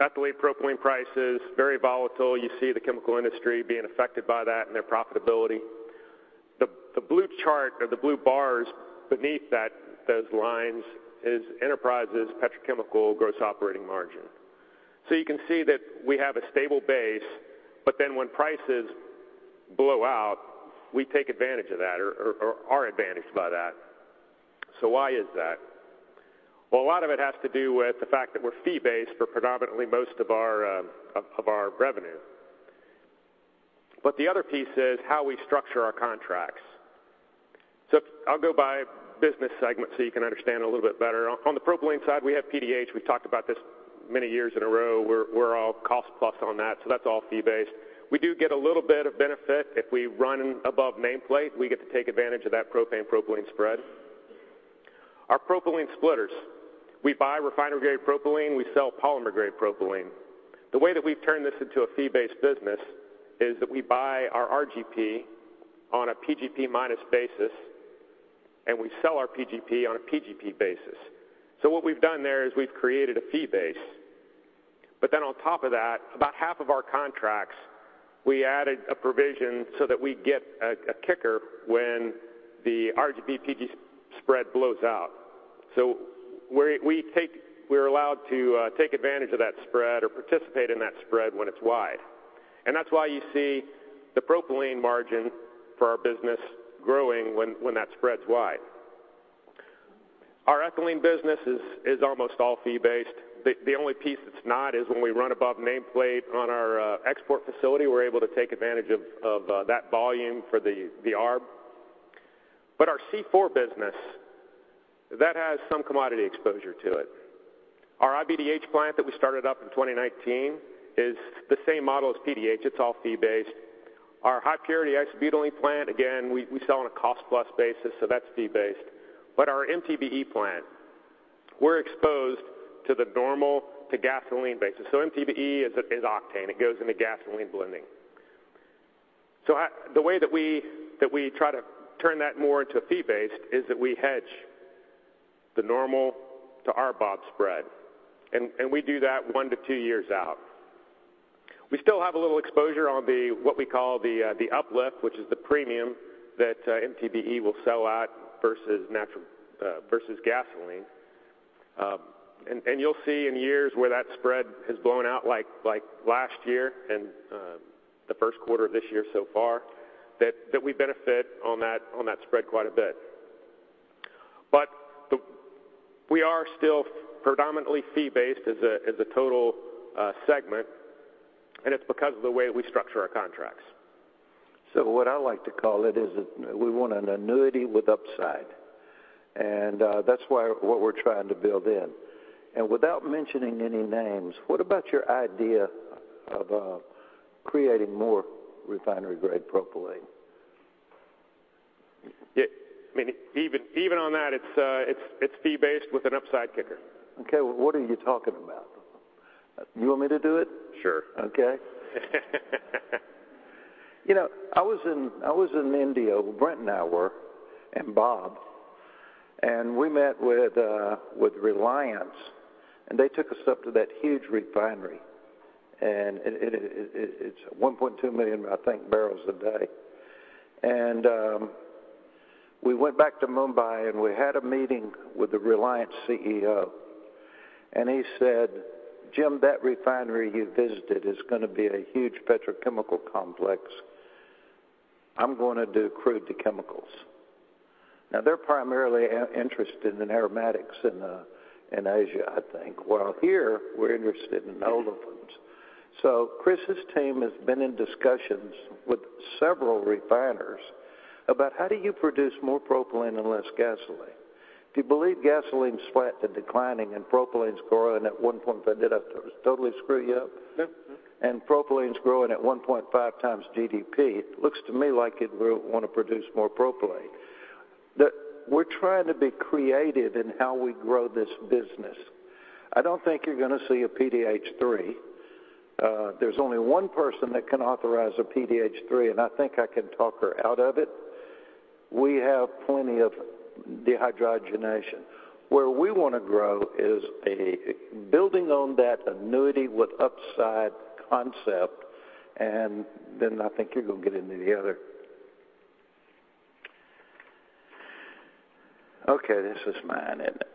Ethylene, propylene prices, very volatile. You see the chemical industry being affected by that and their profitability. The blue chart or the blue bars beneath that, those lines is Enterprise's petrochemical gross operating margin. You can see that we have a stable base, but then when prices blow out, we take advantage of that or are advantaged by that. Why is that? Well, a lot of it has to do with the fact that we're fee-based for predominantly most of our revenue. The other piece is how we structure our contracts. I'll go by business segment so you can understand a little bit better. On the propylene side, we have PDH. We've talked about this many years in a row. We're all cost-plus on that, so that's all fee-based. We do get a little bit of benefit if we run above nameplate. We get to take advantage of that propane propylene spread. Our propylene splitters. We buy refinery-grade propylene. We sell polymer-grade propylene. The way that we've turned this into a fee-based business is that we buy our RGP on a PGP minus basis, and we sell our PGP on a PGP basis. What we've done there is we've created a fee base. On top of that, about half of our contracts, we added a provision so that we get a kicker when the RGP, PG spread blows out. We're allowed to take advantage of that spread or participate in that spread when it's wide. That's why you see the propylene margin for our business growing when that spread's wide. Our ethylene business is almost all fee-based. The only piece that's not is when we run above nameplate on our export facility, we're able to take advantage of that volume for the ARB. Our C4 business, that has some commodity exposure to it. Our IBDH plant that we started up in 2019 is the same model as PDH. It's all fee-based. Our high purity isobutylene plant, again, we sell on a cost-plus basis, so that's fee-based. Our MTBE plant, we're exposed to the normal to gasoline basis. MTBE is octane. It goes into gasoline blending. The way that we try to turn that more into a fee-based is that we hedge the normal to ArbOp spread, and we do that one to two years out. We still have a little exposure on what we call the uplift, which is the premium that MTBE will sell at versus gasoline. And you'll see in years where that spread has blown out like last year and the first quarter of this year so far, that we benefit on that spread quite a bit. We are still predominantly fee-based as a total segment, and it's because of the way we structure our contracts. What I like to call it is that we want an annuity with upside, that's why what we're trying to build in. Without mentioning any names, what about your idea of creating more refinery-grade propylene? Yeah. I mean, even on that, it's fee-based with an upside kicker. Okay. What are you talking about? You want me to do it? Sure. Okay. You know, I was in India. Brent and I were, and Bob, we met with Reliance Industries Limited, and they took us up to that huge refinery. It's 1.2 million, I think, barrels a day. We went back to Mumbai, and we had a meeting with the Reliance Industries Limited CEO. He said, "Jim Teague, that refinery you visited is gonna be a huge petrochemical complex. I'm gonna do crude to chemicals." Now, they're primarily interested in aromatics in Asia, I think. While here, we're interested in olefins. Chris Nelly's team has been in discussions with several refiners about how do you produce more propylene and less gasoline? If you believe gasoline slack to declining and propylene's growing at one point... Did I totally screw you up? No. Propylene's growing at 1.5x GDP, it looks to me like you'd wanna produce more propylene. We're trying to be creative in how we grow this business. I don't think you're gonna see a PDH 3. There's only one person that can authorize a PDH 3, and I think I can talk her out of it. We have plenty of dehydrogenation. Where we wanna grow is a building on that annuity with upside concept. I think you're gonna get into the other... Okay, this is mine, isn't it?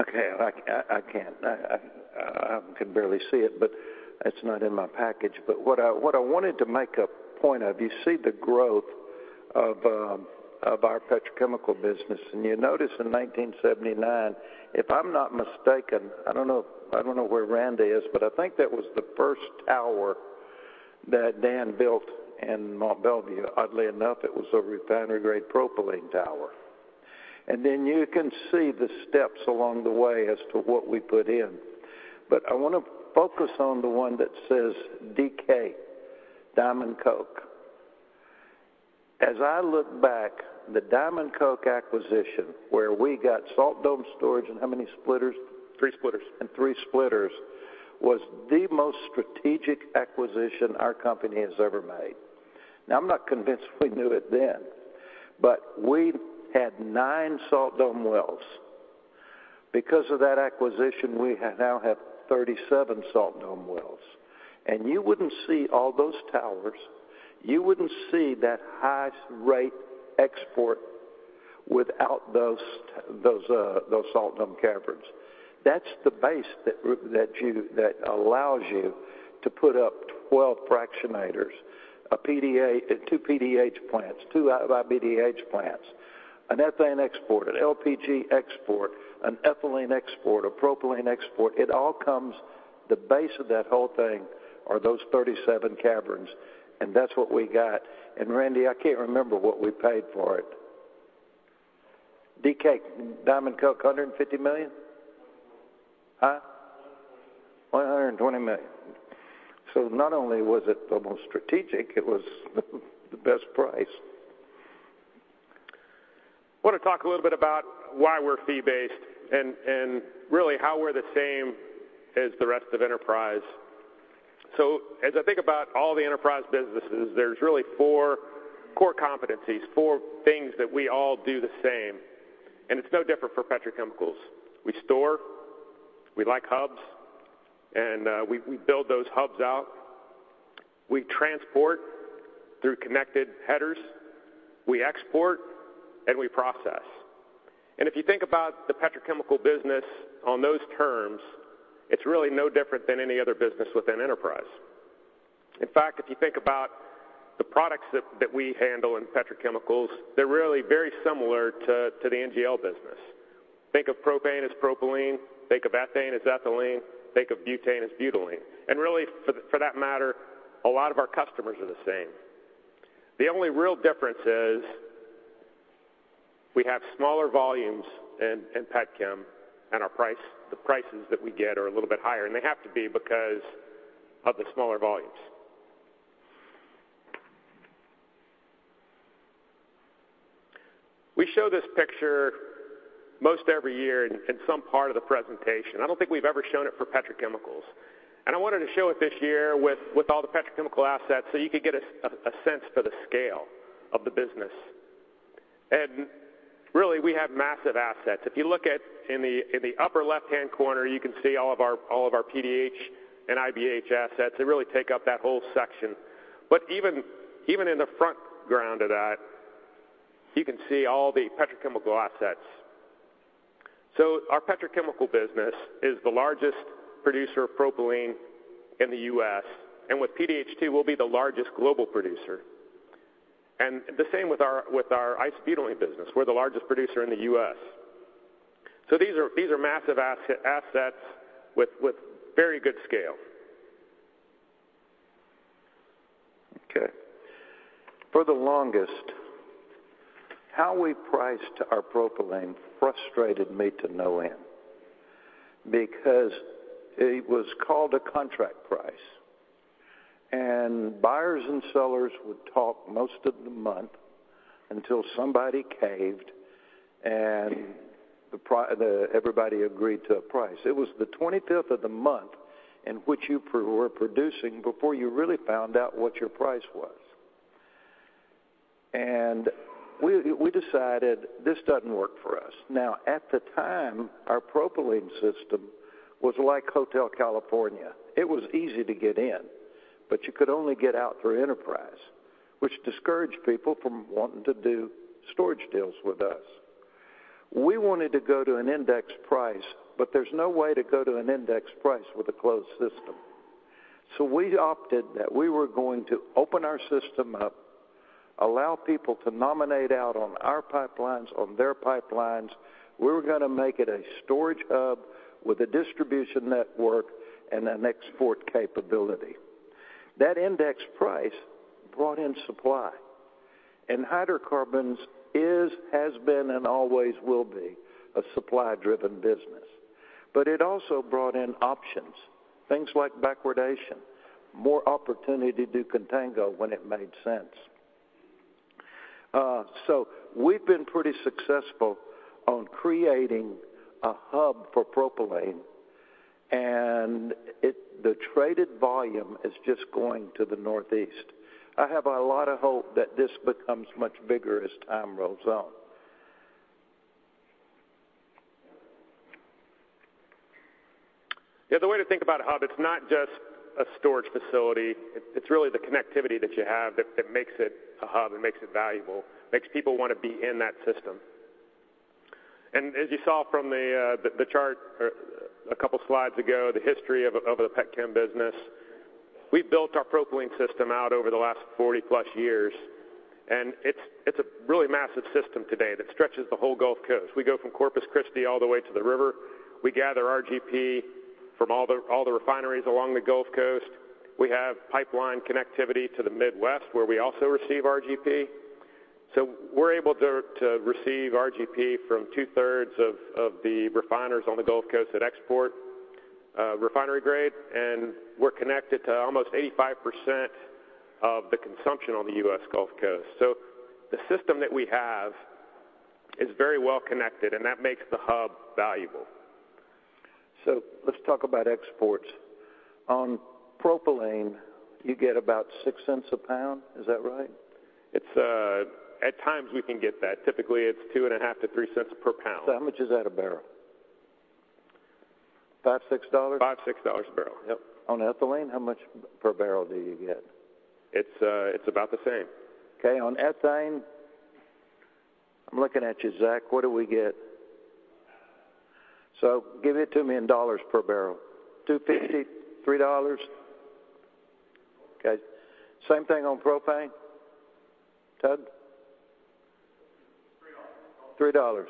Okay. I can't. I can barely see it, but it's not in my package. What I wanted to make a point of, you see the growth of our petrochemical business. You notice in 1979, if I'm not mistaken, I don't know where Randy is, but I think that was the first tower that Dan built in Mont Belvieu. Oddly enough, it was a refinery-grade propylene tower. You can see the steps along the way as to what we put in. I wanna focus on the one that says DK, Diamond Coke. As I look back, the Diamond Coke acquisition, where we got salt dome storage and how many splitters? Three splitters. Three splitters was the most strategic acquisition our company has ever made. Now, I'm not convinced we knew it then, but we had nine salt dome wells. Because of that acquisition, we now have 37 salt dome wells. You wouldn't see all those towers, you wouldn't see that highest rate export without those those salt dome caverns. That's the base that allows you to put up 12 fractionators, a PDA, two PDH plants, two IBDH plants, an ethane export, an LPG export, an ethylene export, a propylene export. It all comes. The base of that whole thing are those 37 caverns, and that's what we got. Randy, I can't remember what we paid for it. DK, Diamond Coke, $150 million? Huh? $120 million. $120 million. Not only was it the most strategic, it was the best price. Wanna talk a little bit about why we're fee-based and really how we're the same as the rest of Enterprise. As I think about all the Enterprise businesses, there's really four core competencies, four things that we all do the same, and it's no different for petrochemicals. We store, we like hubs, and we build those hubs out. We transport through connected headers, we export, and we process. If you think about the petrochemical business on those terms, it's really no different than any other business within Enterprise. In fact, if you think about the products that we handle in petrochemicals, they're really very similar to the NGL business. Think of propane as propylene. Think of ethane as ethylene. Think of butane as butylene. Really, for that matter, a lot of our customers are the same. The only real difference is we have smaller volumes in petchem and the prices that we get are a little bit higher, and they have to be because of the smaller volumes. We show this picture most every year in some part of the presentation. I don't think we've ever shown it for petrochemicals. I wanted to show it this year with all the petrochemical assets so you could get a sense for the scale of the business. Really, we have massive assets. If you look at in the upper left-hand corner, you can see all of our PDH and IBH assets. They really take up that whole section. Even in the front ground of that, you can see all the petrochemical assets. Our petrochemical business is the largest producer of propylene in the U.S., and with PDH 2, we'll be the largest global producer. The same with our isobutylene business. We're the largest producer in the U.S. These are massive assets with very good scale. For the longest, how we priced our propylene frustrated me to no end because it was called a contract price. Buyers and sellers would talk most of the month until somebody caved and everybody agreed to a price. It was the 25th of the month in which you were producing before you really found out what your price was. We decided this doesn't work for us. At the time, our propylene system was like Hotel California. It was easy to get in, but you could only get out through Enterprise, which discouraged people from wanting to do storage deals with us. We wanted to go to an index price, there's no way to go to an index price with a closed system. We opted that we were going to open our system up, allow people to nominate out on our pipelines, on their pipelines. We were gonna make it a storage hub with a distribution network and an export capability. That index price brought in supply, and hydrocarbons is, has been, and always will be a supply-driven business. It also brought in options, things like backwardation, more opportunity to do contango when it made sense. We've been pretty successful on creating a hub for propylene, and the traded volume is just going to the Northeast. I have a lot of hope that this becomes much bigger as time rolls on. Yeah, the way to think about a hub, it's not just a storage facility. It's really the connectivity that you have that makes it a hub and makes it valuable, makes people wanna be in that system. As you saw from the chart or a couple slides ago, the history of the petchem business, we've built our propylene system out over the last 40+ years, and it's a really massive system today that stretches the whole Gulf Coast. We go from Corpus Christi all the way to the river. We gather RGP from all the refineries along the Gulf Coast. We have pipeline connectivity to the Midwest, where we also receive RGP. We're able to receive RGP from 2/3 of the refiners on the Gulf Coast that export refinery grade, and we're connected to almost 85% of the consumption on the U.S. Gulf Coast. The system that we have is very well-connected, and that makes the hub valuable. Let's talk about exports. On propylene, you get about $0.06 a pound. Is that right? At times, we can get that. Typically, it's $0.025-$0.03 per pound. How much is that a barrel? $5, $6? $5, $6 a barrel, yep. On ethylene, how much per barrel do you get? It's, it's about the same. Okay, on ethane, I'm looking at you, Zach, what do we get? Give it to me in dollars per barrel. $2.50? $3? Okay. Same thing on propane. Ted? $3. $3.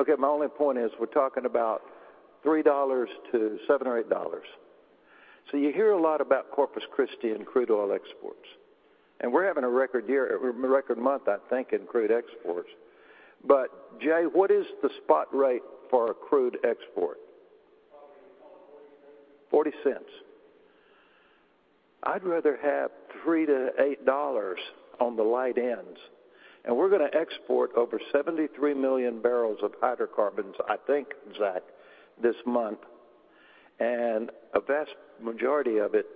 Okay. My only point is we're talking about $3 to $7 or $8. You hear a lot about Corpus Christi and crude oil exports, we're having a record year, record month, I think, in crude exports. Jay, what is the spot rate for a crude export? $0.40. $0.40. I'd rather have $3-$8 on the light ends. We're gonna export over 73 million barrels of hydrocarbons, I think, Zach, this month, and a vast majority of it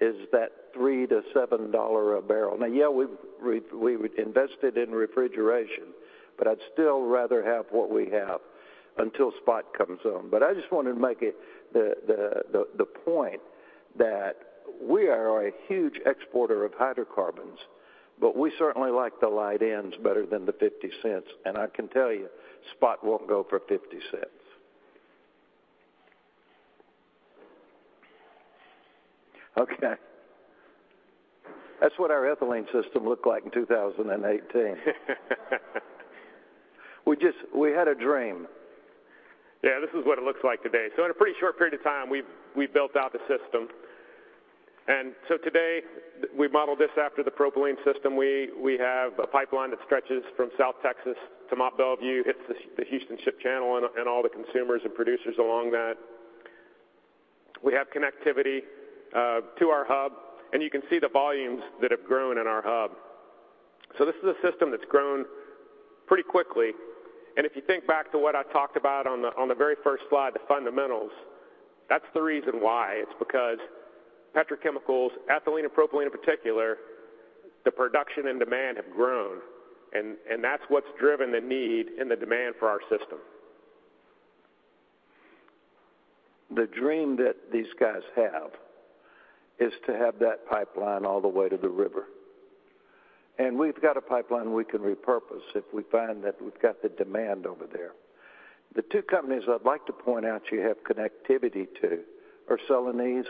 is that $3-$7 a barrel. Now, yeah, we invested in refrigeration, but I'd still rather have what we have. Until spot comes on. I just wanted to make the point that we are a huge exporter of hydrocarbons, but we certainly like the light ends better than the $0.50. I can tell you, spot won't go for $0.50. Okay. That's what our ethylene system looked like in 2018. We had a dream. Yeah, this is what it looks like today. In a pretty short period of time, we've built out the system. Today, we modeled this after the propylene system. We have a pipeline that stretches from South Texas to Mont Belvieu. It's the Houston Ship Channel and all the consumers and producers along that. We have connectivity to our hub, and you can see the volumes that have grown in our hub. This is a system that's grown pretty quickly. If you think back to what I talked about on the very first slide, the fundamentals, that's the reason why. It's because petrochemicals, ethylene and propylene in particular, the production and demand have grown, and that's what's driven the need and the demand for our system. The dream that these guys have is to have that pipeline all the way to the river. We've got a pipeline we can repurpose if we find that we've got the demand over there. The two companies I'd like to point out you have connectivity to are Celanese.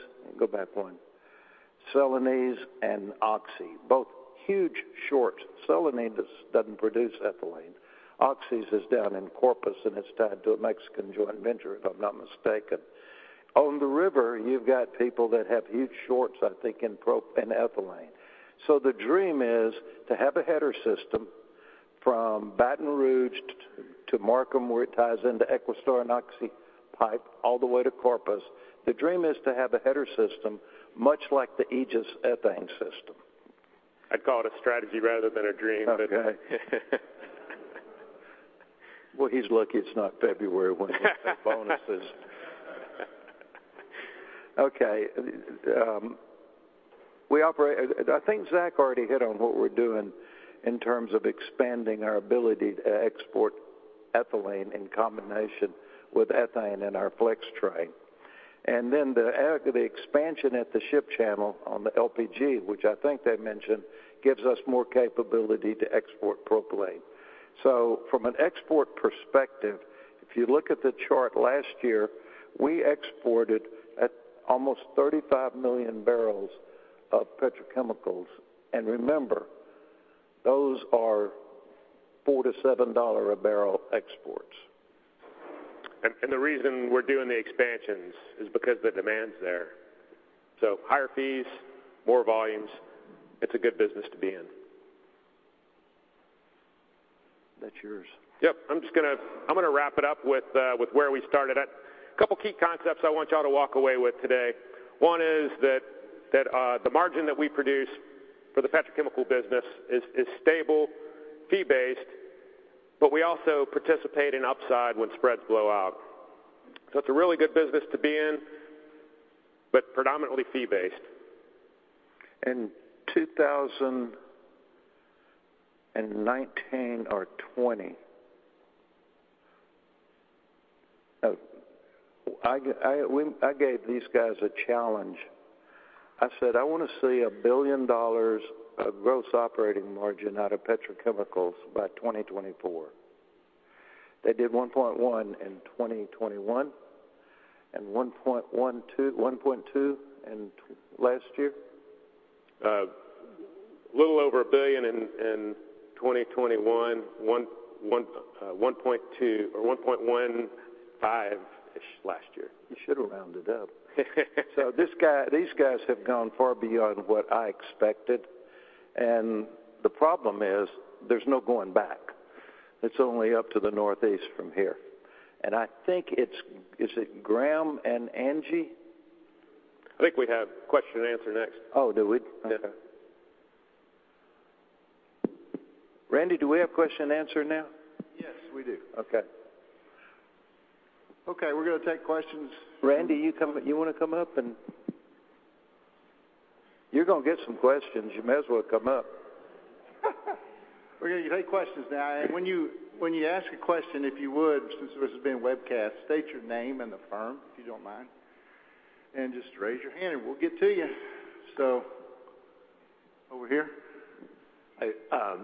Celanese and Oxy, both huge short. Celanese doesn't produce ethylene. Oxy's is down in Corpus, and it's tied to a Mexican joint venture, if I'm not mistaken. On the river, you've got people that have huge shorts, I think, in ethylene. The dream is to have a header system from Baton Rouge to Markham, where it ties into Equistar and Oxy pipe all the way to Corpus. The dream is to have a header system much like the Aegis ethane system. I'd call it a strategy rather than a dream, but. Okay. Well, he's lucky it's not February when we cut bonuses. Okay. I think Zach already hit on what we're doing in terms of expanding our ability to export ethylene in combination with ethane in our flex train. The expansion at the ship channel on the LPG, which I think they mentioned, gives us more capability to export propylene. From an export perspective, if you look at the chart last year, we exported at almost 35 million barrels of petrochemicals. Remember, those are $4-$7 a barrel exports. The reason we're doing the expansions is because the demand's there. Higher fees, more volumes, it's a good business to be in. That's yours. Yep. I'm just gonna wrap it up with where we started at. A couple key concepts I want y'all to walk away with today. One is that the margin that we produce for the petrochemical business is stable, fee-based, but we also participate in upside when spreads blow out. It's a really good business to be in, but predominantly fee-based. In 2019 or 2020, I gave these guys a challenge. I said, "I wanna see $1 billion of gross operating margin out of petrochemicals by 2024." They did 1.1 in 2021, and 1.2 in last year? A little over $1 billion in 2021, $1.2 billion or $1.15 billion-ish last year. You should've rounded up. These guys have gone far beyond what I expected, and the problem is, there's no going back. It's only up to the northeast from here. I think. Is it Graham and Angie? I think we have question and answer next. Oh, do we? Yeah. Okay. Randy, do we have question and answer now? Yes, we do. Okay. Okay, we're gonna take questions. Randy, you wanna come up and. You're gonna get some questions. You may as well come up. We're gonna take questions now. When you ask a question, if you would, since this is being webcast, state your name and the firm, if you don't mind. Just raise your hand, and we'll get to you. Over here.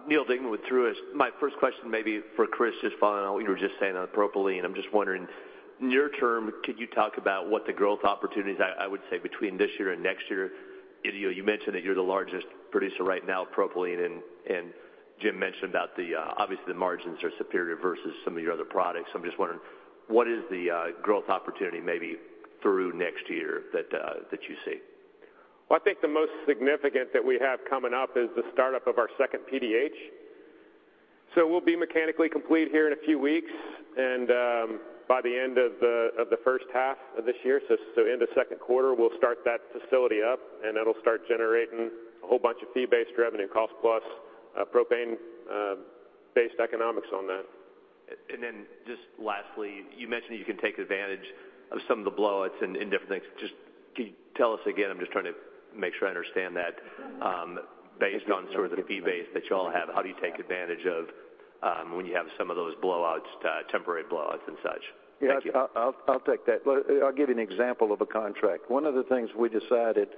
Neal Dingman with Truist. My first question may be for Chris, just following on what you were just saying on propylene. I'm just wondering, near term, could you talk about what the growth opportunities, I would say, between this year and next year? You know, you mentioned that you're the largest producer right now of propylene and Jim mentioned about the, obviously, the margins are superior versus some of your other products. I'm just wondering, what is the growth opportunity maybe through next year that you see? I think the most significant that we have coming up is the startup of our second PDH. We'll be mechanically complete here in a few weeks, and by the end of the first half of this year, so end of second quarter, we'll start that facility up, and it'll start generating a whole bunch of fee-based revenue, cost plus propane based economics on that. Then just lastly, you mentioned that you can take advantage of some of the blowouts in different things. Can you tell us again, I'm just trying to make sure I understand that, based on sort of the fee base that y'all have, how do you take advantage of, when you have some of those blowouts temporary blowouts and such? Yeah. Thank you. I'll take that. I'll give you an example of a contract. One of the things we decided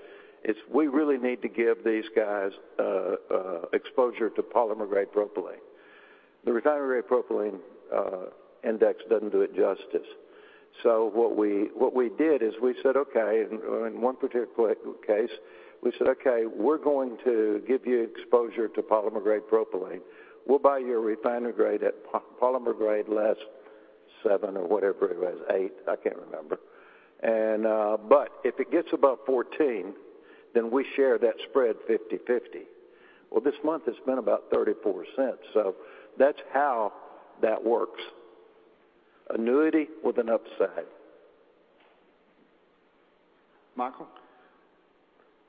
is we really need to give these guys a exposure to polymer-grade propylene. The refinery propylene index doesn't do it justice. What we did is we said, "Okay." In one particular case, we said, "Okay, we're going to give you exposure to polymer-grade propylene. We'll buy you a refiner grade at polymer-grade less 7 or whatever it was, 8, I can't remember. If it gets above 14, we share that spread 50/50." This month it's been about $0.34, that's how that works. Annuity with an upside. Michael?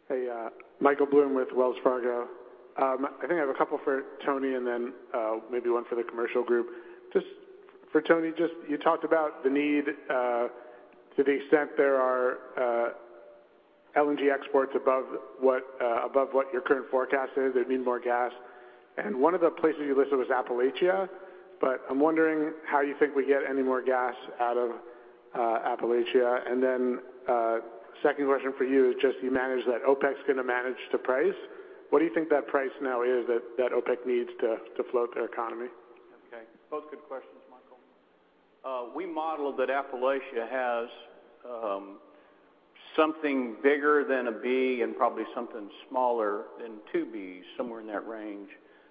Hey, Michael Bloom with Wells Fargo. I think I have a couple for Tony and then maybe one for the commercial group. Just for Tony, you talked about the need to the extent there are LNG exports above what your current forecast is, they'd need more gas. One of the places you listed was Appalachia, but I'm wondering how you think we get any more gas out of Appalachia. Second question for you is just you manage that OPEC's gonna manage the price. What do you think that price now is that OPEC needs to float their economy? Okay. Both good questions, Michael. We modeled that Appalachia has something bigger than 1 B and probably something smaller than 2 Bs, somewhere in that range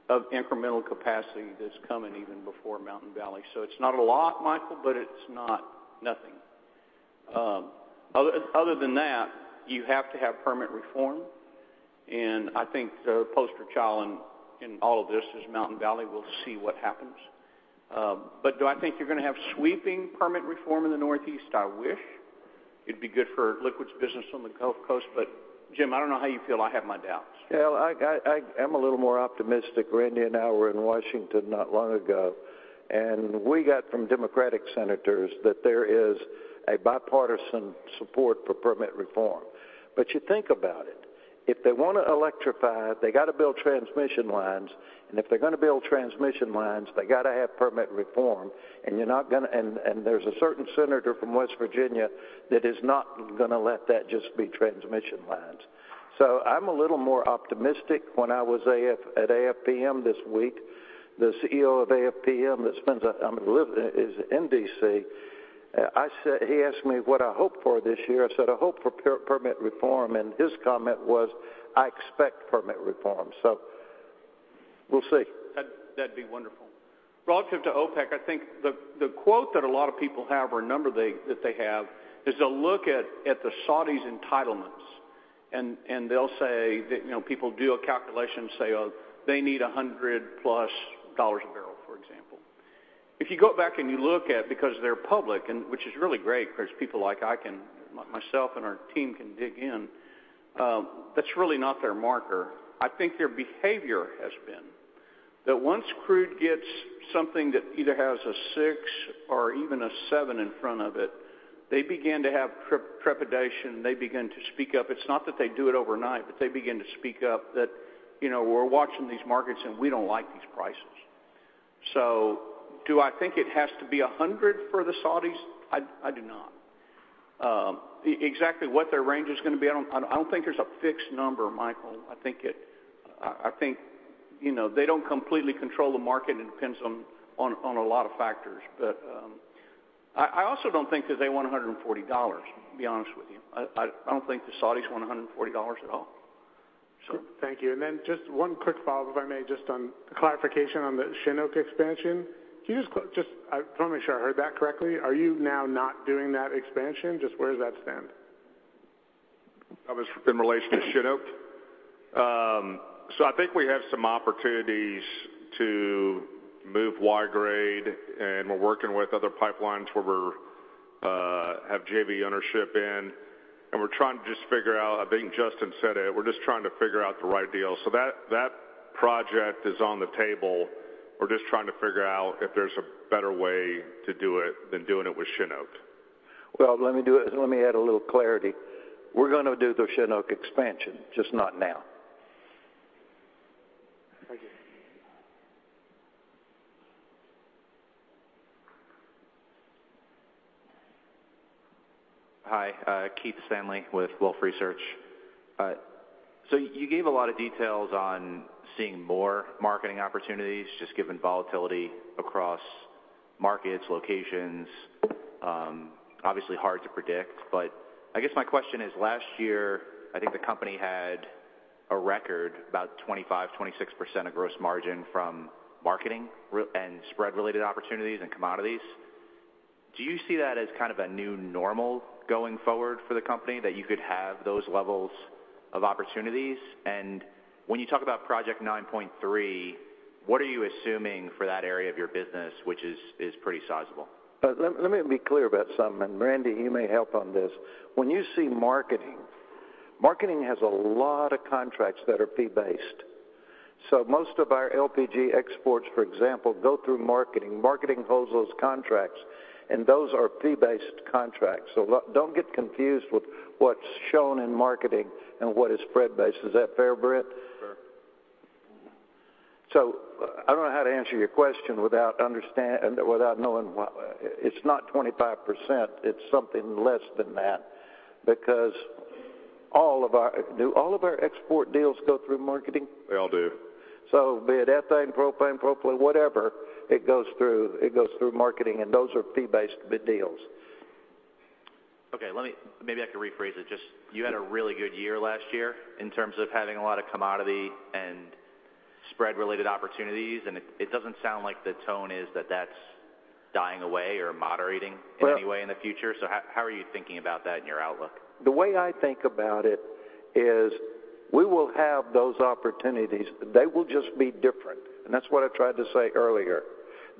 of incremental capacity that's coming even before Mountain Valley. It's not a lot, Michael, but it's not nothing. Other, other than that, you have to have permit reform. I think the poster child in all of this is Mountain Valley. We'll see what happens. Do I think you're gonna have sweeping permit reform in the Northeast? I wish. It'd be good for liquids business on the Gulf Coast. Jim, I don't know how you feel. I have my doubts. Yeah. I'm a little more optimistic. Randy and I were in Washington not long ago, we got from Democratic senators that there is a bipartisan support for permit reform. You think about it. If they wanna electrify, they gotta build transmission lines, and if they're gonna build transmission lines, they gotta have permit reform. There's a certain senator from West Virginia that is not gonna let that just be transmission lines. I'm a little more optimistic. When I was at AFPM this week, the CEO of AFPM that spends, I mean is in D.C., He asked me what I hope for this year. I said, "I hope for permit reform." His comment was, "I expect permit reform." We'll see. That'd be wonderful. Relative to OPEC, I think the quote that a lot of people have or number that they have is to look at the Saudis' entitlements. They'll say, you know, people do a calculation and say, "Oh, they need 100 plus dollars a barrel," for example. If you go back and you look at, because they're public, which is really great 'cause people like I can, myself and our team can dig in, that's really not their marker. I think their behavior has been that once crude gets something that either has a six or even a seven in front of it, they begin to have trepidation. They begin to speak up. It's not that they do it overnight, but they begin to speak up that, you know, we're watching these markets and we don't like these prices. Do I think it has to be 100 for the Saudis? I do not. exactly what their range is gonna be, I don't, I don't think there's a fixed number, Michael. I think, you know, they don't completely control the market. It depends on a lot of factors. I also don't think that they want $140, to be honest with you. I don't think the Saudis want $140 at all, so. Thank you. Just one quick follow-up, if I may, just on clarification on the Cheniere expansion. Can you just, I wanna make sure I heard that correctly. Are you now not doing that expansion? Just where does that stand? That was in relation to Cheniere? I think we have some opportunities to move Y-grade, and we're working with other pipelines where we're have JV ownership in, and we're trying to just figure out. I think Justin said it. We're just trying to figure out the right deal. That, that project is on the table. We're just trying to figure out if there's a better way to do it than doing it with Cheniere. Let me do it. Let me add a little clarity. We're gonna do the Cheniere expansion, just not now. Thank you. Hi, Keith Stanley with Wolfe Research. You gave a lot of details on seeing more marketing opportunities, just given volatility across markets, locations. Obviously hard to predict, I guess my question is, last year, I think the company had a record about 25%, 26% of gross margin from marketing and spread related opportunities and commodities. Do you see that as kind of a new normal going forward for the company, that you could have those levels of opportunities? When you talk about Project 9.3, what are you assuming for that area of your business, which is pretty sizable? Let me be clear about something, and Randy, you may help on this. When you say marketing has a lot of contracts that are fee-based. Most of our LPG exports, for example, go through marketing. Marketing holds those contracts, and those are fee-based contracts. Don't get confused with what's shown in marketing and what is spread-based. Is that fair, Brent? Sure. I don't know how to answer your question without knowing. It's not 25%, it's something less than that because all of our... Do all of our export deals go through marketing? They all do. be it ethane, propane, propylene, whatever, it goes through marketing, and those are fee-based bid deals. Okay, maybe I could rephrase it. Just, you had a really good year last year in terms of having a lot of commodity and spread-related opportunities, and it doesn't sound like the tone is that that's dying away or moderating. Well- in any way in the future. How are you thinking about that in your outlook? The way I think about it is, we will have those opportunities. They will just be different, and that's what I tried to say earlier.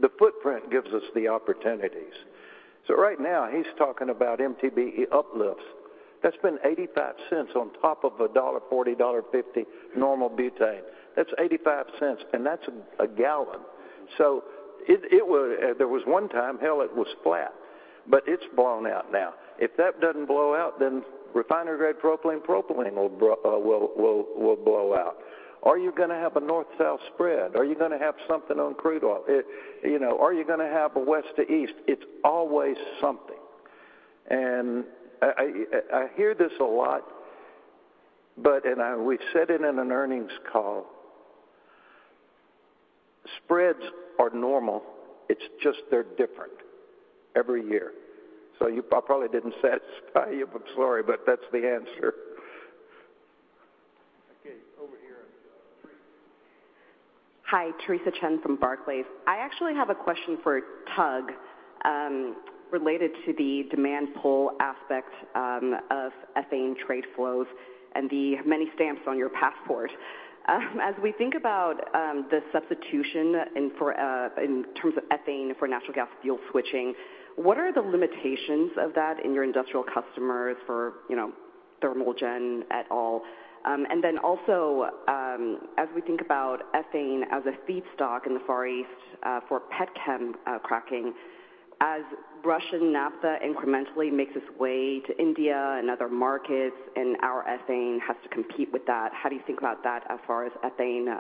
The footprint gives us the opportunities. Right now, he's talking about MTBE uplifts. That's been $0.85 on top of a $1.40, $1.50 normal butane. That's $0.85, and that's a gallon. It was one time, hell, it was flat, but it's blown out now. If that doesn't blow out, then refinery-grade propylene will blow out. Are you gonna have a north-south spread? Are you gonna have something on crude oil? It, you know. Are you gonna have a west to east? It's always something. I hear this a lot, but we've said it in an earnings call. Spreads are normal. It's just they're different every year. I probably didn't satisfy you, but sorry, but that's the answer. Okay. Over here. Hi. Theresa Chen from Barclays. I actually have a question for Tug related to the demand pull aspect of ethane trade flows and the many stamps on your passport. As we think about the substitution in terms of ethane for natural gas fuel switching, what are the limitations of that in your industrial customers for, you know, thermal gen et al? Then also, as we think about ethane as a feedstock in the Far East for petchem cracking, as Russian naphtha incrementally makes its way to India and other markets, and our ethane has to compete with that, how do you think about that as far as ethane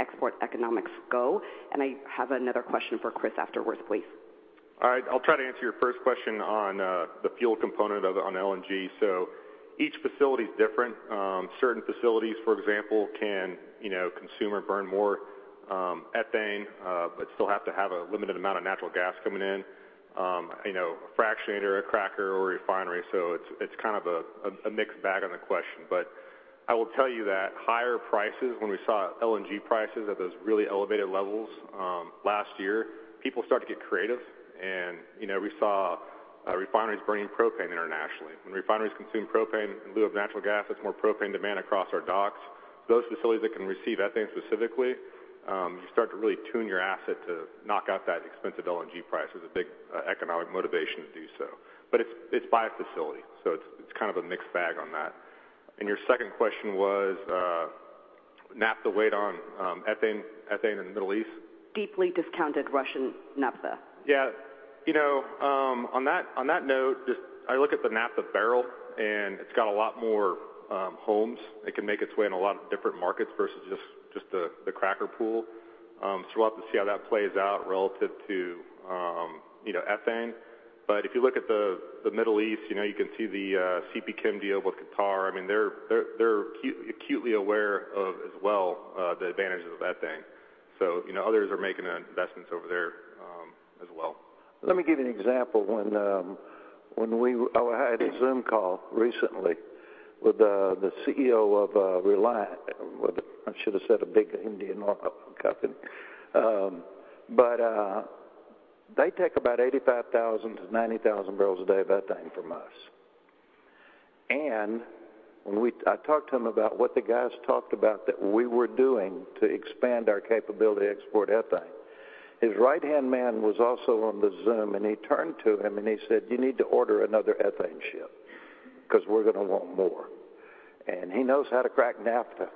export economics go? I have another question for Chris afterwards, please. I'll try to answer your first question on the fuel component of, on LNG. Each facility is different. Certain facilities, for example, can, you know, consume or burn more ethane, but still have to have a limited amount of natural gas coming in, you know, a fractionator, a cracker or a refinery, so it's kind of a mixed bag on the question. I will tell you that higher prices, when we saw LNG prices at those really elevated levels last year, people started to get creative. You know, we saw refineries burning propane internationally. When refineries consume propane in lieu of natural gas, that's more propane demand across our docks. Those facilities that can receive ethane specifically, you start to really tune your asset to knock out that expensive LNG price. There's a big, economic motivation to do so. It's by facility, so it's kind of a mixed bag on that. Your second question was, naphtha weight on, ethane in the Middle East? Deeply discounted Russian naphtha. Yeah. You know, on that, on that note, just I look at the naphtha barrel, and it's got a lot more homes. It can make its way in a lot of different markets versus just the cracker pool. We'll have to see how that plays out relative to, you know, ethane. If you look at the Middle East, you know, you can see the CPChem deal with Qatar. I mean, they're acutely aware of, as well, the advantages of ethane. You know, others are making investments over there, as well. Let me give you an example. When I had a Zoom call recently with the CEO of Reliance. I should have said a big Indian oil company. They take about 85,000-90,000 barrels a day of ethane from us. When I talked to him about what the guys talked about that we were doing to expand our capability to export ethane. His right-hand man was also on the Zoom, and he turned to him, and he said, "You need to order another ethane ship 'cause we're gonna want more." He knows how to crack naphtha,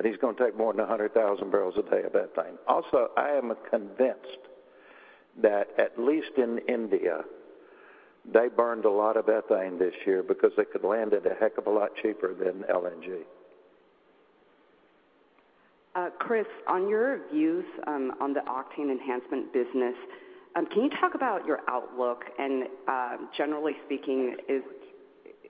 but he's gonna take more than 100,000 barrels a day of ethane. I am convinced that at least in India, they burned a lot of ethane this year because they could land it a heck of a lot cheaper than LNG. Chris, on your views, on the octane enhancement business, can you talk about your outlook? Generally speaking,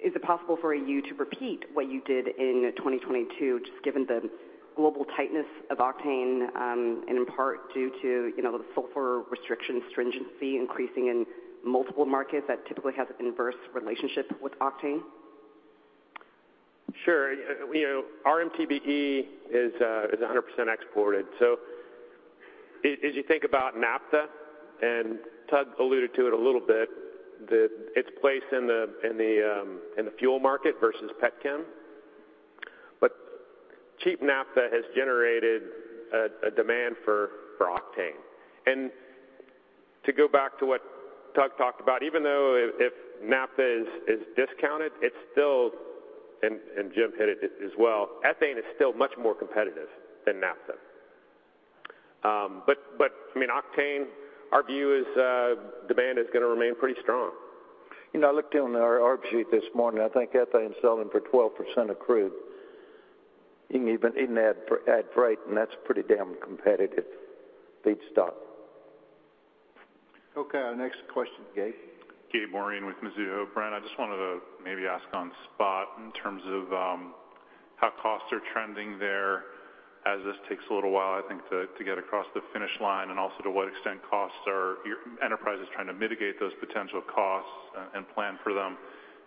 is it possible for you to repeat what you did in 2022, just given the global tightness of octane, and in part due to, you know, the sulfur restriction stringency increasing in multiple markets that typically has inverse relationship with octane? Sure. You know, our MTBE is 100% exported. As you think about naphtha, and Tug alluded to it a little bit, its place in the fuel market versus petchem. Cheap naphtha has generated a demand for octane. To go back to what Tug talked about, even though if naphtha is discounted, and Jim hit it as well. Ethane is still much more competitive than naphtha. I mean, octane, our view is, demand is gonna remain pretty strong. You know, I looked down our arb sheet this morning. I think ethane's selling for 12% of crude. You can even add freight. That's pretty damn competitive feedstock. Okay, our next question, Gabe. Gabriel Moreen with Mizuho. Brent, I just wanted to maybe ask on SPOT in terms of how costs are trending there as this takes a little while, I think to get across the finish line, and also to what extent costs are your Enterprise is trying to mitigate those potential costs and plan for them,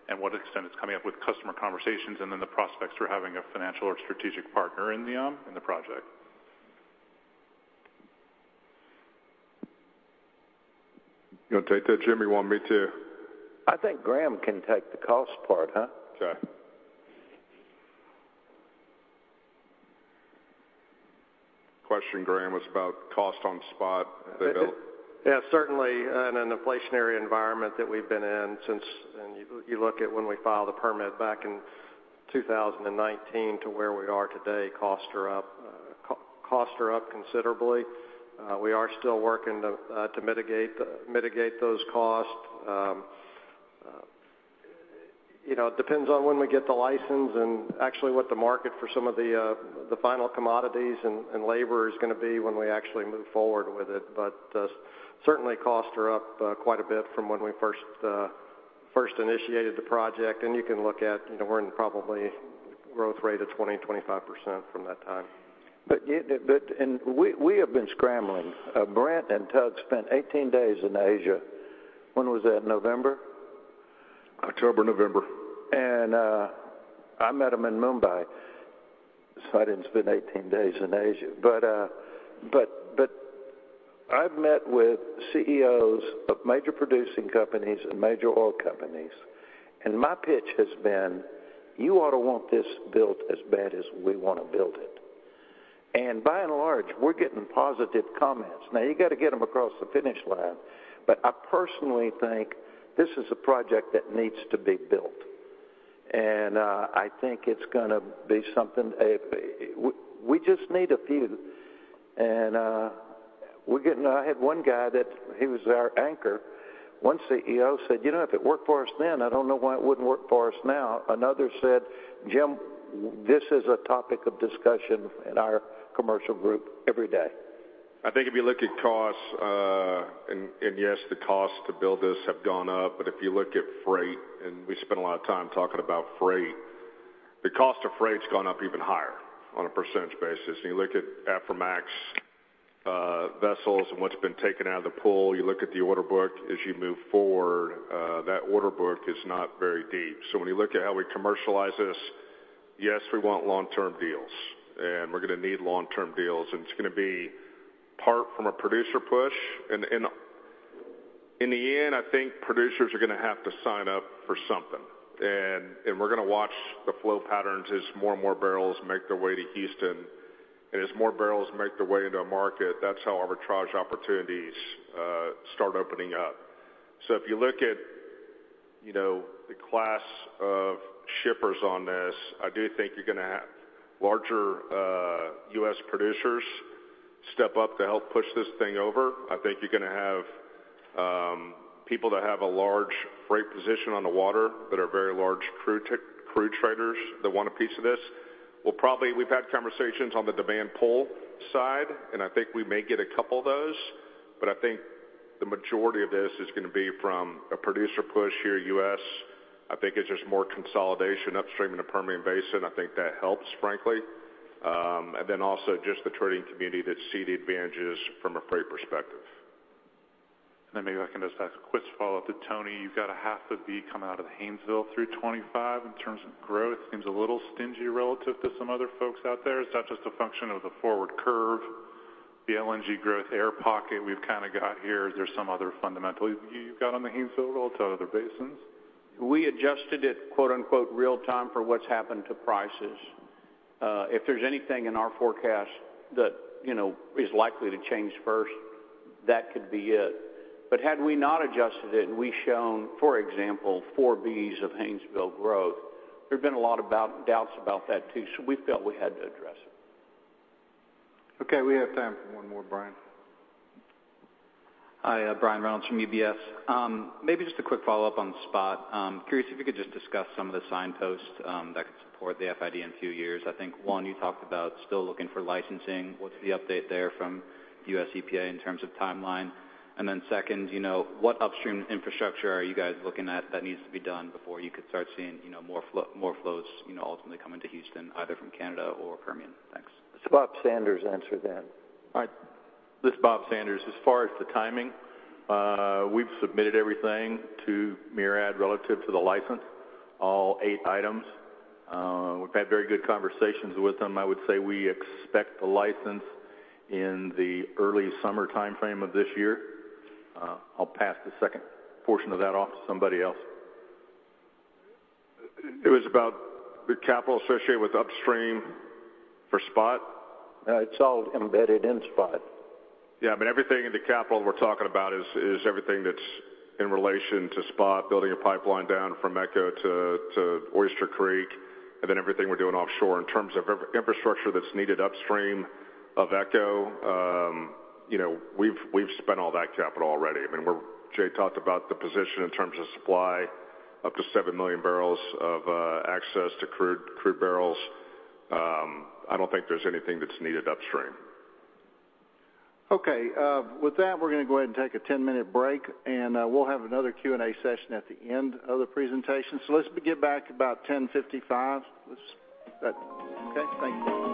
and what extent it's coming up with customer conversations and then the prospects for having a financial or strategic partner in the project. You wanna take that, Jim, or you want me to? I think Graham can take the cost part, huh? Okay. Question, Graham, was about cost on SPOT. Yeah. Certainly in an inflationary environment that we've been in since and you look at when we filed a permit back in 2019 to where we are today, costs are up. Costs are up considerably. We are still working to mitigate those costs. you know, it depends on when we get the license and actually what the market for some of the final commodities and labor is gonna be when we actually move forward with it. certainly costs are up quite a bit from when we first initiated the project, and you can look at, you know, we're in probably growth rate of 20%-25% from that time. We have been scrambling. Brent and Tug spent 18 days in Asia. When was that? November? October, November. I met 'em in Mumbai, so I didn't spend 18 days in Asia. But I've met with CEOs of major producing companies and major oil companies, and my pitch has been, "You ought to want this built as bad as we wanna build it." By and large, we're getting positive comments. Now you gotta get 'em across the finish line, but I personally think this is a project that needs to be built. I think it's gonna be something. We just need a few, I had one guy that he was our anchor. One CEO said, "You know, if it worked for us then, I don't know why it wouldn't work for us now." Another said, "Jim, this is a topic of discussion in our commercial group every day. I think if you look at costs, and yes, the costs to build this have gone up, but if you look at freight, and we spent a lot of time talking about freight, the cost of freight's gone up even higher on a percentage basis. You look at Aframax vessels and what's been taken out of the pool, you look at the order book as you move forward, that order book is not very deep. When you look at how we commercialize this, yes, we want long-term deals, and we're gonna need long-term deals, and it's gonna be part from a producer push. In the end, I think producers are gonna have to sign up for something. We're gonna watch the flow patterns as more and more barrels make their way to Houston. As more barrels make their way into a market, that's how arbitrage opportunities start opening up. If you look at, you know, the class of shippers on this, I do think you're gonna have larger U.S. producers step up to help push this thing over. I think you're gonna have people that have a large freight position on the water that are very large crew traders that want a piece of this. We've had conversations on the demand pull side, and I think we may get a couple of those, but I think the majority of this is gonna be from a producer push here U.S. I think it's just more consolidation upstream in the Permian Basin. I think that helps, frankly. Then also just the trading community that see the advantages from a freight perspective. Maybe if I can just ask a quick follow-up to Tony. You've got a half a B coming out of Haynesville through 25 in terms of growth. Seems a little stingy relative to some other folks out there. Is that just a function of the forward curve, the LNG growth air pocket we've kind of got here? Is there some other fundamental you've got on the Haynesville relative to other basins? We adjusted it, quote-unquote, real time for what's happened to prices. If there's anything in our forecast that, you know, is likely to change first, that could be it. Had we not adjusted it and we've shown, for example, 4 Bcf of Haynesville growth, there'd been a lot about doubts about that too, so we felt we had to address it. Okay. We have time for one more, Brian. Hi. Brian Reynolds from UBS. Maybe just a quick follow-up on the SPOT. Curious if you could just discuss some of the signposts that could support the FID in a few years. I think, one, you talked about still looking for licensing. What's the update there from the USEPA in terms of timeline? Second, what upstream infrastructure are you guys looking at that needs to be done before you could start seeing more flows ultimately coming to Houston, either from Canada or Permian? Thanks. Let's Bob Sanders answer that. All right. This is Bob Sanders. As far as the timing, we've submitted everything to MARAD relative to the license, all 8 items. We've had very good conversations with them. I would say we expect the license in the early summer timeframe of this year. I'll pass the second portion of that off to somebody else. It was about the capital associated with upstream for spot? It's all embedded in spot. Yeah. I mean, everything in the capital we're talking about is everything that's in relation to SPOT, building a pipeline down from ECHO to Oyster Creek, and then everything we're doing offshore. In terms of infrastructure that's needed upstream of ECHO, you know, we've spent all that capital already. I mean, Jay talked about the position in terms of supply up to 7 million barrels of access to crude barrels. I don't think there's anything that's needed upstream. Okay. With that, we're gonna go ahead and take a 10-minute break, we'll have another Q&A session at the end of the presentation. Let's get back about 10:55 A.M. Okay. Thank you. Okay.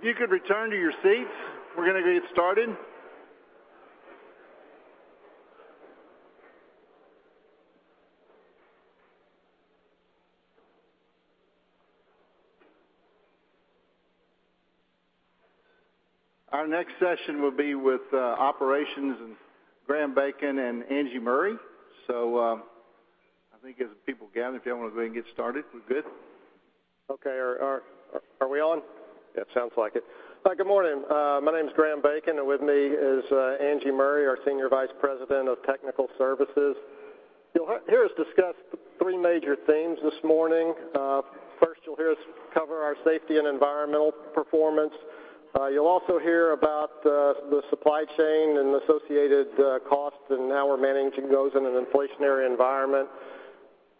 If you could return to your seats, we're gonna get started. Our next session will be with operations and Graham Bacon and Angie Murray. I think as people gather, if y'all wanna go ahead and get started, we're good. Okay. Are we on? Yeah, it sounds like it. Good morning. My name's Graham Bacon, and with me is Angie Murray, our Senior Vice President of Technical Services. You'll hear us discuss three major themes this morning. First, you'll hear us cover our safety and environmental performance. You'll also hear about the supply chain and associated costs and how we're managing those in an inflationary environment.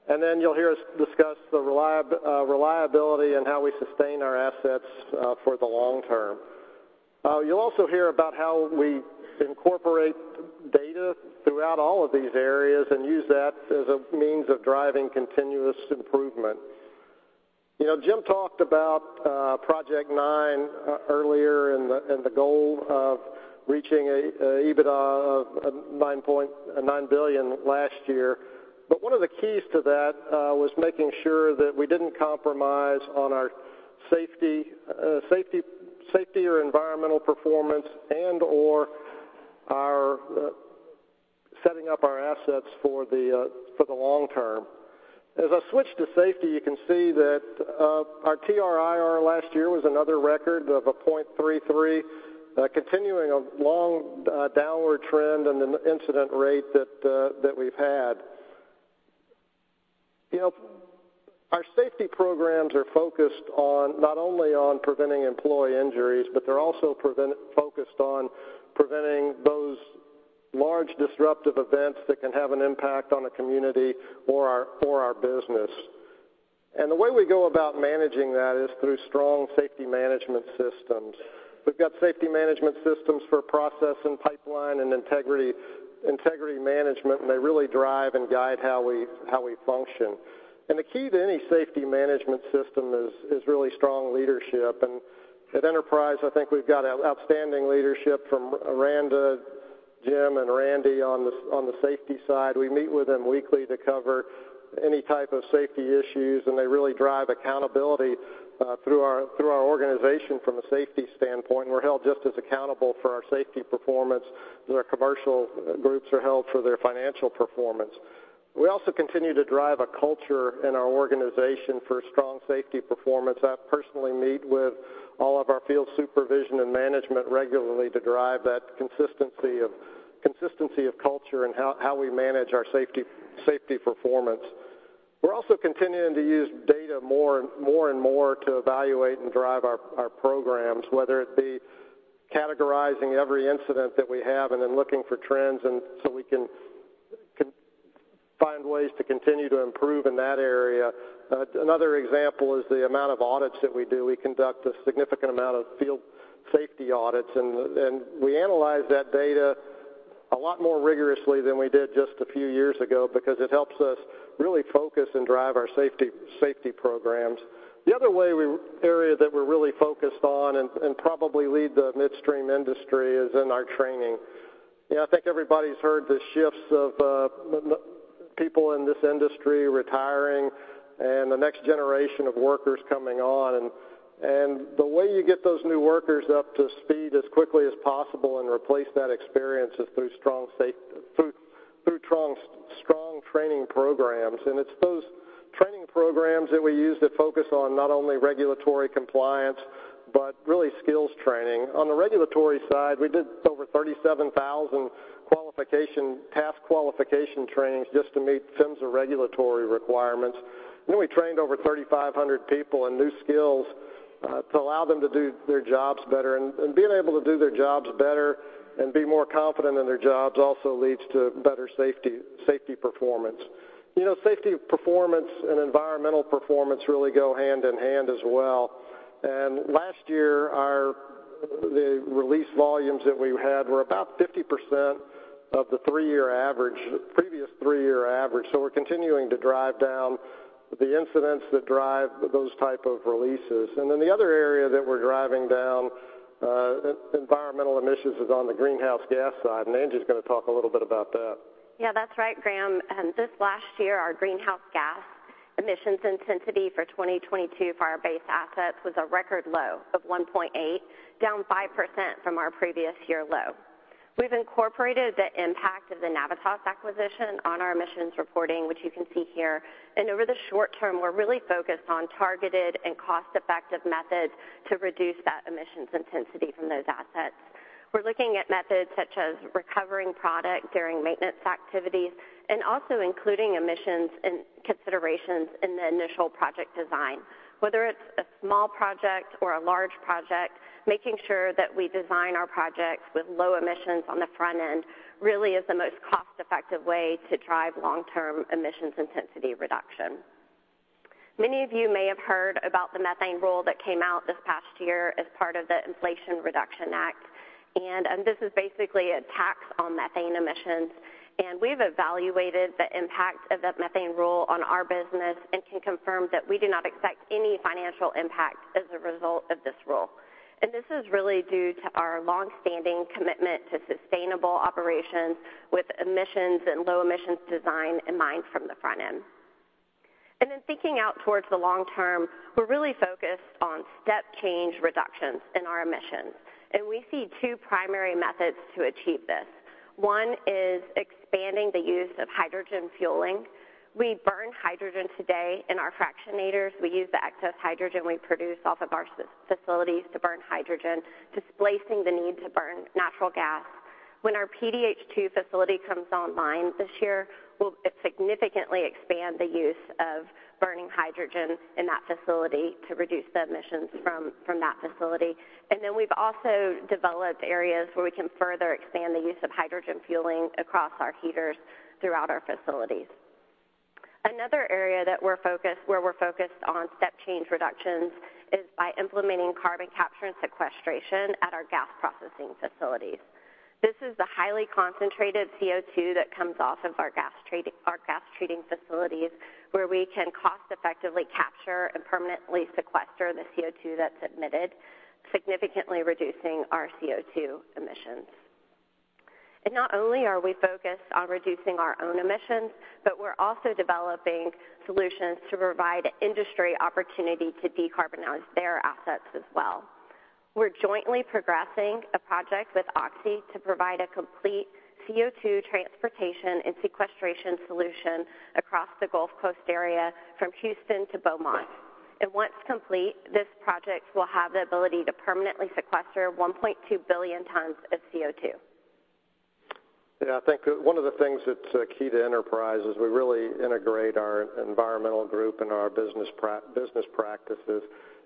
Then you'll hear us discuss reliability and how we sustain our assets for the long term. You'll also hear about how we incorporate data throughout all of these areas and use that as a means of driving continuous improvement. You know, Jim talked about Project Nine earlier and the goal of reaching EBITDA of $9 billion last year. One of the keys to that was making sure that we didn't compromise on our safety or environmental performance and/or setting up our assets for the long term. As I switch to safety, you can see that our TRIR last year was another record of 0.33, continuing a long downward trend in the incident rate that we've had. You know, our safety programs are focused not only on preventing employee injuries, but they're also focused on preventing those large disruptive events that can have an impact on a community or our business. The way we go about managing that is through strong safety management systems. We've got safety management systems for process and pipeline and integrity management. They really drive and guide how we function. The key to any safety management system is really strong leadership. At Enterprise, I think we've got outstanding leadership from Randa, Jim, and Randy on the safety side. We meet with them weekly to cover any type of safety issues, and they really drive accountability through our organization from a safety standpoint. We're held just as accountable for our safety performance as our commercial groups are held for their financial performance. We also continue to drive a culture in our organization for strong safety performance. I personally meet with all of our field supervision and management regularly to drive that consistency of culture and how we manage our safety performance. We're also continuing to use data more and more to evaluate and drive our programs, whether it be categorizing every incident that we have and then looking for trends so we can find ways to continue to improve in that area. Another example is the amount of audits that we do. We conduct a significant amount of field safety audits, and we analyze that data a lot more rigorously than we did just a few years ago because it helps us really focus and drive our safety programs. The other area that we're really focused on and probably lead the midstream industry is in our training. You know, I think everybody's heard the shifts of the people in this industry retiring and the next generation of workers coming on. The way you get those new workers up to speed as quickly as possible and replace that experience is through strong training programs. It's those training programs that we use to focus on not only regulatory compliance, but really skills training. On the regulatory side, we did over 37,000 task qualification trainings just to meet PHMSA regulatory requirements. Then we trained over 3,500 people in new skills to allow them to do their jobs better. Being able to do their jobs better and be more confident in their jobs also leads to better safety performance. You know, safety performance and environmental performance really go hand in hand as well. Last year, the release volumes that we had were about 50% of the three-year average, previous three-year average, so we're continuing to drive down the incidents that drive those type of releases. The other area that we're driving down, environmental emissions is on the greenhouse gas side, and Angie's gonna talk a little bit about that. Yeah, that's right, Graham. Just last year, our greenhouse gas emissions intensity for 2022 fire-based assets was a record low of 1.8, down 5% from our previous year low. We've incorporated the impact of the Navitas acquisition on our emissions reporting, which you can see here. Over the short term, we're really focused on targeted and cost-effective methods to reduce that emissions intensity from those assets. We're looking at methods such as recovering product during maintenance activities and also including emissions and considerations in the initial project design. Whether it's a small project or a large project, making sure that we design our projects with low emissions on the front end really is the most cost-effective way to drive long-term emissions intensity reduction. Many of you may have heard about the methane rule that came out this past year as part of the Inflation Reduction Act. This is basically a tax on methane emissions. We've evaluated the impact of the methane rule on our business and can confirm that we do not expect any financial impact as a result of this rule. This is really due to our longstanding commitment to sustainable operations with emissions and low emissions design in mind from the front end. Then thinking out towards the long term, we're really focused on step change reductions in our emissions, and we see two primary methods to achieve this. One is expanding the use of hydrogen fueling. We burn hydrogen today in our fractionators. We use the excess hydrogen we produce off of our sy-facilities to burn hydrogen, displacing the need to burn natural gas. When our PDH 2 facility comes online this year, we'll significantly expand the use of burning hydrogen in that facility to reduce the emissions from that facility. We've also developed areas where we can further expand the use of hydrogen fueling across our heaters throughout our facilities. Another area where we're focused on step change reductions is by implementing carbon capture and sequestration at our gas processing facilities. This is the highly concentrated CO2 that comes off of our gas treating facilities, where we can cost-effectively capture and permanently sequester the CO2 that's emitted, significantly reducing our CO2 emissions. Not only are we focused on reducing our own emissions, but we're also developing solutions to provide industry opportunity to decarbonize their assets as well. We're jointly progressing a project with Oxy to provide a complete CO2 transportation and sequestration solution across the Gulf Coast area from Houston to Beaumont. Once complete, this project will have the ability to permanently sequester 1.2 billion tons of CO2. Yeah, I think one of the things that's key to Enterprise is we really integrate our environmental group and our business practices.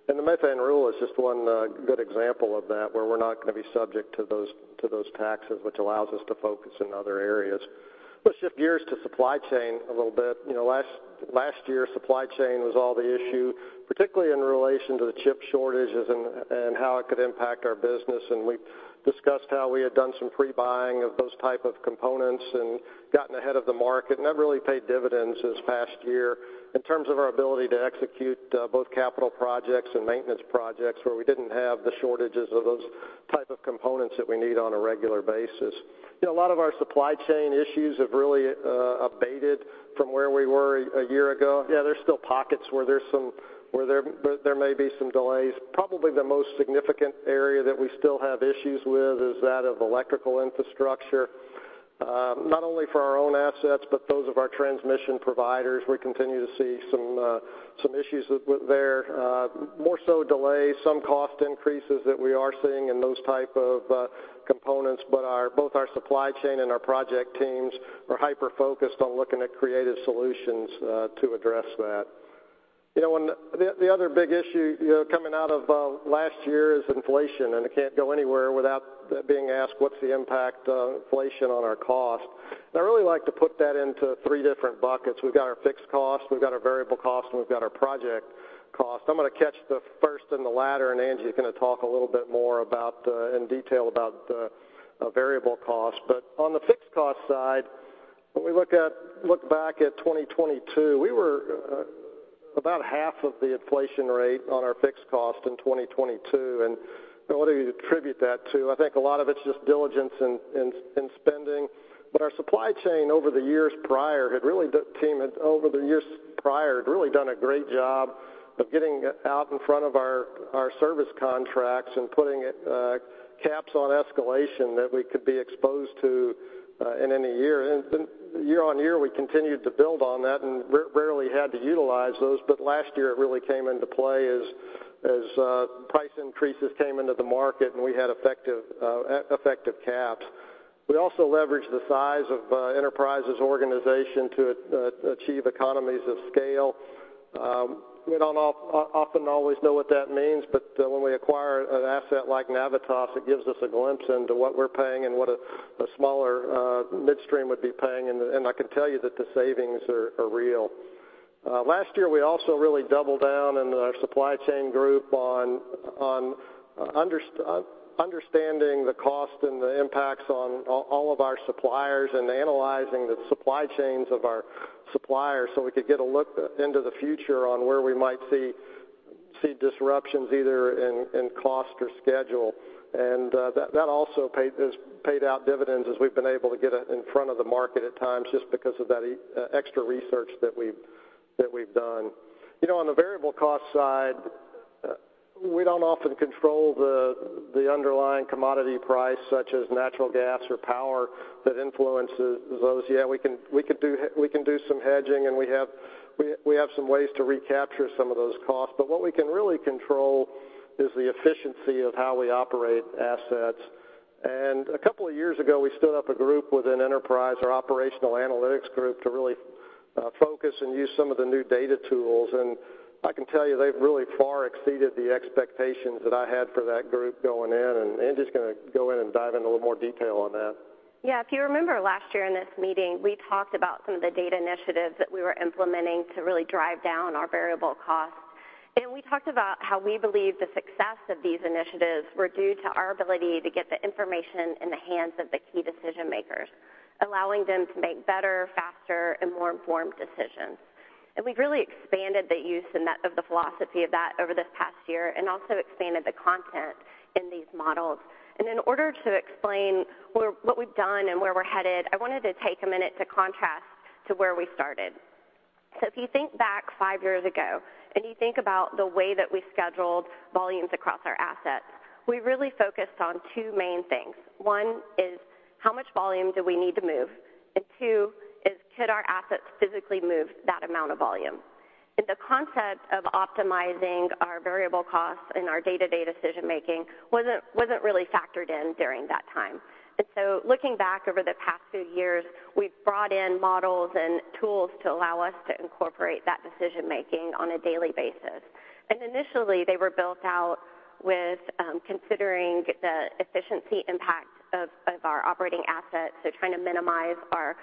The methane rule is just one good example of that, where we're not gonna be subject to those taxes, which allows us to focus in other areas. Let's shift gears to supply chain a little bit. You know, last year, supply chain was all the issue, particularly in relation to the chip shortages and how it could impact our business. We discussed how we had done some pre-buying of those type of components and gotten ahead of the market. That really paid dividends this past year in terms of our ability to execute both capital projects and maintenance projects, where we didn't have the shortages of those type of components that we need on a regular basis. You know, a lot of our supply chain issues have really abated from where we were a year ago. Yeah, there's still pockets where there's some where there may be some delays. Probably the most significant area that we still have issues with is that of electrical infrastructure, not only for our own assets, but those of our transmission providers. We continue to see some issues with there. More so delays, some cost increases that we are seeing in those type of components, but both our supply chain and our project teams are hyper-focused on looking at creative solutions to address that. You know, the other big issue, you know, coming out of last year is inflation, and it can't go anywhere without being asked what's the impact of inflation on our cost. I really like to put that into three different buckets. We've got our fixed costs, we've got our variable costs, and we've got our project costs. I'm gonna catch the first and the latter, and Angie is gonna talk a little bit more in detail about variable costs. On the fixed cost side, when we look back at 2022, we were about half of the inflation rate on our fixed cost in 2022. I want to attribute that to, I think a lot of it's just diligence in spending. Our supply chain over the years prior had really done a great job of getting out in front of our service contracts and putting caps on escalation that we could be exposed to in any year. Year on year, we continued to build on that and rarely had to utilize those. Last year, it really came into play as price increases came into the market, and we had effective caps. We also leveraged the size of Enterprise's organization to achieve economies of scale. We don't often always know what that means, but when we acquire an asset like Navitas, it gives us a glimpse into what we're paying and what a smaller midstream would be paying, and I can tell you that the savings are real. Last year, we also really doubled down in the supply chain group on understanding the cost and the impacts on all of our suppliers and analyzing the supply chains of our suppliers so we could get a look into the future on where we might see disruptions either in cost or schedule. That also paid, has paid out dividends as we've been able to get in front of the market at times just because of that extra research that we've done. You know, on the variable cost side, we don't often control the underlying commodity price, such as natural gas or power that influences those. Yeah, we can do some hedging, and we have some ways to recapture some of those costs. What we can really control is the efficiency of how we operate assets. A couple of years ago, we stood up a group within Enterprise, our operational analytics group, to really focus and use some of the new data tools. I can tell you, they've really far exceeded the expectations that I had for that group going in, and Angie's gonna go in and dive in a little more detail on that. Yeah. If you remember last year in this meeting, we talked about some of the data initiatives that we were implementing to really drive down our variable costs. We talked about how we believe the success of these initiatives were due to our ability to get the information in the hands of the key decision-makers, allowing them to make better, faster, and more informed decisions. We've really expanded the use and of the philosophy of that over this past year and also expanded the content in these models. In order to explain where what we've done and where we're headed, I wanted to take a minute to contrast to where we started. If you think back five years ago and you think about the way that we scheduled volumes across our assets, we really focused on two main things. One is how much volume do we need to move? Two is, could our assets physically move that amount of volume? The concept of optimizing our variable costs in our day-to-day decision-making wasn't really factored in during that time. Looking back over the past few years, we've brought in models and tools to allow us to incorporate that decision-making on a daily basis. Initially, they were built out with considering the efficiency impact of our operating assets. Trying to minimize our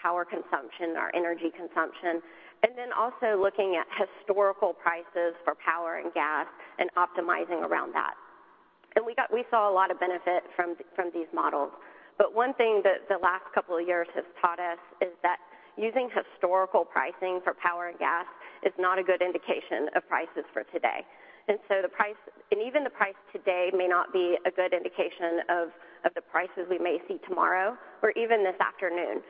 power consumption, our energy consumption, and then also looking at historical prices for power and gas and optimizing around that. We saw a lot of benefit from these models. One thing that the last couple of years has taught us is that using historical pricing for power and gas is not a good indication of prices for today. The price today may not be a good indication of the prices we may see tomorrow or even this afternoon.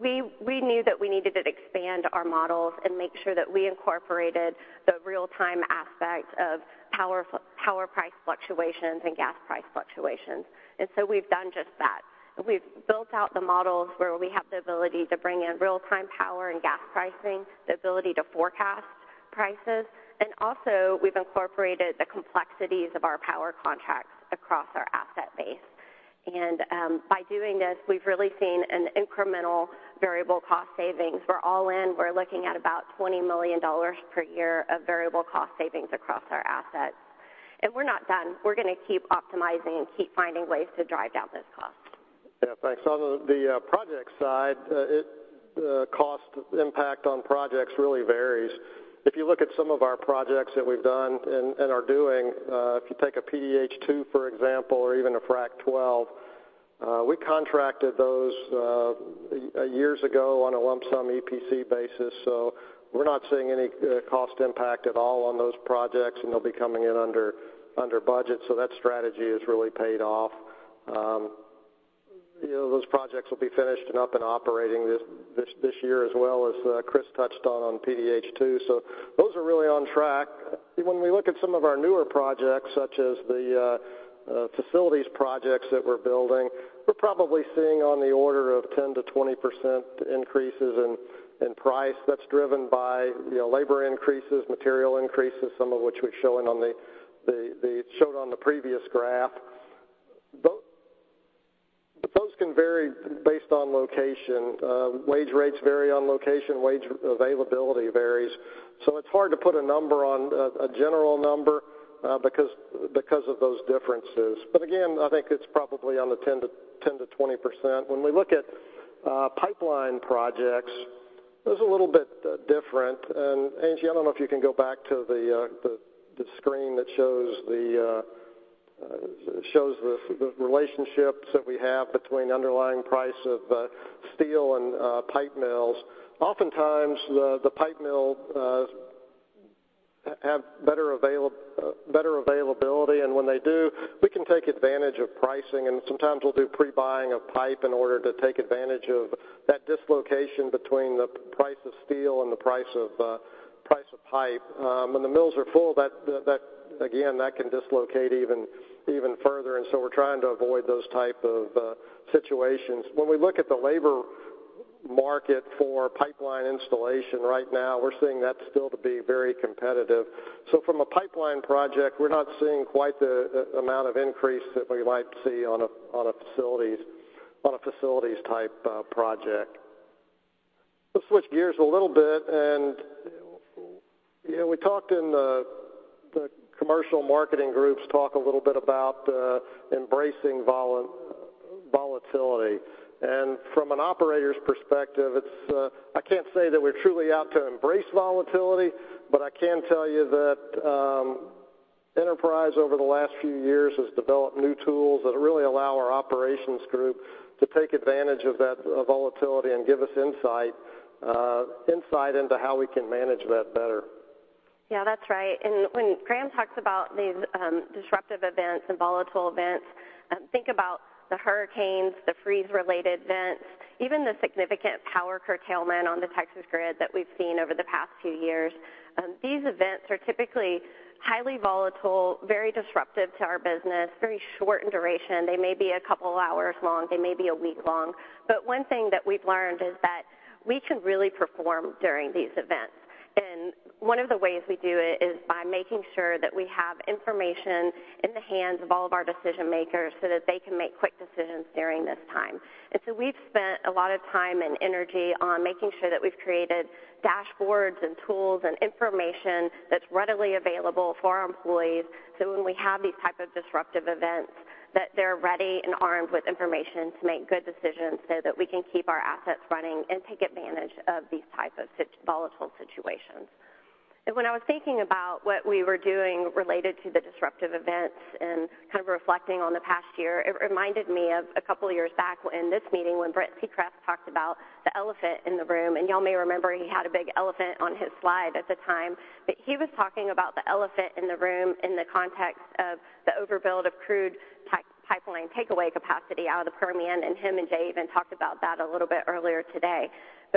We knew that we needed to expand our models and make sure that we incorporated the real-time aspect of power price fluctuations and gas price fluctuations. We've done just that. We've built out the models where we have the ability to bring in real-time power and gas pricing, the ability to forecast prices. Also we've incorporated the complexities of our power contracts across our asset base. By doing this, we've really seen an incremental variable cost savings. We're all in, we're looking at about $20 million per year of variable cost savings across our assets. We're not done. We're gonna keep optimizing and keep finding ways to drive down those costs. Yeah, thanks. On the project side, the cost impact on projects really varies. If you look at some of our projects that we've done and are doing, if you take a PDH 2, for example, or even a Frac 12, we contracted those years ago on a lump sum EPC basis. We're not seeing any cost impact at all on those projects, and they'll be coming in under budget. That strategy has really paid off. You know, those projects will be finished and up and operating this year as well, as Chris touched on PDH 2. Those are really on track. When we look at some of our newer projects, such as the facilities projects that we're building, we're probably seeing on the order of 10%-20% increases in price that's driven by, you know, labor increases, material increases, some of which we've shown on the previous graph. Those can vary based on location. Wage rates vary on location, wage availability varies. It's hard to put a number on a general number because of those differences. Again, I think it's probably on the 10%-20%. When we look at pipeline projects, those are a little bit different. Angie, I don't know if you can go back to the screen that shows the relationships that we have between underlying price of steel and pipe mills. Oftentimes, the pipe mill have better availability. When they do, we can take advantage of pricing, and sometimes we'll do pre-buying of pipe in order to take advantage of that dislocation between the price of steel and the price of pipe. When the mills are full, that again, that can dislocate even further. We're trying to avoid those type of situations. When we look at the labor market for pipeline installation right now, we're seeing that still to be very competitive. From a pipeline project, we're not seeing quite the amount of increase that we might see on a facilities type project. Let's switch gears a little bit, you know, we talked in the commercial marketing groups talk a little bit about embracing volatility. From an operator's perspective, it's, I can't say that we're truly out to embrace volatility, but I can tell you that Enterprise over the last few years has developed new tools that really allow our operations group to take advantage of that volatility and give us insight into how we can manage that better. Yeah, that's right. When Graham talks about these, disruptive events and volatile events, think about the hurricanes, the freeze-related events, even the significant power curtailment on the Texas grid that we've seen over the past few years. These events are typically highly volatile, very disruptive to our business, very short in duration. They may be a couple hours long, they may be a week long. One thing that we've learned is that we can really perform during these events. One of the ways we do it is by making sure that we have information in the hands of all of our decision-makers so that they can make quick decisions during this time. We've spent a lot of time and energy on making sure that we've created dashboards and tools and information that's readily available for our employees, so when we have these type of disruptive events, that they're ready and armed with information to make good decisions so that we can keep our assets running and take advantage of these type of volatile situations. When I was thinking about what we were doing related to the disruptive events and kind of reflecting on the past year, it reminded me of a couple of years back in this meeting when Britt Seay talked about the elephant in the room, and y'all may remember he had a big elephant on his slide at the time. He was talking about the elephant in the room in the context of the overbuild of crude pipeline takeaway capacity out of the Permian, and him and Jay even talked about that a little bit earlier today.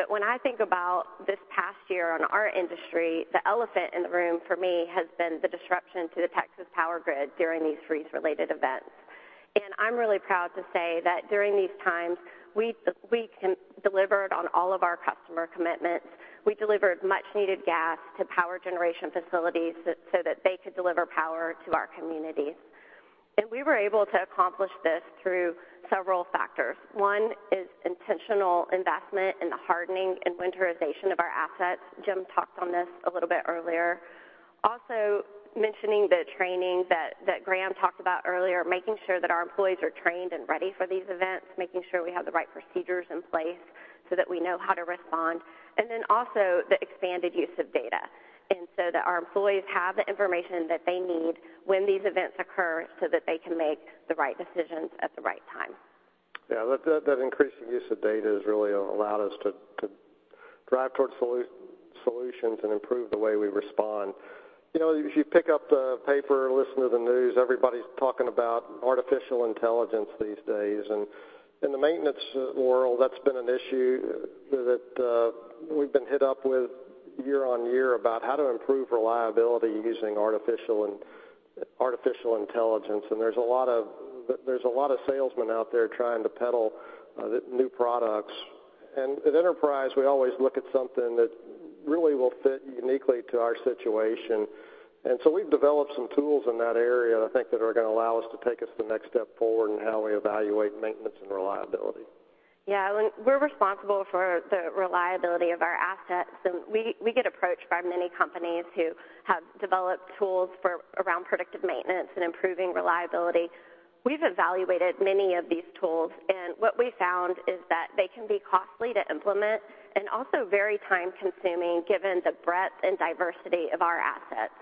When I think about this past year on our industry, the elephant in the room for me has been the disruption to the Texas power grid during these freeze-related events. I'm really proud to say that during these times, we delivered on all of our customer commitments. We delivered much needed gas to power generation facilities so that they could deliver power to our communities. We were able to accomplish this through several factors. One is intentional investment in the hardening and winterization of our assets. Jim talked on this a little bit earlier. Also mentioning the training that Graham talked about earlier, making sure that our employees are trained and ready for these events, making sure we have the right procedures in place so that we know how to respond, and then also the expanded use of data. That our employees have the information that they need when these events occur so that they can make the right decisions at the right time. That increasing use of data has really allowed us to drive towards solutions and improve the way we respond. You know, if you pick up the paper, listen to the news, everybody's talking about artificial intelligence these days. In the maintenance world, that's been an issue that we've been hit up with year-on-year about how to improve reliability using artificial intelligence. There's a lot of salesmen out there trying to peddle new products. At Enterprise, we always look at something that really will fit uniquely to our situation. We've developed some tools in that area, I think, that are gonna allow us to take us the next step forward in how we evaluate maintenance and reliability. Yeah. When we're responsible for the reliability of our assets, and we get approached by many companies who have developed tools for around predictive maintenance and improving reliability. We've evaluated many of these tools, and what we found is that they can be costly to implement and also very time-consuming given the breadth and diversity of our assets.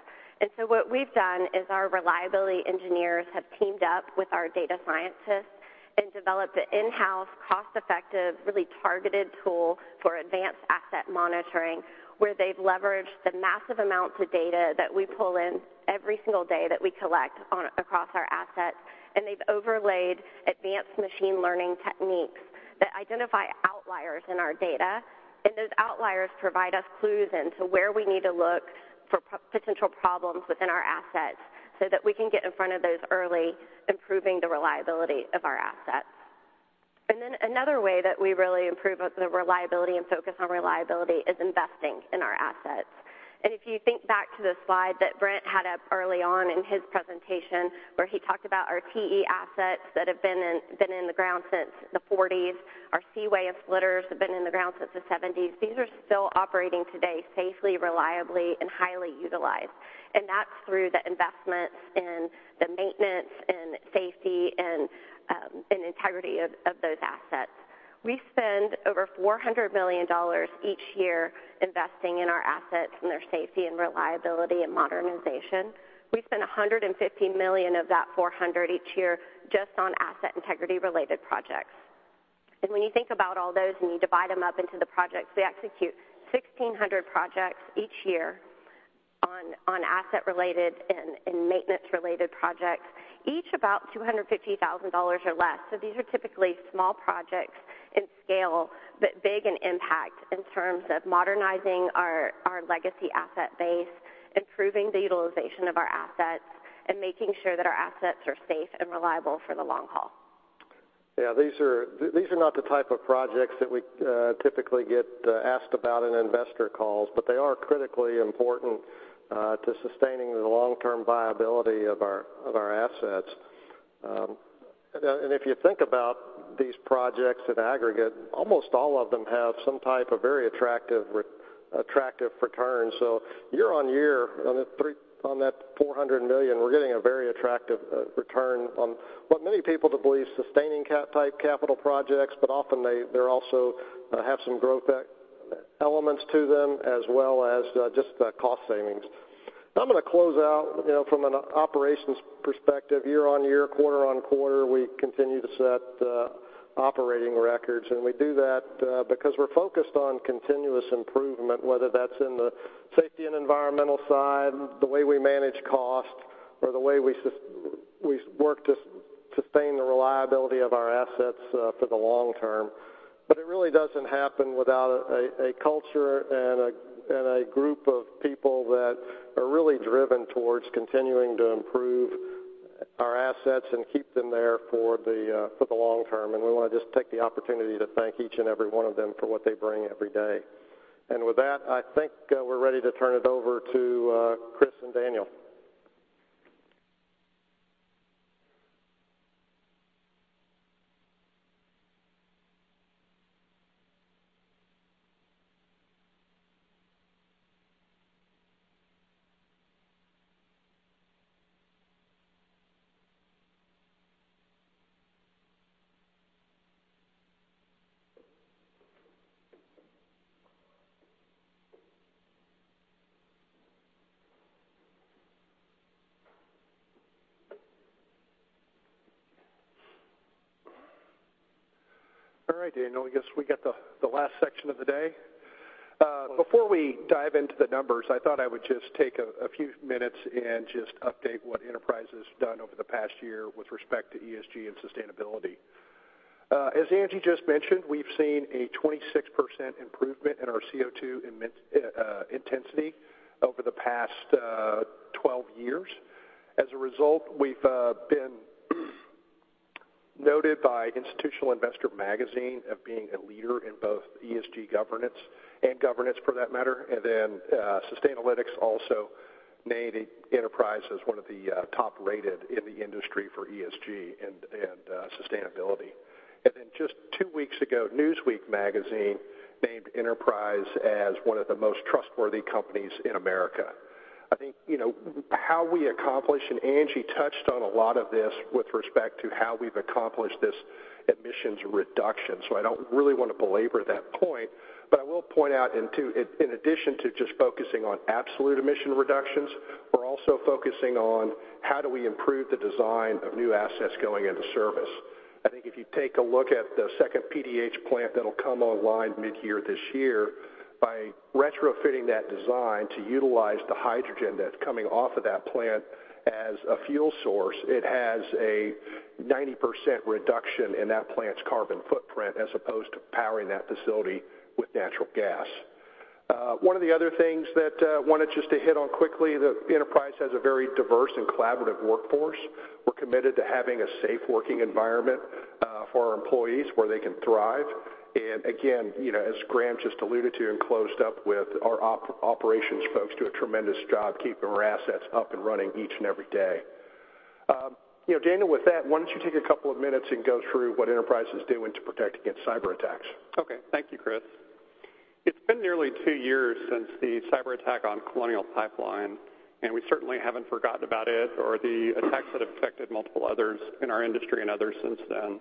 What we've done is our reliability engineers have teamed up with our data scientists and developed an in-house, cost-effective, really targeted tool for advanced asset monitoring, where they've leveraged the massive amounts of data that we pull in every single day that we collect across our assets, and they've overlaid advanced machine learning techniques that identify outliers in our data. Those outliers provide us clues into where we need to look for potential problems within our assets so that we can get in front of those early, improving the reliability of our assets. Another way that we really improve the reliability and focus on reliability is investing in our assets. If you think back to the slide that Brent had up early on in his presentation, where he talked about our TE assets that have been in the ground since the 40s, our Seaway splitters have been in the ground since the 70s. These are still operating today safely, reliably, and highly utilized. That's through the investments in the maintenance and safety and integrity of those assets. We spend over $400 million each year investing in our assets and their safety and reliability and modernization. We spend $150 million of that $400 each year just on asset integrity-related projects. When you think about all those and you divide them up into the projects, we execute 1,600 projects each year on asset-related and maintenance-related projects, each about $250,000 or less. These are typically small projects in scale, but big in impact in terms of modernizing our legacy asset base, improving the utilization of our assets, and making sure that our assets are safe and reliable for the long haul. Yeah. These are not the type of projects that we typically get asked about in investor calls, but they are critically important to sustaining the long-term viability of our assets. And if you think about these projects in aggregate, almost all of them have some type of very attractive return. So year on year on that $400 million, we're getting a very attractive return on what many people believe sustaining type capital projects, but often they're also have some growth elements to them as well as just cost savings. I'm gonna close out, you know, from an operations perspective. Year-on-year, quarter-on-quarter, we continue to set operating records, and we do that because we're focused on continuous improvement, whether that's in the safety and environmental side, the way we work to sustain the reliability of our assets for the long term. But it really doesn't happen without a culture and a group of people that are really driven towards continuing to improve our assets and keep them there for the long term. And we wanna just take the opportunity to thank each and every one of them for what they bring every day. And with that, I think we're ready to turn it over to Chris and Daniel. All right, Daniel, I guess we got the last section of the day. Before we dive into the numbers, I thought I would just take a few minutes and just update what Enterprise has done over the past year with respect to ESG and sustainability. As Angie just mentioned, we've seen a 26% improvement in our CO2 intensity over the past 12 years. As a result, we've. Noted by Institutional Investor magazine of being a leader in both ESG governance and governance for that matter. Then Sustainalytics also named Enterprise as one of the top-rated in the industry for ESG and sustainability. Then just two weeks ago, Newsweek magazine named Enterprise as one of the most trustworthy companies in America. I think, you know, how we accomplish, and Angie touched on a lot of this with respect to how we've accomplished this emissions reduction, so I don't really wanna belabor that point. I will point out in addition to just focusing on absolute emission reductions, we're also focusing on how do we improve the design of new assets going into service. I think if you take a look at the second PDH plant that'll come online midyear this year, by retrofitting that design to utilize the hydrogen that's coming off of that plant as a fuel source, it has a 90% reduction in that plant's carbon footprint as opposed to powering that facility with natural gas. One of the other things that wanted just to hit on quickly, that Enterprise has a very diverse and collaborative workforce. We're committed to having a safe working environment for our employees where they can thrive. Again, you know, as Graham just alluded to and closed up with, our operations folks do a tremendous job keeping our assets up and running each and every day. you know, Daniel, with that, why don't you take a couple of minutes and go through what Enterprise is doing to protect against cyberattacks? Okay. Thank you, Chris. It's been nearly two years since the cyberattack on Colonial Pipeline, and we certainly haven't forgotten about it or the attacks that have affected multiple others in our industry and others since then.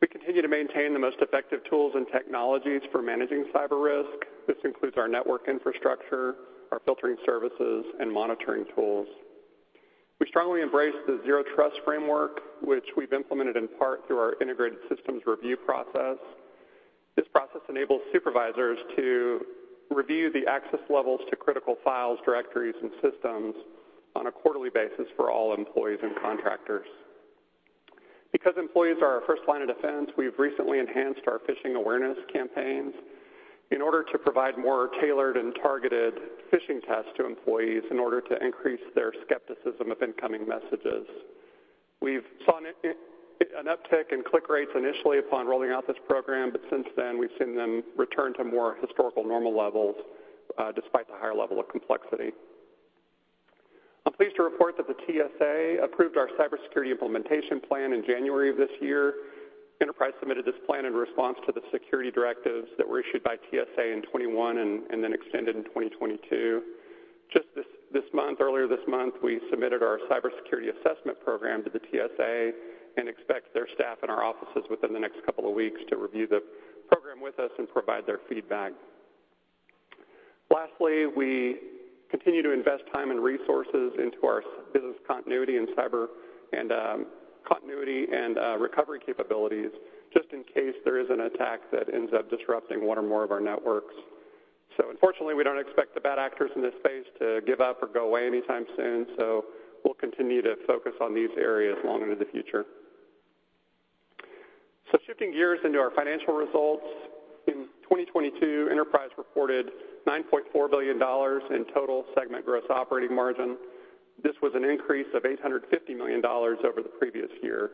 We continue to maintain the most effective tools and technologies for managing cyber risk. This includes our network infrastructure, our filtering services, and monitoring tools. We strongly embrace the zero trust framework, which we've implemented in part through our integrated systems review process. This process enables supervisors to review the access levels to critical files, directories, and systems on a quarterly basis for all employees and contractors. Because employees are our first line of defense, we've recently enhanced our phishing awareness campaigns in order to provide more tailored and targeted phishing tests to employees in order to increase their skepticism of incoming messages. We've saw an uptick in click rates initially upon rolling out this program, but since then, we've seen them return to more historical normal levels, despite the higher level of complexity. I'm pleased to report that the TSA approved our cybersecurity implementation plan in January of this year. Enterprise submitted this plan in response to the security directives that were issued by TSA in 2021 and then extended in 2022. Just this month, earlier this month, we submitted our cybersecurity assessment program to the TSA and expect their staff in our offices within the next couple of weeks to review the program with us and provide their feedback. Lastly, we continue to invest time and resources into our business continuity in cyber and continuity and recovery capabilities, just in case there is an attack that ends up disrupting one or more of our networks. Unfortunately, we don't expect the bad actors in this space to give up or go away anytime soon, so we'll continue to focus on these areas long into the future. Shifting gears into our financial results. In 2022, Enterprise reported $9.4 billion in total segment gross operating margin. This was an increase of $850 million over the previous year.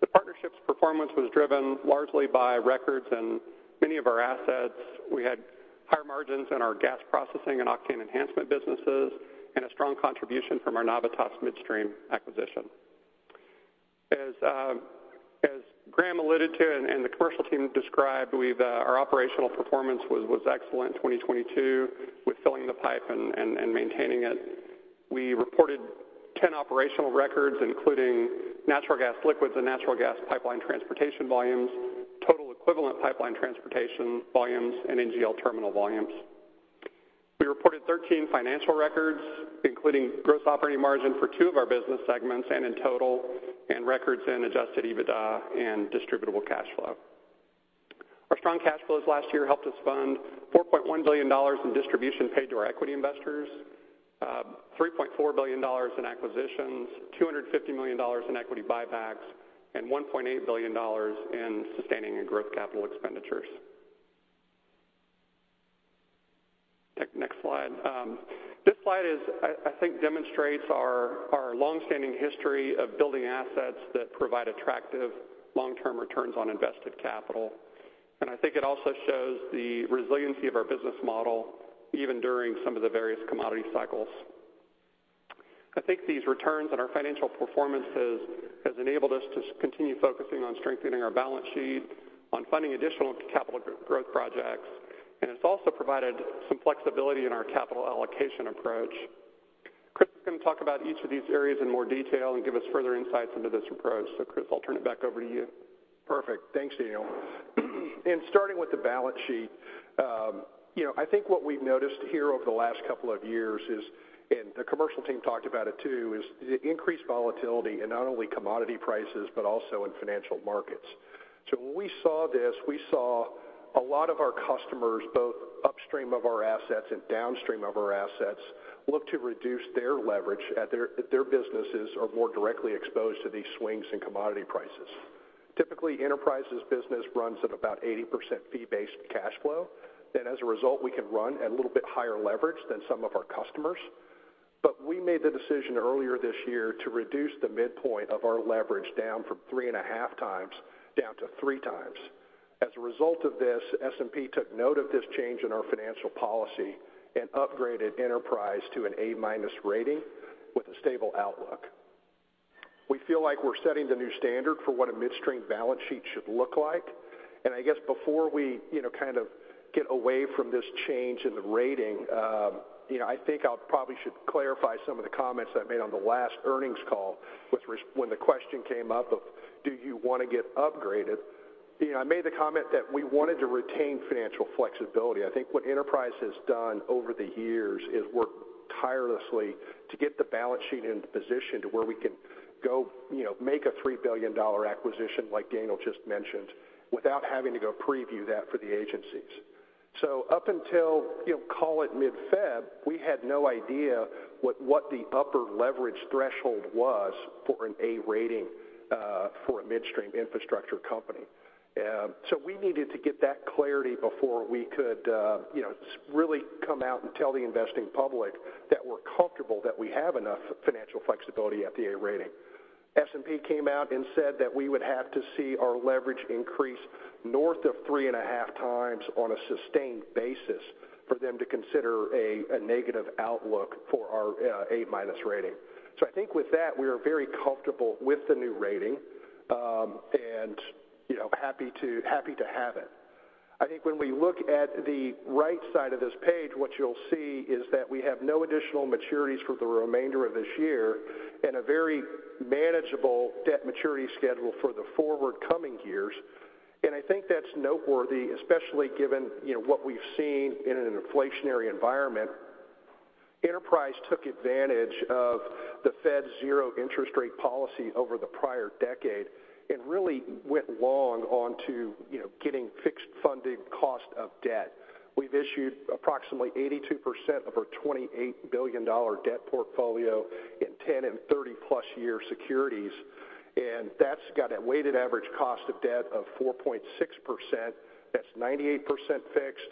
The partnership's performance was driven largely by records in many of our assets. We had higher margins in our gas processing and octane enhancement businesses and a strong contribution from our Navitas Midstream acquisition. As Graham alluded to and the commercial team described, we've our operational performance was excellent in 2022 with filling the pipe and maintaining it. We reported 10 operational records, including natural gas liquids and natural gas pipeline transportation volumes, total equivalent pipeline transportation volumes, and NGL terminal volumes. We reported 13 financial records, including gross operating margin for two of our business segments and in total, and records in Adjusted EBITDA and distributable cash flow. Our strong cash flows last year helped us fund $4.1 billion in distribution paid to our equity investors, $3.4 billion in acquisitions, $250 million in equity buybacks, and $1.8 billion in sustaining and growth capital expenditures. Next slide. This slide I think demonstrates our long-standing history of building assets that provide attractive long-term returns on invested capital, and I think it also shows the resiliency of our business model even during some of the various commodity cycles. I think these returns and our financial performances has enabled us to continue focusing on strengthening our balance sheet, on funding additional capital growth projects, and it's also provided some flexibility in our capital allocation approach. Chris is gonna talk about each of these areas in more detail and give us further insights into this approach. Chris, I'll turn it back over to you. Perfect. Thanks, Daniel. Starting with the balance sheet, you know, I think what we've noticed here over the last couple of years is, and the commercial team talked about it too, is the increased volatility in not only commodity prices, but also in financial markets. When we saw this, we saw a lot of our customers, both upstream of our assets and downstream of our assets, look to reduce their leverage their businesses are more directly exposed to these swings in commodity prices. Typically, Enterprise's business runs at about 80% fee-based cash flow, and as a result, we can run at a little bit higher leverage than some of our customers. We made the decision earlier this year to reduce the midpoint of our leverage down from 3.5x down to 3x. As a result of this, S&P took note of this change in our financial policy and upgraded Enterprise to an A-minus rating with a stable outlook. We feel like we're setting the new standard for what a midstream balance sheet should look like. I guess before we, you know, kind of get away from this change in the rating, you know, I think I probably should clarify some of the comments I made on the last earnings call when the question came up of do you wanna get upgraded. You know, I made the comment that we wanted to retain financial flexibility. I think what Enterprise has done over the years is work tirelessly to get the balance sheet into position to where we can go, you know, make a $3 billion acquisition like Daniel just mentioned, without having to go preview that for the agencies. Up until, you know, call it mid-Feb, we had no idea what the upper leverage threshold was for an A rating for a midstream infrastructure company. We needed to get that clarity before we could really come out and tell the investing public that we're comfortable that we have enough financial flexibility at the A rating. S&P came out and said that we would have to see our leverage increase north of 3.5x on a sustained basis for them to consider a negative outlook for our A-minus rating. I think with that, we are very comfortable with the new rating, and, you know, happy to have it. I think when we look at the right side of this page, what you'll see is that we have no additional maturities for the remainder of this year and a very manageable debt maturity schedule for the forward coming years. I think that's noteworthy, especially given, you know, what we've seen in an inflationary environment. Enterprise took advantage of the Fed zero interest rate policy over the prior decade and really went long onto, you know, getting fixed funding cost of debt. We've issued approximately 82% of our $28 billion debt portfolio in 10 and 30+ year securities, and that's got a weighted average cost of debt of 4.6%. That's 98% fixed.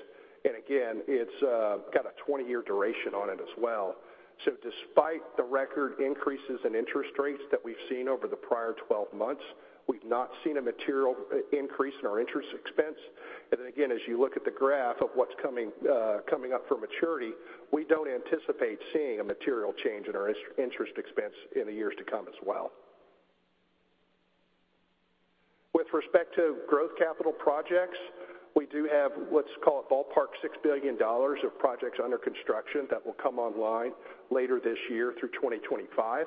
Again, it's got a 20-year duration on it as well. Despite the record increases in interest rates that we've seen over the prior 12 months, we've not seen a material increase in our interest expense. Again, as you look at the graph of what's coming up for maturity, we don't anticipate seeing a material change in our interest expense in the years to come as well. With respect to growth capital projects, we do have, let's call it ballpark $6 billion of projects under construction that will come online later this year through 2025.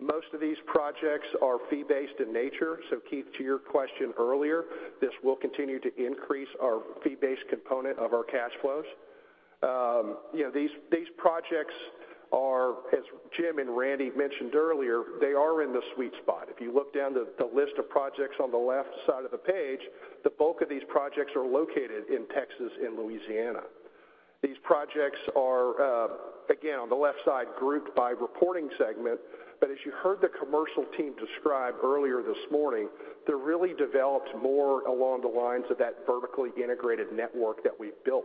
Most of these projects are fee-based in nature. Keith, to your question earlier, this will continue to increase our fee-based component of our cash flows. You know, these projects are, as Jim and Randy mentioned earlier, they are in the sweet spot. If you look down the list of projects on the left side of the page, the bulk of these projects are located in Texas and Louisiana. These projects are again, on the left side, grouped by reporting segment. As you heard the commercial team describe earlier this morning, they're really developed more along the lines of that vertically integrated network that we've built.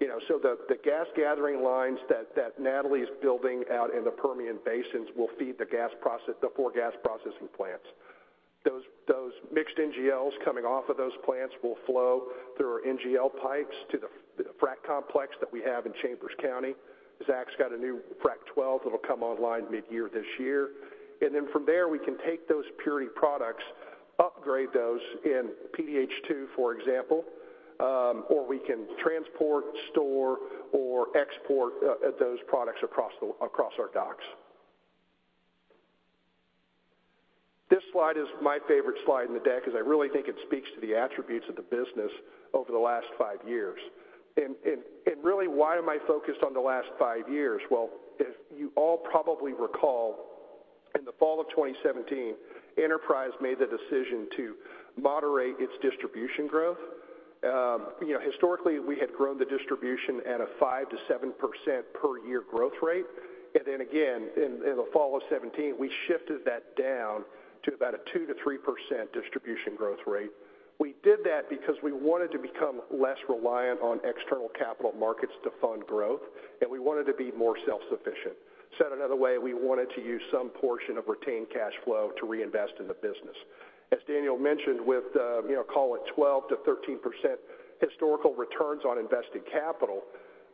You know, the gas gathering lines that Natalie is building out in the Permian basins will feed the four gas processing plants. Those mixed NGLs coming off of those plants will flow through our NGL pipes to the frac complex that we have in Chambers County. Zach's got a new Frac 12 that'll come online mid-year this year. From there, we can take those purity products, upgrade those in PDH 2, for example, or we can transport, store, or export those products across our docks. This slide is my favorite slide in the deck because I really think it speaks to the attributes of the business over the last five years. Why am I focused on the last five years? As you all probably recall, in the fall of 2017, Enterprise made the decision to moderate its distribution growth. You know, historically, we had grown the distribution at a 5%-7% per year growth rate. In the fall of 2017, we shifted that down to about a 2%-3% distribution growth rate. We did that because we wanted to become less reliant on external capital markets to fund growth, we wanted to be more self-sufficient. Said another way, we wanted to use some portion of retained cash flow to reinvest in the business. As Daniel mentioned, with, call it 12%-13% historical returns on invested capital,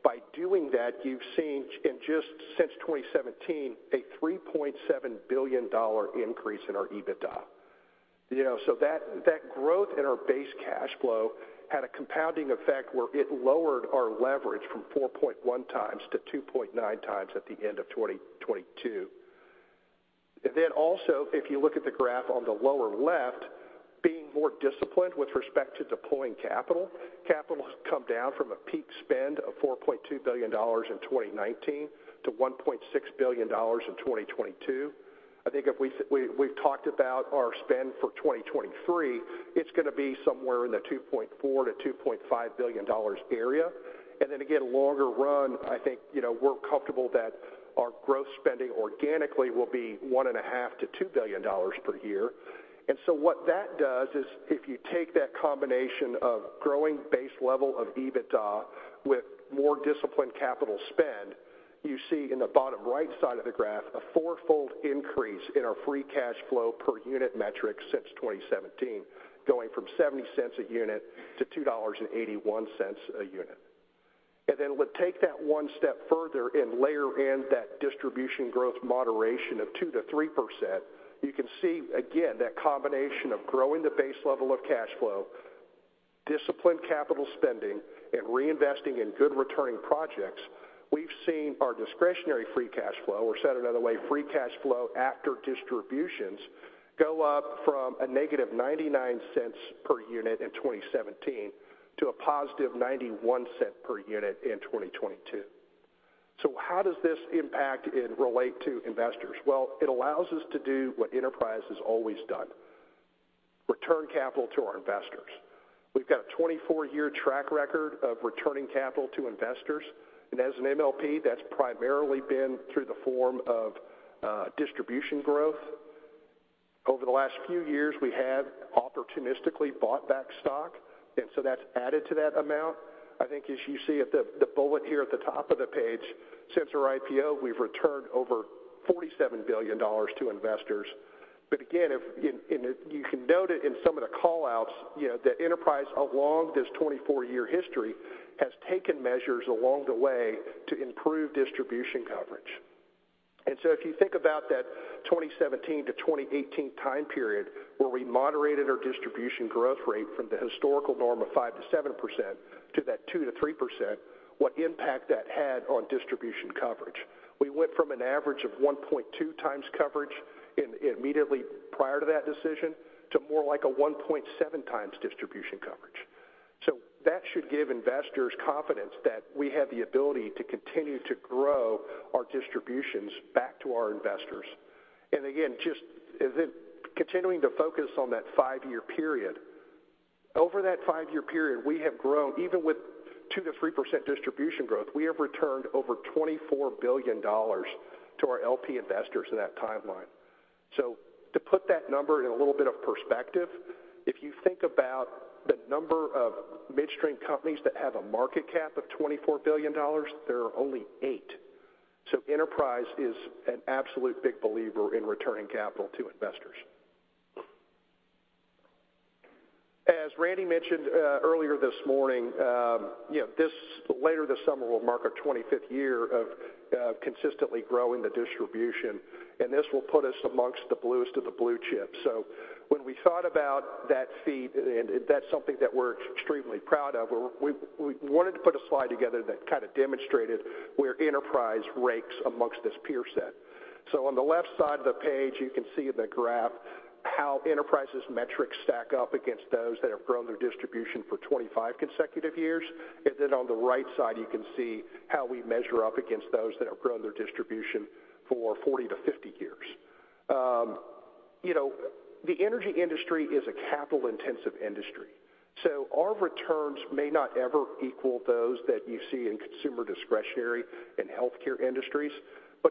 by doing that, you've seen in just since 2017, a $3.7 billion increase in our EBITDA. That growth in our base cash flow had a compounding effect where it lowered our leverage from 4.1x to 2.9x at the end of 2022. Also, if you look at the graph on the lower left, being more disciplined with respect to deploying capital has come down from a peak spend of $4.2 billion in 2019 to $1.6 billion in 2022. I think if we've talked about our spend for 2023, it's gonna be somewhere in the $2.4 billion-$2.5 billion area. Again, longer run, I think, you know, we're comfortable that our growth spending organically will be $1.5 billion-$2 billion per year. What that does is if you take that combination of growing base level of EBITDA with more disciplined capital spend, you see in the bottom right side of the graph, a fourfold increase in our free cash flow per unit metric since 2017, going from $0.70 a unit to $2.81 a unit. Let's take that one step further and layer in that distribution growth moderation of 2%-3%. You can see again that combination of growing the base level of cash flow, disciplined capital spending and reinvesting in good returning projects. We've seen our discretionary free cash flow, or said another way, free cash flow after distributions go up from a negative $0.99 per unit in 2017 to a positive $0.91 per unit in 2022. How does this impact and relate to investors? It allows us to do what Enterprise has always done, return capital to our investors. We've got a 24-year track record of returning capital to investors, and as an MLP, that's primarily been through the form of distribution growth. Over the last few years, we have opportunistically bought back stock, that's added to that amount. I think as you see at the bullet here at the top of the page, since our IPO, we've returned over $47 billion to investors. Again, you can note it in some of the call-outs, you know, that Enterprise along this 24-year history has taken measures along the way to improve distribution coverage. If you think about that 2017-2018 time period where we moderated our distribution growth rate from the historical norm of 5%-7% to that 2%-3%, what impact that had on distribution coverage. We went from an average of 1.2 times coverage in, immediately prior to that decision, to more like a 1.7 times distribution coverage. That should give investors confidence that we have the ability to continue to grow our distributions back to our investors. Again, continuing to focus on that five-year period. Over that five-year period, we have grown even with 2%-3% distribution growth, we have returned over $24 billion to our LP investors in that timeline. To put that number in a little bit of perspective, if you think about the number of midstream companies that have a market cap of $24 billion, there are only eight. Enterprise is an absolute big believer in returning capital to investors. As Randy mentioned, earlier this morning, you know, later this summer will mark our 25th year of consistently growing the distribution, and this will put us amongst the bluest of the blue chips. When we thought about that feat, and that's something that we're extremely proud of, we wanted to put a slide together that kind of demonstrated where Enterprise ranks amongst this peer set. On the left side of the page, you can see in the graph how Enterprise's metrics stack up against those that have grown their distribution for 25 consecutive years. On the right side, you can see how we measure up against those that have grown their distribution for 40-50 years. you know, the energy industry is a capital-intensive industry, our returns may not ever equal those that you see in consumer discretionary and healthcare industries.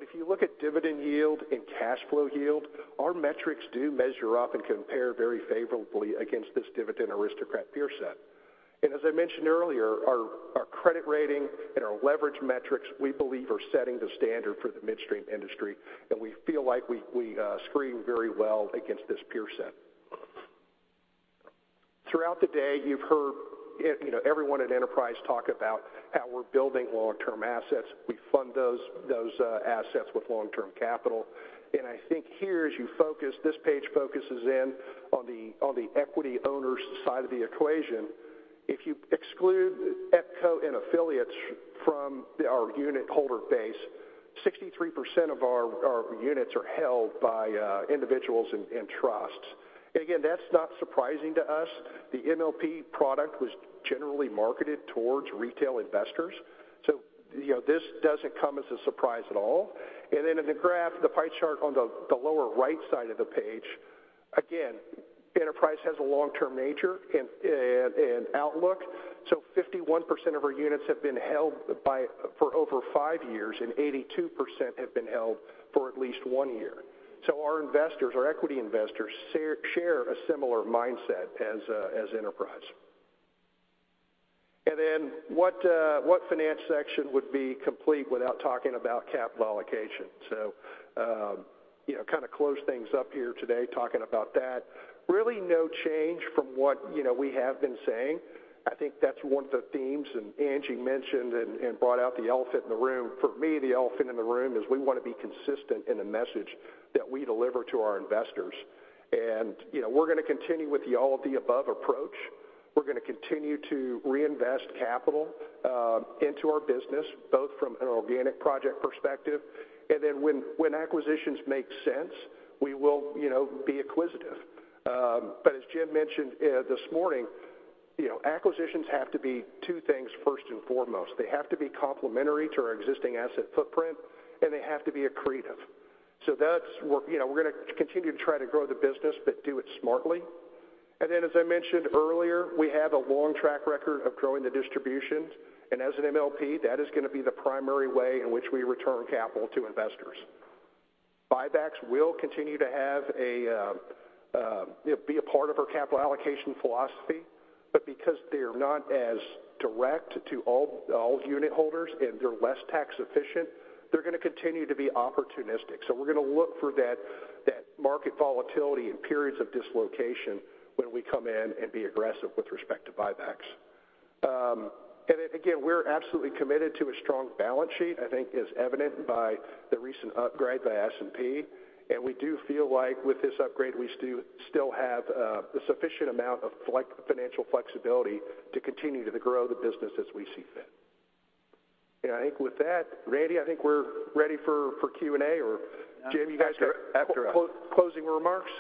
If you look at dividend yield and cash flow yield, our metrics do measure up and compare very favorably against this Dividend Aristocrat peer set. As I mentioned earlier, our credit rating and our leverage metrics, we believe, are setting the standard for the midstream industry, and we feel like we screen very well against this peer set. Throughout the day, you've heard, you know, everyone at Enterprise talk about how we're building long-term assets. We fund those assets with long-term capital. I think here as this page focuses in on the, on the equity owner's side of the equation. If you exclude EPCO and affiliates from our unitholder base, 63% of our units are held by individuals and trusts. Again, that's not surprising to us. The MLP product was generally marketed towards retail investors, so you know, this doesn't come as a surprise at all. In the graph, the pie chart on the lower right side of the page, again, Enterprise has a long-term nature and outlook, so 51% of our units have been held for over five years, and 82% have been held for at least one year. Our investors, our equity investors share a similar mindset as Enterprise. What finance section would be complete without talking about capital allocation? You know, kind of close things up here today talking about that. Really no change from what, you know, we have been saying. I think that's one of the themes, and Angie mentioned and brought out the elephant in the room. For me, the elephant in the room is we want to be consistent in the message that we deliver to our investors. You know, we're gonna continue with the all of the above approach. We're gonna continue to reinvest capital into our business, both from an organic project perspective. When acquisitions make sense, we will, you know, be acquisitive. As Jim mentioned, this morning, you know, acquisitions have to be two things first and foremost. They have to be complementary to our existing asset footprint, and they have to be accretive. That's work. You know, we're gonna continue to try to grow the business, but do it smartly. As I mentioned earlier, we have a long track record of growing the distributions, and as an MLP, that is gonna be the primary way in which we return capital to investors. Buybacks will continue to be a part of our capital allocation philosophy, but because they're not as direct to all unit holders and they're less tax efficient, they're gonna continue to be opportunistic. We're gonna look for that market volatility in periods of dislocation when we come in and be aggressive with respect to buybacks. We're absolutely committed to a strong balance sheet, I think is evident by the recent upgrade by S&P. We do feel like with this upgrade, we still have the sufficient amount of financial flexibility to continue to grow the business as we see fit. I think with that, Randy, I think we're ready for Q&A, or Jim, you guys are. After us. Closing remarks?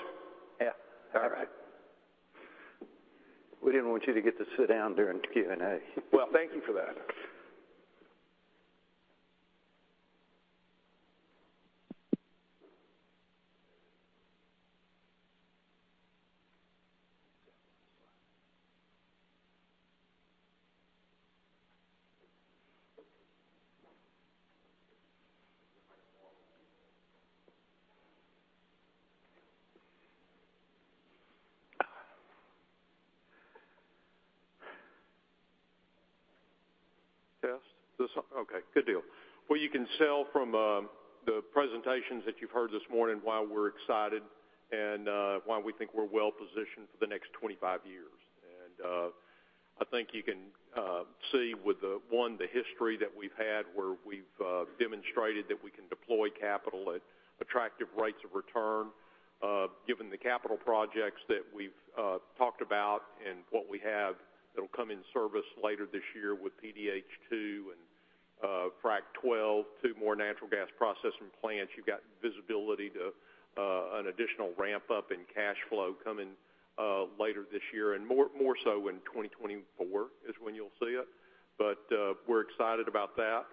Yeah. All right. We didn't want you to get to sit down during Q&A. Well, thank you for that. Test this. Okay. Good deal. Well, you can tell from the presentations that you've heard this morning why we're excited and why we think we're well positioned for the next 25 years. I think you can see with the one, the history that we've had where we've demonstrated that we can deploy capital at attractive rates of return. Given the capital projects that we've talked about and what we have that'll come in service later this year with PDH-2 and Frac 12, two more natural gas processing plants, you've got visibility to an additional ramp up in cash flow coming later this year and more, more so in 2024 is when you'll see it. We're excited about that.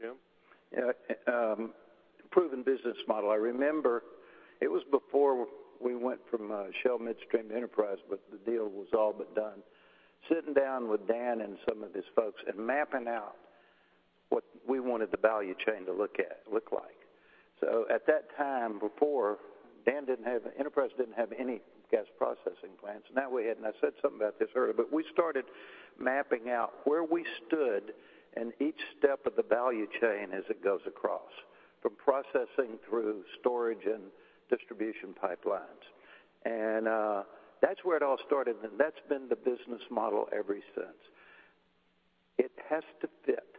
Jim? Proven business model. I remember it was before we went from Shell Midstream to Enterprise, the deal was all but done, sitting down with Dan and some of his folks and mapping out what we wanted the value chain to look like. At that time, before, Enterprise didn't have any gas processing plants. We had, I said something about this earlier, we started mapping out where we stood in each step of the value chain as it goes across, from processing through storage and distribution pipelines. That's where it all started, that's been the business model ever since. It has to fit.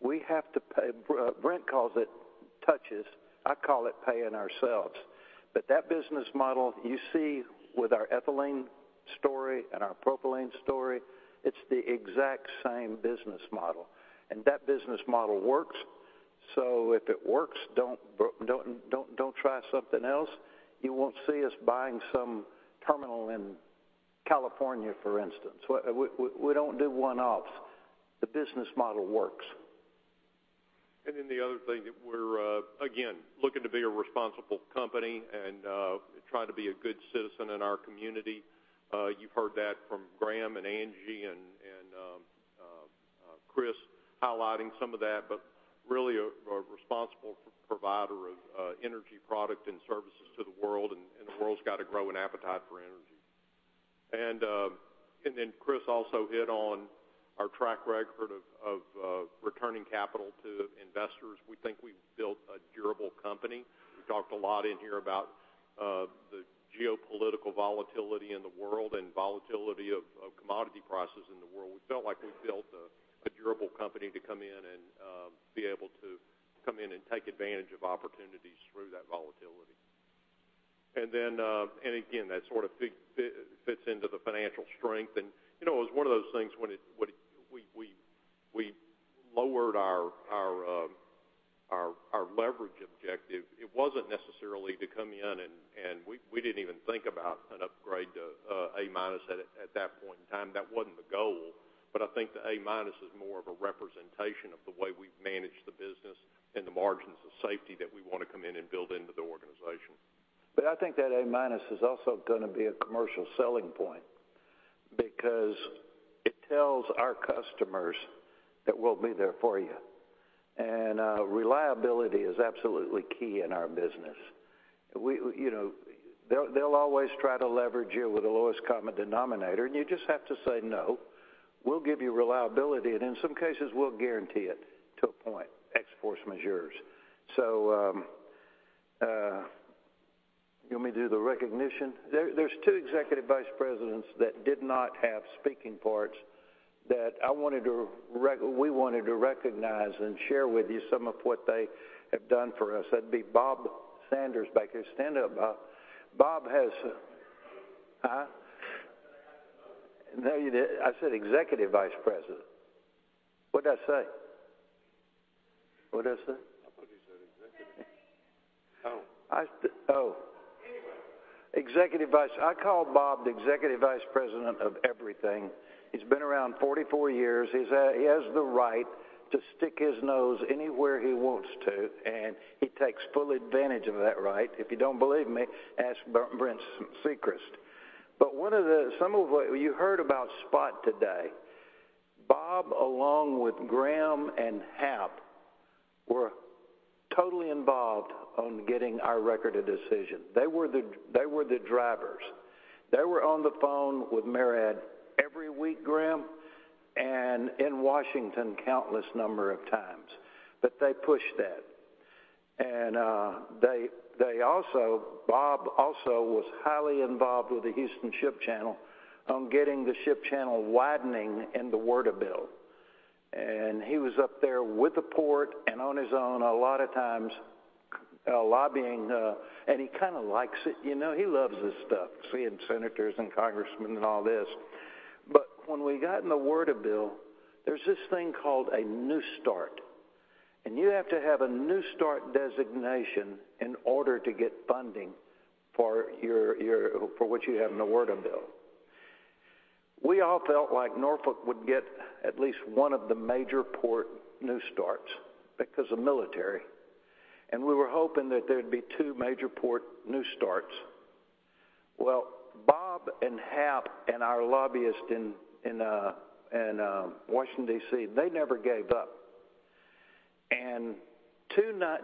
We have to pay, Brent calls it touches. I call it paying ourselves. That business model you see with our ethylene story and our propylene story, it's the exact same business model. That business model works. If it works, don't try something else. You won't see us buying some terminal in California, for instance. We don't do one-offs. The business model works. The other thing that we're again, looking to be a responsible company and try to be a good citizen in our community. You've heard that from Graham and Angie and Chris highlighting some of that, but really a responsible provider of energy product and services to the world and the world's got a growing appetite for energy. Chris also hit on our track record of returning capital to investors. We think we've built a durable company. We talked a lot in here about the geopolitical volatility in the world and volatility of commodity prices in the world. We felt like we built a durable company to come in and be able to come in and take advantage of opportunities through that volatility. Then, and again, that sort of fits into the financial strength. You know, it was one of those things, when we lowered our leverage objective, it wasn't necessarily to come in and we didn't even think about an upgrade to A-minus at that point in time. That wasn't the goal. I think the A-minus is more of a representation of the way we've managed the business and the margins of safety that we wanna come in and build into the organization. I think that A-minus is also gonna be a commercial selling point because it tells our customers that we'll be there for you. Reliability is absolutely key in our business. We, you know, they'll always try to leverage you with the lowest common denominator, and you just have to say, "No, we'll give you reliability." In some cases, we'll guarantee it to a point, ex force majeure. You want me to do the recognition? There's two executive vice presidents that did not have speaking parts that I wanted to recognize and share with you some of what they have done for us. That'd be Bob Sanders back here. Stand up, Bob. Bob has... Huh? I thought I had to vote. No, you didn't. I said executive vice president. What'd I say? What'd I say? I thought you said executive. Anyway. I oh. Anyway. I call Bob the executive vice president of everything. He's been around 44 years. He has the right to stick his nose anywhere he wants to, and he takes full advantage of that right. If you don't believe me, ask Brent Secrest. Some of what you heard about SPOT today. Bob, along with Graham and Hap, were totally involved on getting our record of decision. They were the drivers. They were on the phone with MARAD every week, Graham, and in Washington countless number of times. They pushed that. Bob also was highly involved with the Houston Ship Channel on getting the ship channel widening in the WRDA bill. He was up there with the port and on his own a lot of times, lobbying, and he kind of likes it, you know. He loves this stuff, seeing senators and congressmen and all this. When we got in the WRDA bill, there's this thing called a New Start, and you have to have a New Start designation in order to get funding for your for what you have in the WRDA bill. We all felt like Norfolk would get at least one of the major port New Starts because of military, and we were hoping that there'd be two major port New Starts. Bob and Hap and our lobbyist in Washington, D.C., they never gave up.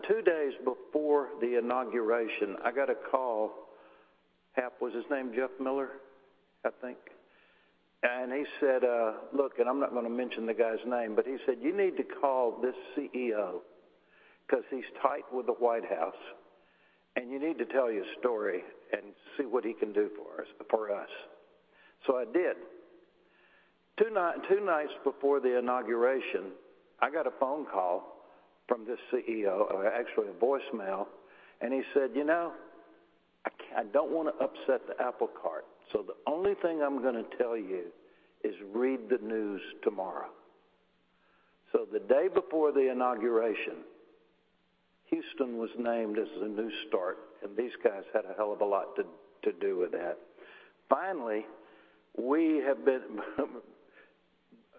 Two days before the inauguration, I got a call. Hap, was his name Jeff Miller, I think. He said, "Look," and I'm not gonna mention the guy's name, but he said, "You need to call this CEO, 'cause he's tight with the White House, and you need to tell your story and see what he can do for us, for us." I did. Two nights before the inauguration, I got a phone call from this CEO, or actually a voicemail, and he said, "You know, I don't wanna upset the apple cart, so the only thing I'm gonna tell you is read the news tomorrow." The day before the inauguration, Houston was named as the New Start, and these guys had a hell of a lot to do with that.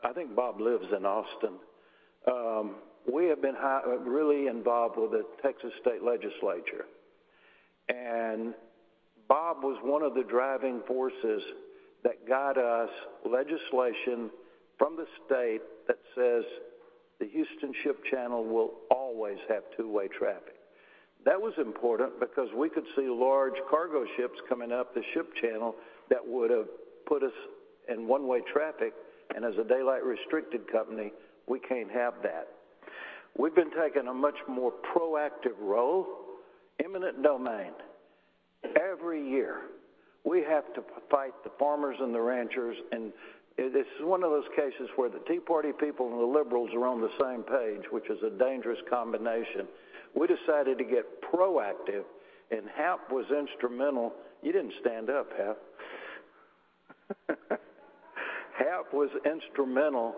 I think Bob lives in Austin. We have been really involved with the Texas State Legislature. Bob was one of the driving forces that got us legislation from the state that says the Houston Ship Channel will always have two-way traffic. That was important because we could see large cargo ships coming up the ship channel that would've put us in one-way traffic. As a daylight-restricted company, we can't have that. We've been taking a much more proactive role. Eminent domain. Every year, we have to fight the farmers and the ranchers. It is one of those cases where the Tea Party people and the liberals are on the same page, which is a dangerous combination. We decided to get proactive. Hap was instrumental. You didn't stand up, Hap. Hap was instrumental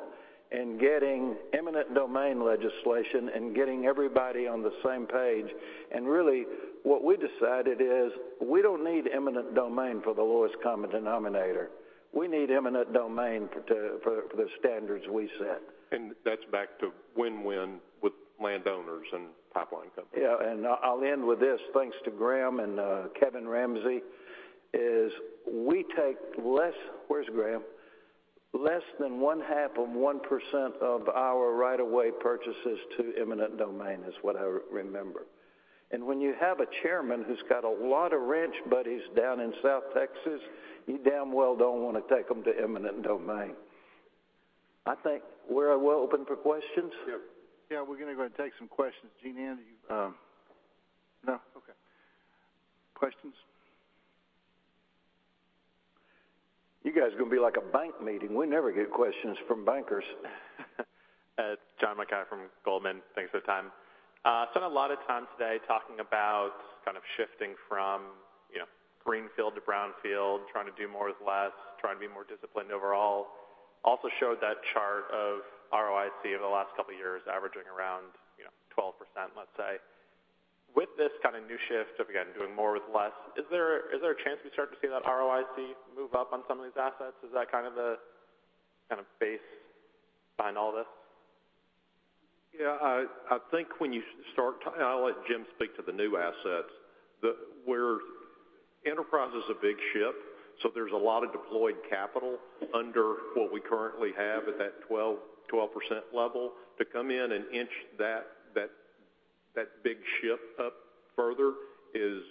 in getting eminent domain legislation and getting everybody on the same page. Really what we decided is we don't need eminent domain for the lowest common denominator. We need eminent domain for the standards we set. That's back to win-win with landowners and pipeline companies. Yeah, I'll end with this. Thanks to Graham and Kevin Ramsey, is we take less... Where's Graham? Less than one half of 1% of our right of way purchases to eminent domain is what I remember. When you have a chairman who's got a lot of ranch buddies down in South Texas, you damn well don't wanna take them to eminent domain. I think we're open for questions. Yeah. Yeah, we're gonna go and take some questions. Jeanne, have you... No. Okay. Questions? You guys are gonna be like a bank meeting. We never get questions from bankers. John Mackay from Goldman. Thanks for the time. spent a lot of time today talking about kind of shifting from, you know, greenfield to brownfield, trying to do more with less, trying to be more disciplined overall. Also showed that chart of ROIC over the last couple years, averaging around, you know, 12%, let's say. With this kind of new shift of, again, doing more with less, is there a chance we start to see that ROIC move up on some of these assets? Is that kind of the base behind all this? Yeah. I think when you start... I'll let Jim speak to the new assets. Enterprise is a big ship, so there's a lot of deployed capital under what we currently have at that 12% level. To come in and inch that big ship up further is,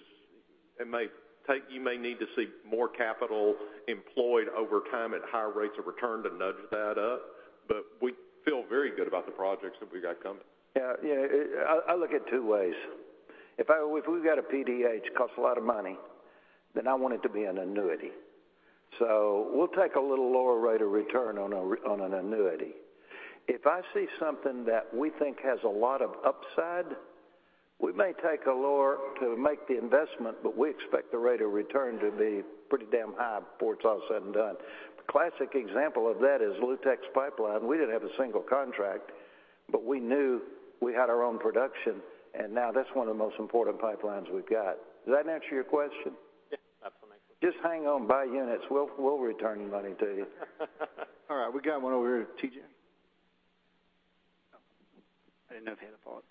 you may need to see more capital employed over time at higher rates of return to nudge that up. We feel very good about the projects that we got coming. Yeah. Yeah. I look at two ways. If we've got a PDH, costs a lot of money, then I want it to be an annuity. We'll take a little lower rate of return on an annuity. If I see something that we think has a lot of upside, we may take a lower to make the investment, but we expect the rate of return to be pretty damn high before it's all said and done. The classic example of that is Lou-Tex Pipeline. We didn't have a one contract, but we knew we had our own production, and now that's one of the most important pipelines we've got. Does that answer your question? Yeah. Absolutely. Just hang on. Buy units. We'll return money to you. All right, we got one over here. TJ. I didn't know if you had a follow-up.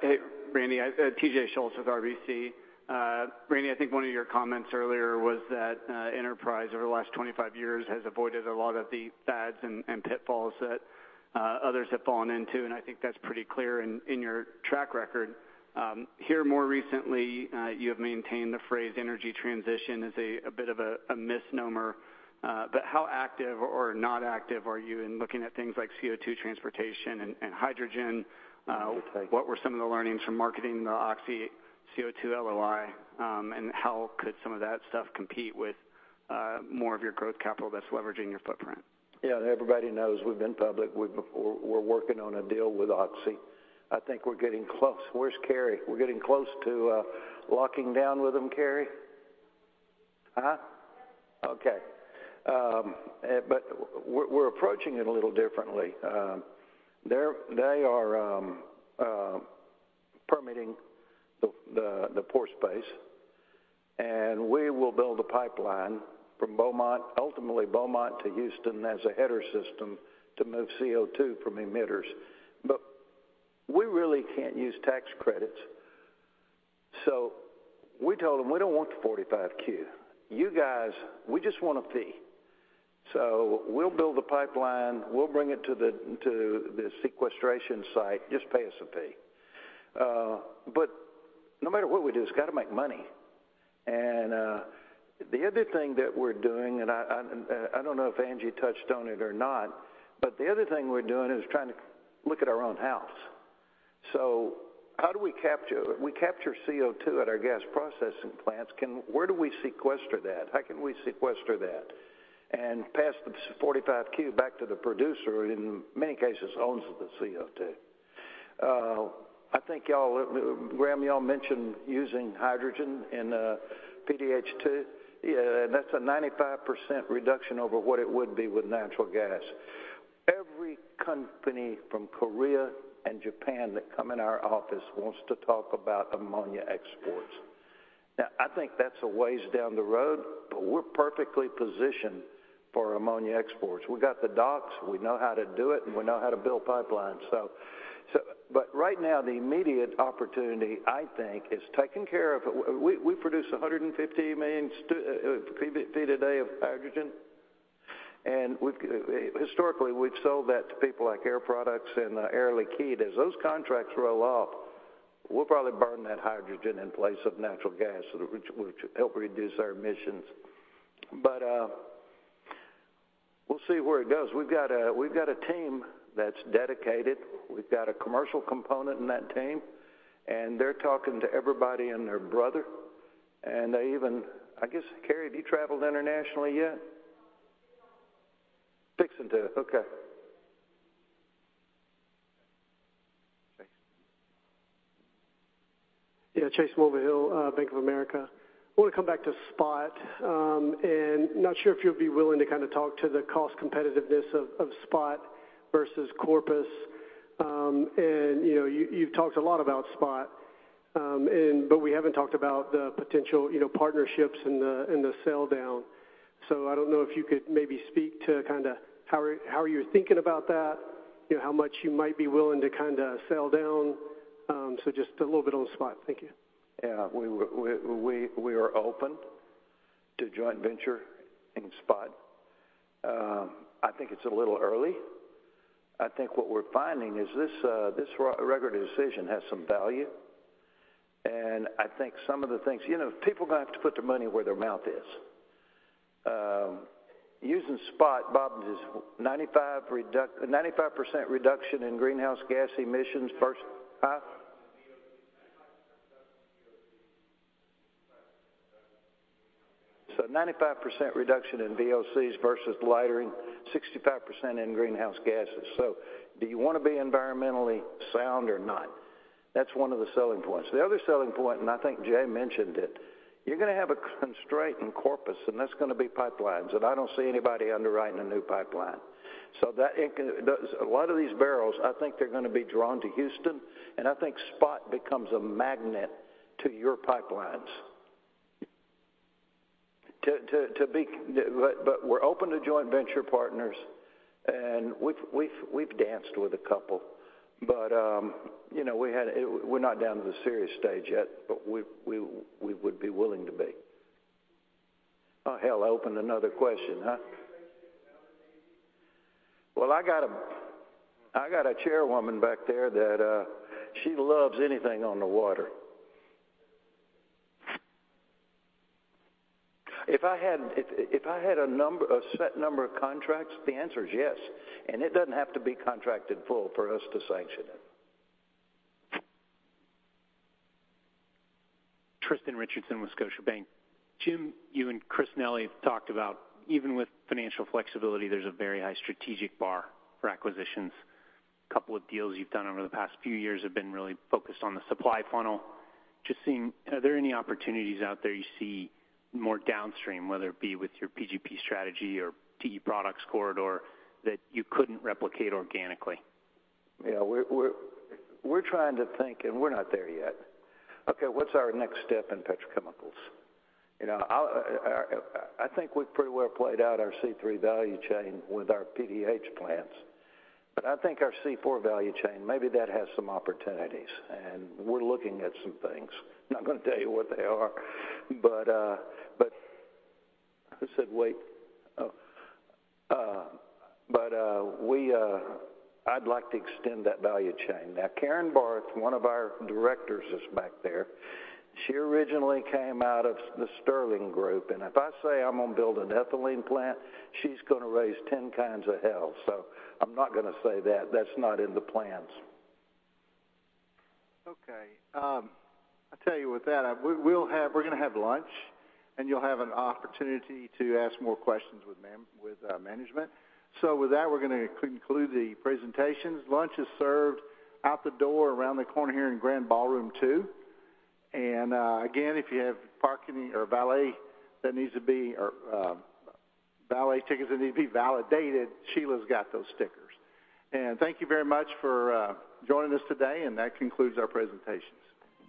Hey, Randy. TJ Schultz with RBC. Randy, I think one of your comments earlier was that Enterprise over the last 25 years has avoided a lot of the fads and pitfalls that others have fallen into, and I think that's pretty clear in your track record. Here more recently, you have maintained the phrase energy transition as a bit of a misnomer. How active or not active are you in looking at things like CO2 transportation and hydrogen? Good point. What were some of the learnings from marketing the Oxy CO2 LOI, and how could some of that stuff compete with more of your growth capital that's leveraging your footprint? Yeah. Everybody knows we've been public. We're working on a deal with Oxy. I think we're getting close. Where's Kerry? We're getting close to locking down with him. Kerry? Uh-huh? Yes. We're approaching it a little differently. They are permitting the port space, we will build a pipeline from Beaumont, ultimately Beaumont to Houston as a header system to move CO2 from emitters. We really can't use tax credits, so we told them we don't want the 45Q. You guys. We just want a fee. We'll build the pipeline, we'll bring it to the sequestration site. Just pay us a fee. No matter what we do, it's got to make money. The other thing that we're doing, and I don't know if Angie touched on it or not, but the other thing we're doing is trying to look at our own house. We capture CO2 at our gas processing plants. Where do we sequester that? How can we sequester that and pass the 45Q back to the producer who in many cases owns the CO2? I think y'all, Graham, y'all mentioned using hydrogen in PDH 2. Yeah. That's a 95% reduction over what it would be with natural gas. Every company from Korea and Japan that come in our office wants to talk about ammonia exports. I think that's a ways down the road, but we're perfectly positioned for ammonia exports. We got the docks. We know how to do it, and we know how to build pipelines. Right now, the immediate opportunity, I think, is taking care of... We produce 150 million PBT a day of hydrogen, and we've, historically, we've sold that to people like Air Products and Air Liquide. As those contracts roll off, we'll probably burn that hydrogen in place of natural gas, which will help reduce our emissions. We'll see where it goes. We've got a team that's dedicated. We've got a commercial component in that team. They're talking to everybody and their brother. They even. I guess, Kerry, have you traveled internationally yet? Fixing to. Fixing to. Okay. Thanks. Chase Mulvehill, Bank of America. I want to come back to SPOT. Not sure if you'll be willing to kind of talk to the cost competitiveness of SPOT versus Corpus. And, you know, you've talked a lot about SPOT. But we haven't talked about the potential, you know, partnerships and the sell down. I don't know if you could maybe speak to kind of how are you thinking about that. You know, how much you might be willing to kind of sell down. Just a little bit on SPOT. Thank you. Yeah. We are open to joint venture in SPOT. I think it's a little early. I think what we're finding is this regulatory decision has some value. I think some of the things, you know, people are gonna have to put their money where their mouth is. Using SPOT, Bob, is 95% reduction in greenhouse gas emissions first. Huh? 95% reduction in VOCs versus lightering, 65% in greenhouse gases. Do you wanna be environmentally sound or not? That's one of the selling points. The other selling point, I think Jay mentioned it, you're gonna have a constraint in Corpus, that's gonna be pipelines. I don't see anybody underwriting a new pipeline. That it does. A lot of these barrels, I think they're gonna be drawn to Houston, and I think SPOT becomes a magnet to your pipelines. To be. But we're open to joint venture partners, and we've danced with a couple, but, you know, we had. We're not down to the serious stage yet, but we would be willing to be. Oh, hell, I opened another question, huh? I got a chairwoman back there that she loves anything on the water. If I had a number, a set number of contracts, the answer is yes. It doesn't have to be contracted full for us to sanction it. Tristan Richardson, Scotiabank. Jim, you and Chris Nelly talked about even with financial flexibility, there's a very high strategic bar for acquisitions. A couple of deals you've done over the past few years have been really focused on the supply funnel. Just seeing, are there any opportunities out there you see more downstream, whether it be with your PGP strategy or TE Products corridor, that you couldn't replicate organically? Yeah. We're trying to think, we're not there yet. Okay, what's our next step in petrochemicals? You know, I think we've pretty well played out our C3 value chain with our PDH plants. I think our C4 value chain, maybe that has some opportunities, we're looking at some things. I'm not gonna tell you what they are, but... Who said wait? Oh. We... I'd like to extend that value chain. Carin Barth, one of our directors, is back there. She originally came out of The Sterling Group, if I say I'm gonna build an ethylene plant, she's gonna raise 10 kinds of hell. I'm not gonna say that. That's not in the plans. Okay. I'll tell you what, that we're gonna have lunch, and you'll have an opportunity to ask more questions with management. With that, we're gonna conclude the presentations. Lunch is served out the door around the corner here in Grand Ballroom 2. Again, if you have parking or valet tickets that need to be validated, Sheila's got those stickers. Thank you very much for joining us today, and that concludes our presentations.